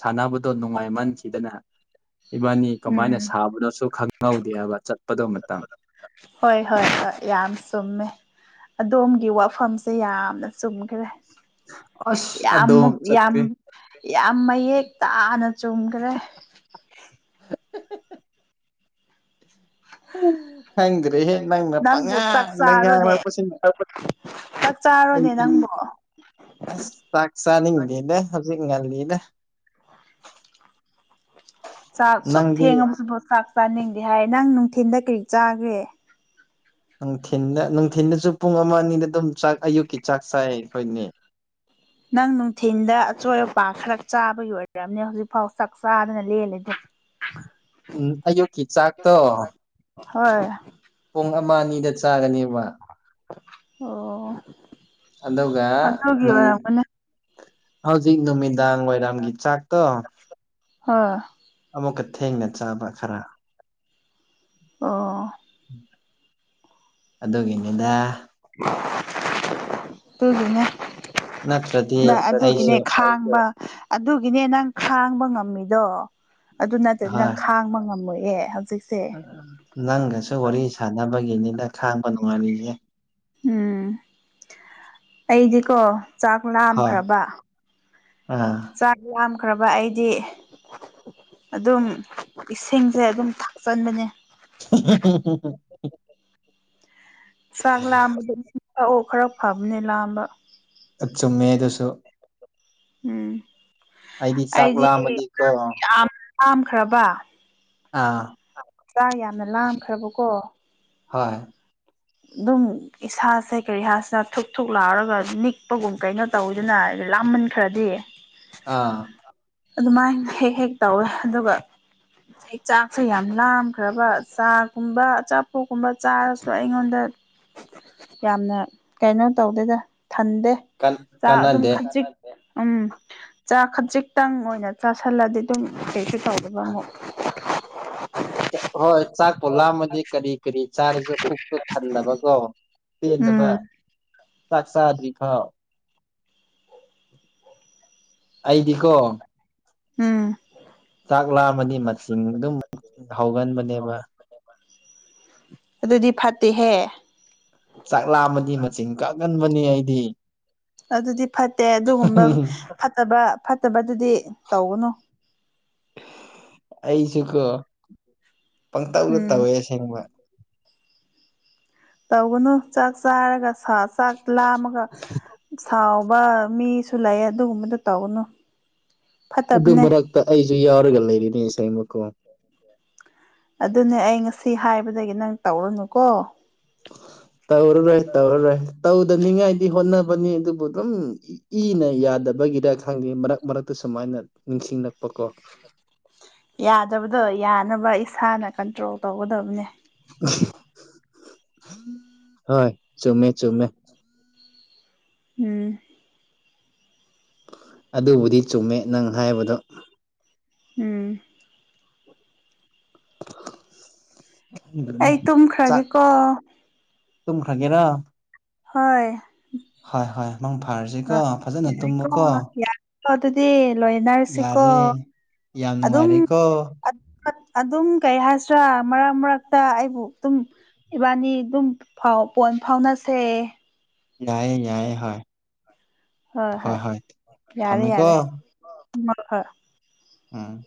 ꯁꯥꯟꯅꯕꯗꯣ ꯅꯨꯡꯉꯥꯏꯃꯟꯈꯤꯗꯅ ꯏꯕꯥꯅꯤ ꯀꯃꯥꯏꯅ ꯁꯥꯕꯅꯣꯁꯨ ꯈꯪꯍꯧꯗꯦ ꯍꯥꯏꯕ ꯆꯠꯄꯗꯣ ꯃꯇꯝꯇ ꯍꯣꯏ ꯍꯣꯏ ꯍꯣꯏ ꯌꯥꯝ ꯆꯨꯝꯃꯦ ꯑꯗꯣꯝꯒꯤ ꯋꯥꯐꯝꯁꯦ ꯌꯥꯝꯅ ꯆꯨꯝꯈ꯭ꯔꯦ [inaudible] ꯌꯥꯝ ꯌꯥꯝ ꯌꯥꯝ ꯃꯌꯦꯛ ꯇꯥꯅ ꯆꯨꯝꯈ꯭ꯔꯦ ꯍꯝ [unintelligible] ꯈꯪꯗ꯭ꯔꯦꯍꯦ ꯅꯪꯅ ꯄꯉꯥꯡ ꯅꯪ ꯍꯥꯏꯔꯛꯄꯁꯤꯅ ꯑꯩꯗꯤ ꯆꯥꯛ ꯆꯥꯅꯤꯡꯗꯤꯗ ꯉꯜꯂꯤꯗ ꯆꯥꯛ ꯁꯨꯛ ꯊꯦꯡꯉꯁꯨꯕꯨ ꯆꯥꯛ ꯆꯥꯅꯤꯡꯗꯦ ꯍꯥꯏ ꯅꯪ ꯅꯨꯡꯊꯤꯟꯗ ꯀꯔꯤ ꯆꯥꯈ꯭ꯔꯦ ꯅꯨꯡꯊꯤꯟꯜꯗ ꯅꯨꯡꯊꯤꯟꯗꯁꯨ ꯄꯨꯡ ꯑꯃ ꯑꯅꯤꯗ ꯑꯗꯨꯝ ꯆꯥꯛ ꯑꯌꯨꯛꯀꯤ ꯆꯥꯛ ꯆꯥꯏ ꯑꯩꯈꯣꯏꯅꯦ [inaudible] ꯅꯪ ꯅꯨꯡꯊꯤꯟꯗ ꯑꯆꯣꯏ ꯑ ꯄꯥ ꯈꯔ ꯆꯥꯕꯒꯤ ꯑꯣꯏꯔꯝꯅꯤ ꯍꯧꯖꯤꯛꯐꯥꯎ ꯆꯥꯛ ꯆꯥꯗꯅ ꯂꯦꯜꯂꯤꯗꯤ ꯎꯝ ꯑꯌꯨꯛꯀꯤ ꯆꯥꯛꯇꯣ ꯍꯣꯏ ꯄꯨꯡ ꯑꯃ ꯑꯅꯤꯗ ꯆꯥꯒꯅꯦꯕ ꯑꯗꯒ ꯅꯨꯡ ꯍꯧꯖꯤꯛ ꯅꯨꯃꯤꯗꯥꯡ ꯋꯥꯏꯔꯝꯒꯤ ꯆꯥꯛꯇꯣ ꯍꯥ ꯑꯃꯨꯛꯀ ꯊꯦꯡꯅ ꯆꯥꯕ ꯈꯔ ꯑꯣ ꯑꯗꯨꯒꯤꯅꯦꯗ ꯇꯨꯒꯤꯅꯦ ꯅ ꯑꯗꯨꯒꯤꯅꯦ ꯈꯥꯡꯕ ꯑꯗꯨꯒꯤꯅꯦ ꯅꯪ ꯈꯥꯡꯕ ꯉꯝꯃꯤꯗꯣ ꯑꯗꯨ ꯅꯠꯇꯗꯤ ꯅꯪ ꯈꯥꯡꯕ ꯉꯝꯃꯣꯏ ꯑꯦ ꯍꯧꯖꯤꯛ ꯅꯪꯒꯁꯨ ꯋꯥꯔꯤ ꯁꯥꯟꯅꯕꯒꯤꯅꯤꯅ ꯈꯥꯡꯕ ꯅꯨꯡꯉꯥꯏꯔꯤꯌꯦ ꯎꯝ ꯑꯩꯗꯤꯀꯣ ꯆꯥꯛ ꯂꯥꯝꯈ꯭ꯔꯕ ꯆꯥꯛ ꯂꯥꯝ ꯈ꯭ꯔꯕ ꯑꯩꯗꯤ ꯑꯗꯨꯝ ꯏꯁꯤꯡꯁꯦ ꯑꯗꯨꯝ ꯊꯛꯆꯟꯕꯅꯦ [unintelligible] ꯆꯥꯛ ꯂꯥꯝꯕꯗ ꯊꯛꯑꯣ ꯈꯔ ꯐꯕꯅꯦ ꯂꯥꯝꯕ ꯆꯨꯝꯃꯦ ꯑꯗꯨꯁꯨ ꯎꯝ ꯑꯩꯗꯤ ꯆꯥꯛ ꯂꯥꯃꯗꯤꯀꯣ ꯂꯥꯝꯈ꯭ꯔꯕ ꯆꯥ ꯌꯥꯝꯅ ꯂꯥꯝꯈ꯭ꯔꯕꯀꯣ ꯍꯥ ꯗꯨꯝ ꯏꯁꯥꯁꯦ ꯀꯔꯤ ꯍꯥꯏꯁꯤꯅ ꯊꯨꯛ ꯊꯨꯛ ꯂꯥꯎꯔꯒ ꯅꯤꯛꯄꯒꯨꯝ ꯀꯩꯅꯣ ꯇꯧꯋꯤꯗꯅ ꯂꯥꯃꯟꯈ꯭ꯔꯗꯤ ꯑꯥ ꯑꯗꯨꯃꯥꯏꯅ ꯍꯦꯛ ꯍꯦꯛ ꯇꯧꯋꯦ ꯑꯗꯨꯒ ꯑꯩ ꯆꯥꯛꯁꯦ ꯌꯥꯝ ꯂꯥꯝꯈ꯭ꯔꯕ ꯆꯥꯒꯨꯝꯕ ꯑꯆꯥꯄꯣꯠꯀꯨꯝꯕ ꯆꯥꯔꯁꯨ ꯑꯩꯉꯣꯟꯗ ꯌꯥꯝꯅ ꯀꯩꯅꯣ ꯇꯧꯗꯦꯗ ꯊꯟꯗꯦ ꯆꯥꯛ ꯑꯗꯨꯝ ꯈꯖꯤꯛ ꯎꯝ ꯆꯥ ꯈꯖꯤꯛ ꯇꯪ ꯑꯣꯏꯅ ꯆꯥꯥꯁꯜꯂꯗꯤ ꯑꯗꯨꯝ ꯀꯩꯁꯨ ꯇꯧꯗꯕ ꯑꯃꯨꯛ ꯍꯣꯏ ꯆꯥꯛꯄꯣ ꯂꯥꯝꯃꯗꯤ ꯀꯔꯤ ꯀꯔꯤ ꯆꯥꯔꯁꯨ ꯄꯨꯛꯇꯨ ꯊꯜꯂꯕꯀꯣ ꯄꯦꯟꯗꯕ ꯆꯥꯛ ꯆꯥꯗ꯭ꯔꯤ ꯈꯥꯎ ꯑꯩꯗꯤꯀꯣ ꯎꯝ ꯆꯥꯛ ꯂꯥꯑꯝꯃꯅꯤ ꯃꯁꯤꯡ ꯑꯗꯨꯝ ꯍꯧꯒꯟꯕꯅꯦꯕ ꯑꯗꯨꯗꯤ ꯐꯠꯇꯦꯍꯦ ꯉꯟꯕꯅꯦ ꯑꯩꯗꯤ ꯑꯗꯨꯗꯤ ꯐꯠꯇꯦ ꯑꯗꯨꯒꯨꯝꯕ ꯐꯠꯇꯕ ꯐꯠꯇꯕꯗꯨꯗꯤ ꯇꯧꯒꯅꯨ ꯑꯩꯁꯨꯀꯣ ꯄꯪꯇꯧꯗ ꯇꯧꯋꯦ ꯑꯁꯦꯡꯕ ꯇꯧꯒꯅꯨ ꯆꯥꯛ ꯆꯥꯔꯒ ꯁꯥ ꯆꯥꯛ ꯂꯥꯝꯃꯒ ꯁꯥꯎꯕ ꯃꯤꯁꯨ ꯂꯩ ꯌꯦ ꯑꯦ ꯑꯗꯨꯒꯨꯝꯕꯗꯨ ꯇꯧꯒꯅꯨ ꯑꯗꯨ ꯃꯔꯛꯇ ꯑꯩꯁꯨ ꯌꯥꯎꯔꯒ ꯂꯩꯔꯤꯅꯦ ꯑꯁꯦꯡꯃꯛꯀꯣ ꯑꯗꯨꯅꯦ ꯑꯩ ꯉꯁꯤ ꯍꯥꯏꯕꯗꯒꯤ ꯅꯪ ꯇꯧꯔꯨꯅꯨꯀꯣ [unintelligible] ꯇꯧꯔꯔꯣꯏ ꯇꯧꯔꯔꯣꯏ ꯇꯧꯗꯅꯤꯡꯉꯥꯏꯗꯤ ꯍꯣꯠꯅꯕꯅꯤ ꯑꯗꯨꯕꯨ ꯑꯗꯨꯝ ꯏ ꯏꯅ ꯌꯥꯗ ꯕꯒꯤꯗ ꯈꯪꯗ‌ꯦ ꯃꯔꯛ ꯃꯔꯛꯇ ꯁꯨꯃꯥꯏꯅ ꯅꯤꯡꯁꯤꯡꯂꯛꯄ ꯀꯣ ꯌꯥꯗꯕꯗꯣ ꯌꯥꯅꯕ ꯏꯁꯥꯅ ꯀꯟꯇ꯭ꯔꯣꯜ ꯇꯧꯒꯗꯕꯅꯦ ꯍꯣꯏ ꯆꯨꯝꯃꯦ ꯆꯨꯝꯃꯦ ꯎꯝ ꯑꯗꯨꯕꯨꯗꯤ ꯆꯨꯝꯃꯦ ꯅꯪ ꯍꯥꯏꯕꯗꯣ ꯎꯝ [unintelligible] ꯑꯩ ꯇꯨꯝꯈ꯭ꯔꯒꯦꯀꯣ ꯇꯨꯝꯈꯔꯒꯦꯔꯥ ꯍꯣꯏ ꯍꯣꯏ ꯍꯣꯏ ꯃꯪ ꯐꯥꯔꯁꯤꯀꯣ ꯐꯖꯅ ꯇꯨꯝꯃꯨꯀꯣ ꯑꯗꯨꯗꯤ ꯂꯣꯏꯅꯔꯁꯤꯀꯣ ꯑꯗꯨꯝ ꯑꯥ ꯑꯥ ꯑꯗꯨꯝ ꯀꯩ ꯍꯥꯏꯁꯤꯔꯥ ꯃꯔꯛ ꯃꯔꯛꯇ ꯑꯩꯕꯨ ꯇꯨꯝ ꯏꯕꯥꯅꯤ ꯗꯨꯝ ꯐ‌ꯣꯟ ꯐꯥꯎꯅꯁꯦ ꯌꯥꯏꯌꯦ ꯌꯥꯏꯌ‌ꯦ ꯍ‌ꯣꯏ ꯍ‌ꯣꯏ ꯍ‌ꯣꯏ ꯊꯝꯃꯦꯀꯣ [unintelligible] ꯍꯣꯏ ꯎꯝ